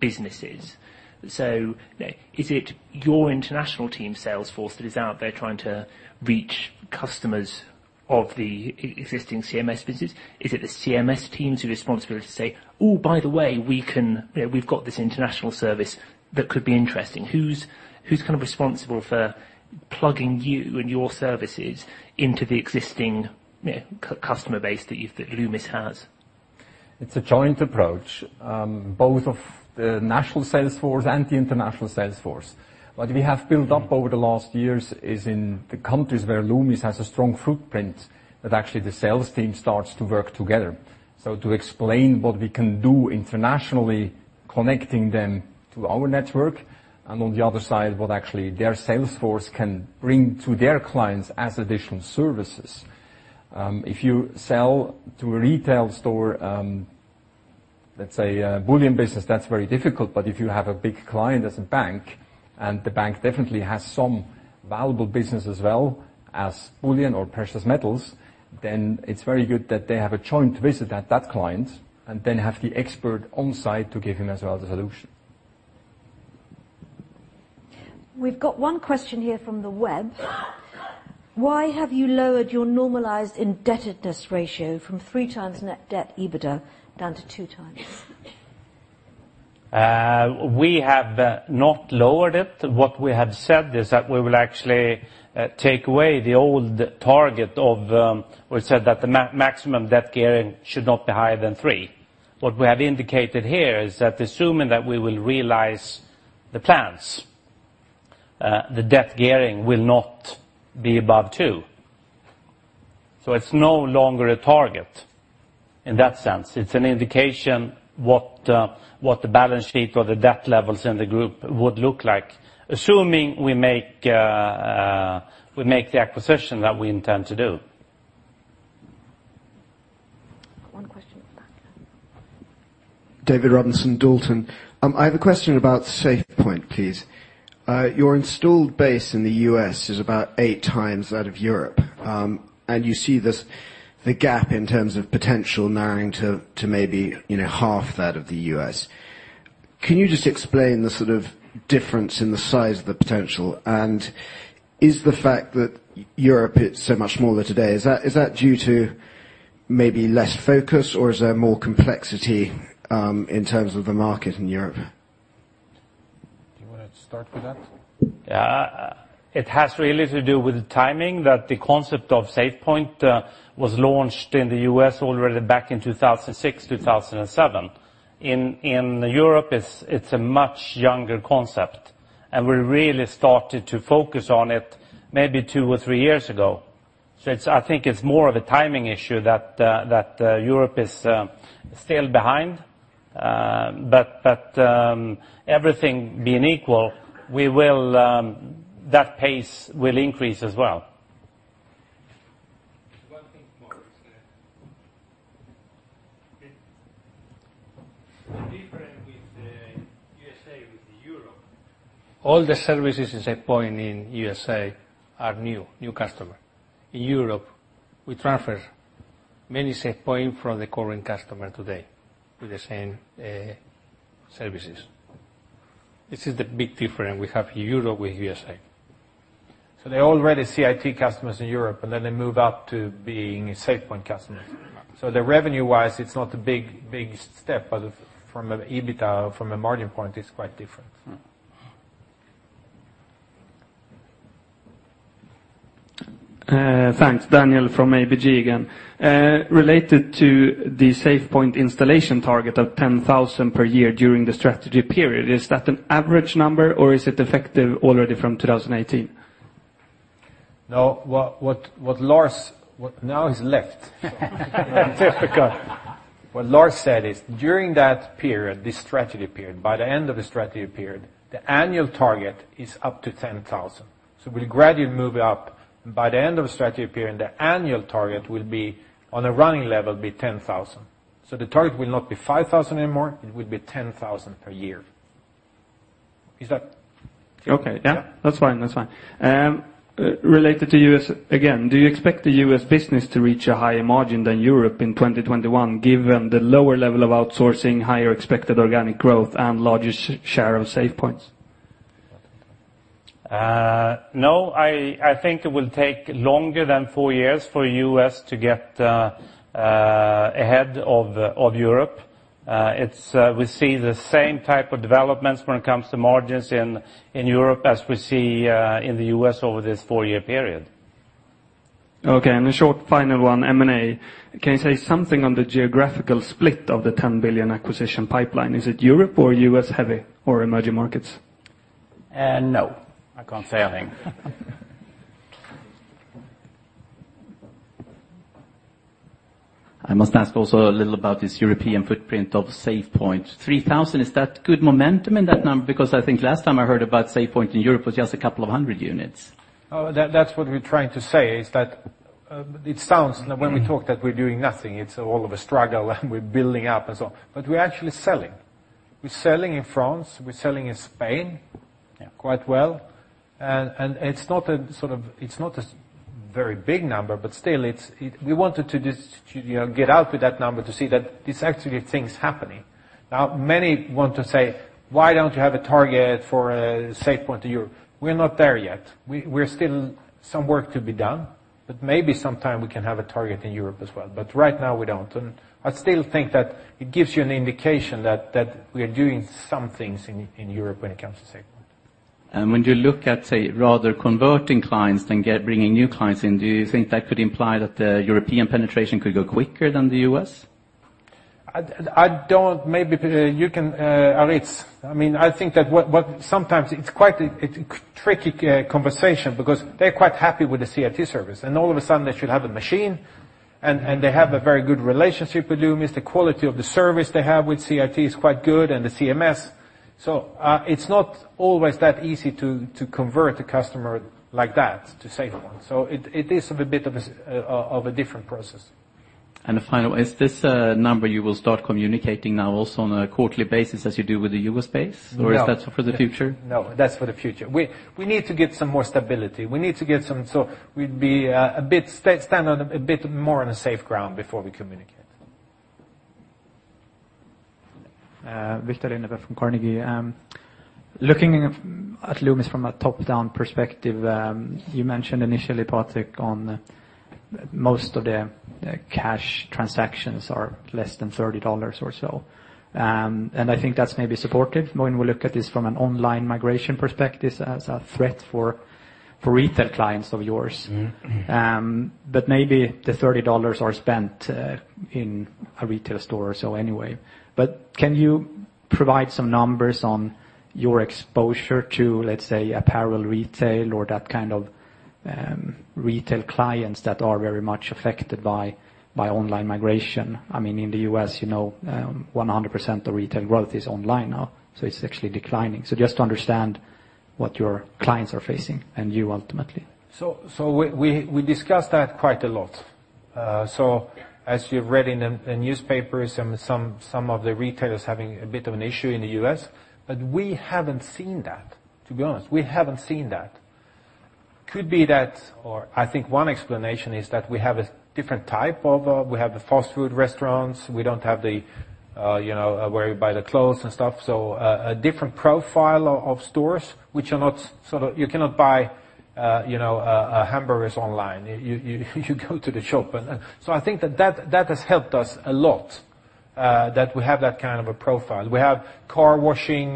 businesses? Is it your international team sales force that is out there trying to reach customers of the existing CMS business? Is it the CMS team's responsibility to say, "Oh, by the way, we've got this international service that could be interesting." Who's kind of responsible for plugging you and your services into the existing customer base that Loomis has? It's a joint approach. Both of the national sales force and the international sales force. What we have built up over the last years is in the countries where Loomis has a strong footprint that actually the sales team starts to work together. To explain what we can do internationally, connecting them to our network, on the other side, what actually their sales force can bring to their clients as additional services. If you sell to a retail store, let's say bullion business, that's very difficult. If you have a big client as a bank, and the bank definitely has some valuable business as well as bullion or precious metals, it's very good that they have a joint visit at that client, and then have the expert on-site to give him as well the solution. We've got one question here from the web. Why have you lowered your normalized indebtedness ratio from three times net debt EBITDA down to two times? We have not lowered it. What we have said is that we will actually take away the old target of, we said that the maximum debt gearing should not be higher than three. What we have indicated here is that assuming that we will realize the plans, the debt gearing will not be above two. It's no longer a target in that sense. It's an indication what the balance sheet or the debt levels in the group would look like, assuming we make the acquisition that we intend to do. One question at the back. David Robinson, Dalton. I have a question about SafePoint, please. Your installed base in the US is about eight times that of Europe. You see the gap in terms of potential narrowing to maybe half that of the US. Can you just explain the sort of difference in the size of the potential? Is the fact that Europe is so much smaller today, is that due to maybe less focus, or is there more complexity in terms of the market in Europe? Do you want to start with that? Yeah. It has really to do with the timing that the concept of SafePoint was launched in the US already back in 2006, 2007. In Europe, it's a much younger concept, and we really started to focus on it maybe two or three years ago. I think it's more of a timing issue that Europe is still behind, but everything being equal, that pace will increase as well. One thing more is the difference with the USA, with the Europe, all the services in SafePoint in USA are new customer. In Europe, we transfer many SafePoint from the current customer today with the same services. This is the big difference we have Europe with USA. They're already CIT customers in Europe, and then they move up to being a SafePoint customer. The revenue-wise, it's not a big step, but from an EBITDA, from a margin point, it's quite different. Thanks. Daniel from ABG again. Related to the SafePoint installation target of 10,000 per year during the strategy period. Is that an average number or is it effective already from 2018? No, what Lars. Now he's left. What Lars said is during that period, this strategy period, by the end of the strategy period, the annual target is up to 10,000. We'll gradually move it up. By the end of the strategy period, the annual target will be, on a running level, be 10,000. The target will not be 5,000 anymore, it will be 10,000 per year. Is that clear? Okay. Yeah. That's fine. Related to U.S. again, do you expect the U.S. business to reach a higher margin than Europe in 2021, given the lower level of outsourcing, higher expected organic growth and larger share of SafePoints? I think it will take longer than four years for U.S. to get ahead of Europe. We see the same type of developments when it comes to margins in Europe as we see in the U.S. over this four-year period. A short final one, M&A. Can you say something on the geographical split of the 10 billion acquisition pipeline? Is it Europe or U.S. heavy or emerging markets? I can't say anything. I must ask also a little about this European footprint of SafePoint. 3,000, is that good momentum in that number? Because I think last time I heard about SafePoint in Europe was just a couple of hundred units. Oh, that is what we are trying to say is that it sounds, when we talk, that we are doing nothing. It is all of a struggle and we are building up and so on, but we are actually selling. We are selling in France, we are selling in Spain quite well. Yeah. It is not a very big number, but still, we wanted to just get out with that number to see that there is actually things happening. Now, many want to say, "Why don't you have a target for SafePoint in Europe?" We are not there yet. Still some work to be done, but maybe sometime we can have a target in Europe as well. Right now we don't. I still think that it gives you an indication that we are doing some things in Europe when it comes to SafePoint. When you look at, say, rather converting clients than bringing new clients in, do you think that could imply that the European penetration could go quicker than the U.S.? Maybe you can, Aritz. I think that sometimes it is quite a tricky conversation because they are quite happy with the CIT service, and all of a sudden they should have a machine, and they have a very good relationship with Loomis. The quality of the service they have with CIT is quite good, and the CMS. It is not always that easy to convert a customer like that to SafePoint. It is a bit of a different process. Final, is this a number you will start communicating now also on a quarterly basis as you do with the U.S. space? No. Is that for the future? No, that's for the future. We need to get some more stability. We need to get so we'd stand on a bit more on a safe ground before we communicate. Viktor Lindeblad from Carnegie. Looking at Loomis from a top-down perspective, you mentioned initially, Patrik, on most of the cash transactions are less than SEK 30 or so. I think that's maybe supportive when we look at this from an online migration perspective as a threat for retail clients of yours. Maybe the $30 are spent in a retail store or so anyway. Can you provide some numbers on your exposure to, let's say, apparel retail or that kind of retail clients that are very much affected by online migration? In the U.S., 100% of retail growth is online now, so it's actually declining. Just to understand what your clients are facing and you ultimately. We discussed that quite a lot. As you read in the newspapers, some of the retailers having a bit of an issue in the U.S., but we haven't seen that, to be honest. We haven't seen that. Could be that or I think one explanation is that we have a different type of. We have the fast food restaurants, we don't have the where you buy the clothes and stuff. A different profile of stores, which you cannot buy hamburgers online. You go to the shop. I think that has helped us a lot that we have that kind of a profile. We have car washing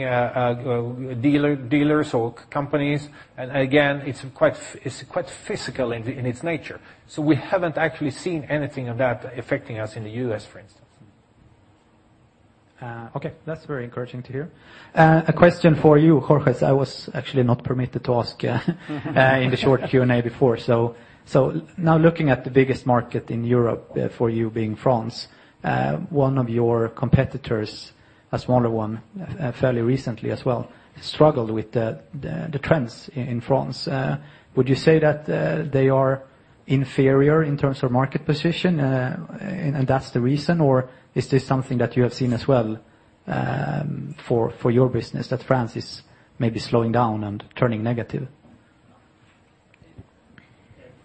dealers or companies, and again, it's quite physical in its nature. We haven't actually seen anything of that affecting us in the U.S., for instance. Okay. That's very encouraging to hear. A question for you, Georges, I was actually not permitted to ask in the short Q&A before. Now looking at the biggest market in Europe for you being France, one of your competitors, a smaller one, fairly recently as well, struggled with the trends in France. Would you say that they are inferior in terms of market position? That's the reason, or is this something that you have seen as well for your business that France is maybe slowing down and turning negative?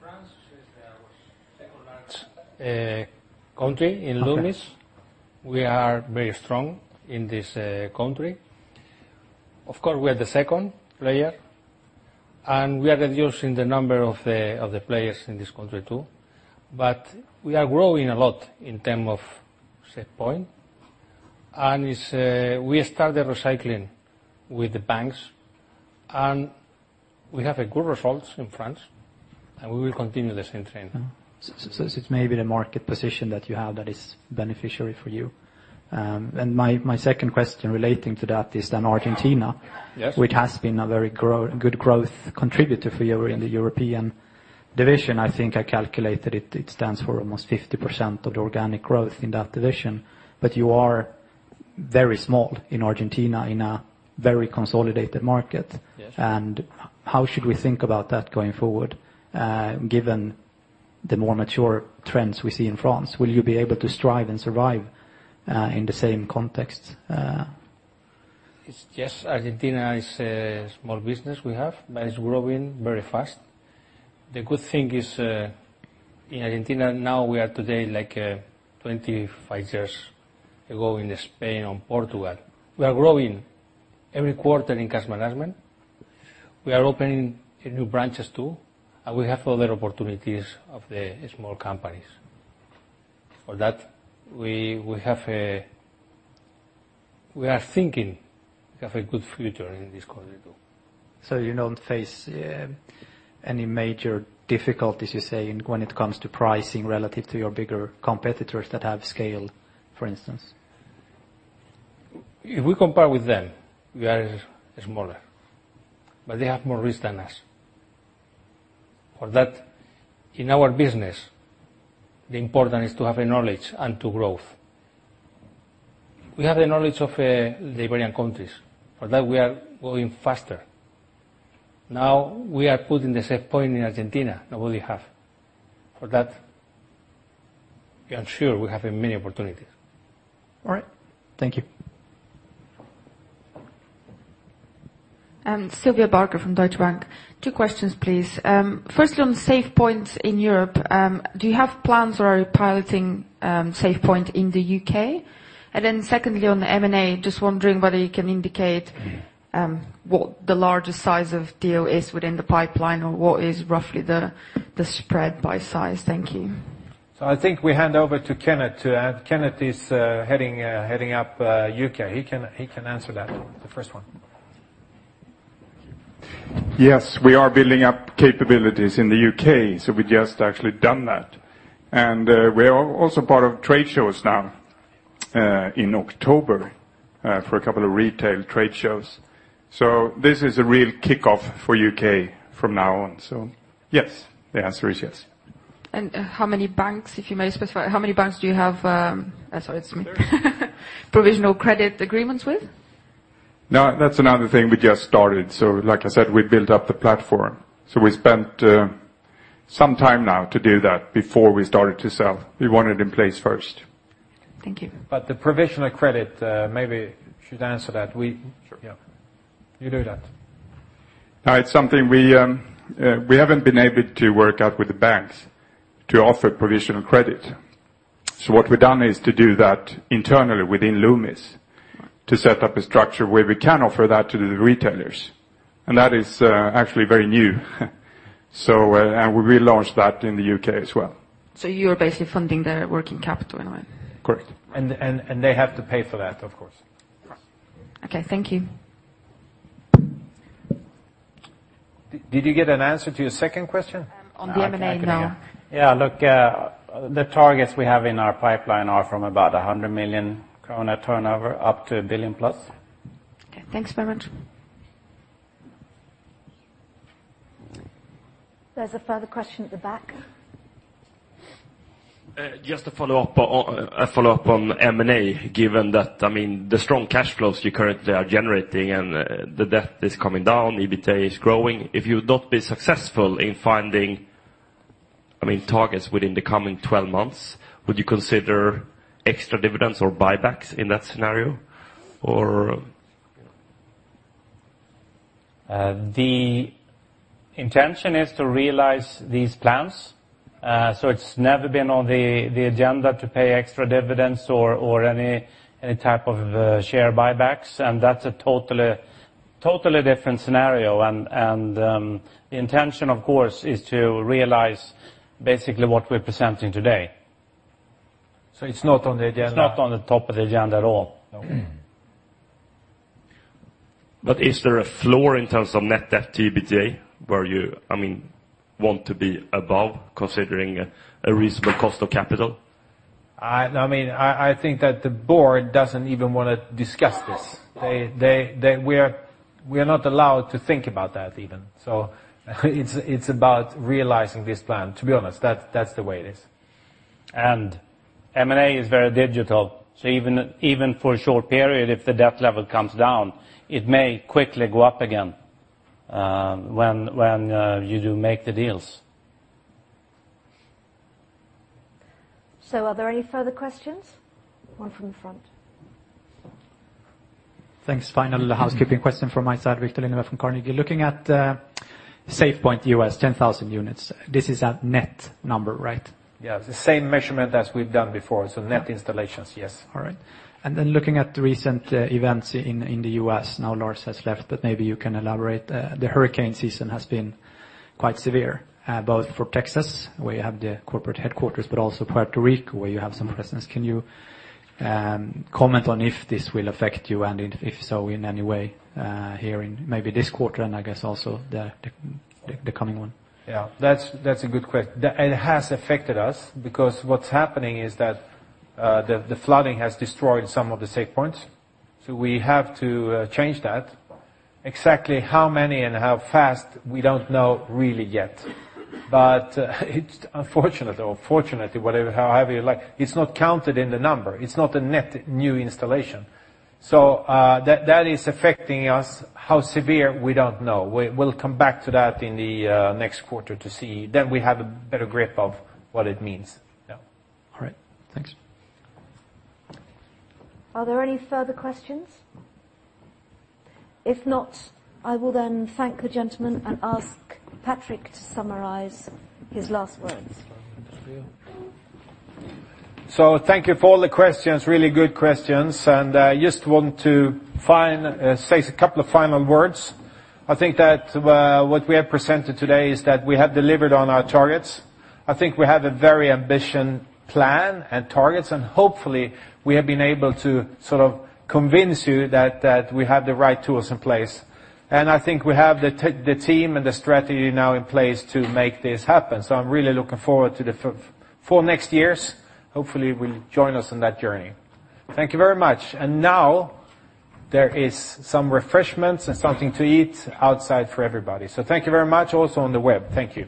France is our second-largest country in Loomis. Okay. We are very strong in this country. Of course, we are the second player, we are reducing the number of the players in this country, too. We are growing a lot in terms of SafePoint, we started recycling with the banks, we have good results in France, we will continue the same trend. It may be the market position that you have that is beneficiary for you. My second question relating to that is Argentina- Yes which has been a very good growth contributor for you in the European division. I think I calculated it stands for almost 50% of the organic growth in that division. You are very small in Argentina, in a very consolidated market. Yes. How should we think about that going forward, given the more mature trends we see in France? Will you be able to strive and survive in the same context? Yes, Argentina is a small business we have. It's growing very fast. The good thing is, in Argentina now we are today like 25 years ago in Spain or Portugal. We are growing every quarter in cash management. We are opening new branches, too, and we have other opportunities of the small companies. For that, we are thinking we have a good future in this country too. You don't face any major difficulties, you say, when it comes to pricing relative to your bigger competitors that have scale, for instance? If we compare with them, we are smaller. They have more risk than us. For that, in our business, the important is to have a knowledge and to growth. We have the knowledge of the Iberian countries. For that, we are growing faster. Now we are putting the SafePoint in Argentina, nobody have. For that, I'm sure we have a many opportunity. All right. Thank you. Sylvia Barker from Deutsche Bank. Two questions, please. Firstly, on SafePoints in Europe, do you have plans or are you piloting SafePoint in the U.K.? Secondly, on the M&A, just wondering whether you can indicate what the largest size of deal is within the pipeline or what is roughly the spread by size. Thank you. I think we hand over to Kenneth. Kenneth is heading up U.K. He can answer that, the first one. Yes, we are building up capabilities in the U.K., we just actually done that. We are also part of trade shows now in October for a couple of retail trade shows. This is a real kickoff for U.K. from now on. Yes. The answer is yes. How many banks, if you may specify, how many banks do you have Provisional credit agreements with? No, that's another thing we just started. Like I said, we built up the platform. We spent some time now to do that before we started to sell. We want it in place first. Thank you. The provisional credit, maybe should answer that. Sure. Yeah. You do that. It's something we haven't been able to work out with the banks to offer provisional credit. What we've done is to do that internally within Loomis to set up a structure where we can offer that to the retailers. That is actually very new. We launched that in the U.K. as well. You are basically funding their working capital in a way? Correct. They have to pay for that, of course. Okay. Thank you. Did you get an answer to your second question? On the M&A, no. Yeah, look, the targets we have in our pipeline are from about 100 million krona turnover up to 1 billion plus. Okay, thanks very much. There's a further question at the back. Just to follow up on M&A, given that, the strong cash flows you currently are generating and the debt is coming down, EBITDA is growing. If you not be successful in finding targets within the coming 12 months, would you consider extra dividends or buybacks in that scenario? The intention is to realize these plans. It's never been on the agenda to pay extra dividends or any type of share buybacks, that's a totally different scenario. The intention, of course, is to realize basically what we're presenting today. It's not on the agenda. It's not on the top of the agenda at all. No. Is there a floor in terms of net debt to EBITDA where you want to be above considering a reasonable cost of capital? I think that the board doesn't even want to discuss this. We're not allowed to think about that, even. It's about realizing this plan, to be honest. That's the way it is. M&A is very digital. Even for a short period, if the debt level comes down, it may quickly go up again when you do make the deals. Are there any further questions? One from the front. Thanks. Final housekeeping question from my side. Viktor Lindeblad from Carnegie. Looking at SafePoint U.S. 10,000 units, this is a net number, right? Yeah. The same measurement as we've done before. Net installations, yes. All right. Looking at recent events in the U.S., now Lars has left, but maybe you can elaborate. The hurricane season has been quite severe, both for Texas, where you have the corporate headquarters, but also Puerto Rico, where you have some presence. Can you comment on if this will affect you and if so, in any way, here in maybe this quarter and I guess also the coming one? Yeah. That's a good question. It has affected us because what's happening is that the flooding has destroyed some of the SafePoints. We have to change that. Exactly how many and how fast, we don't know really yet. It's unfortunate or fortunately, however you like, it's not counted in the number. It's not a net new installation. That is affecting us. How severe, we don't know. We'll come back to that in the next quarter to see, we have a better grip of what it means. Yeah. All right. Thanks. Are there any further questions? If not, I will then thank the gentleman and ask Patrik to summarize his last words. Thank you for all the questions, really good questions, and I just want to say a couple of final words. I think that what we have presented today is that we have delivered on our targets. I think we have a very ambitious plan and targets, and hopefully, we have been able to convince you that we have the right tools in place. I think we have the team and the strategy now in place to make this happen. I'm really looking forward to the four next years. Hopefully, you will join us on that journey. Thank you very much. Now there is some refreshments and something to eat outside for everybody. Thank you very much also on the web. Thank you.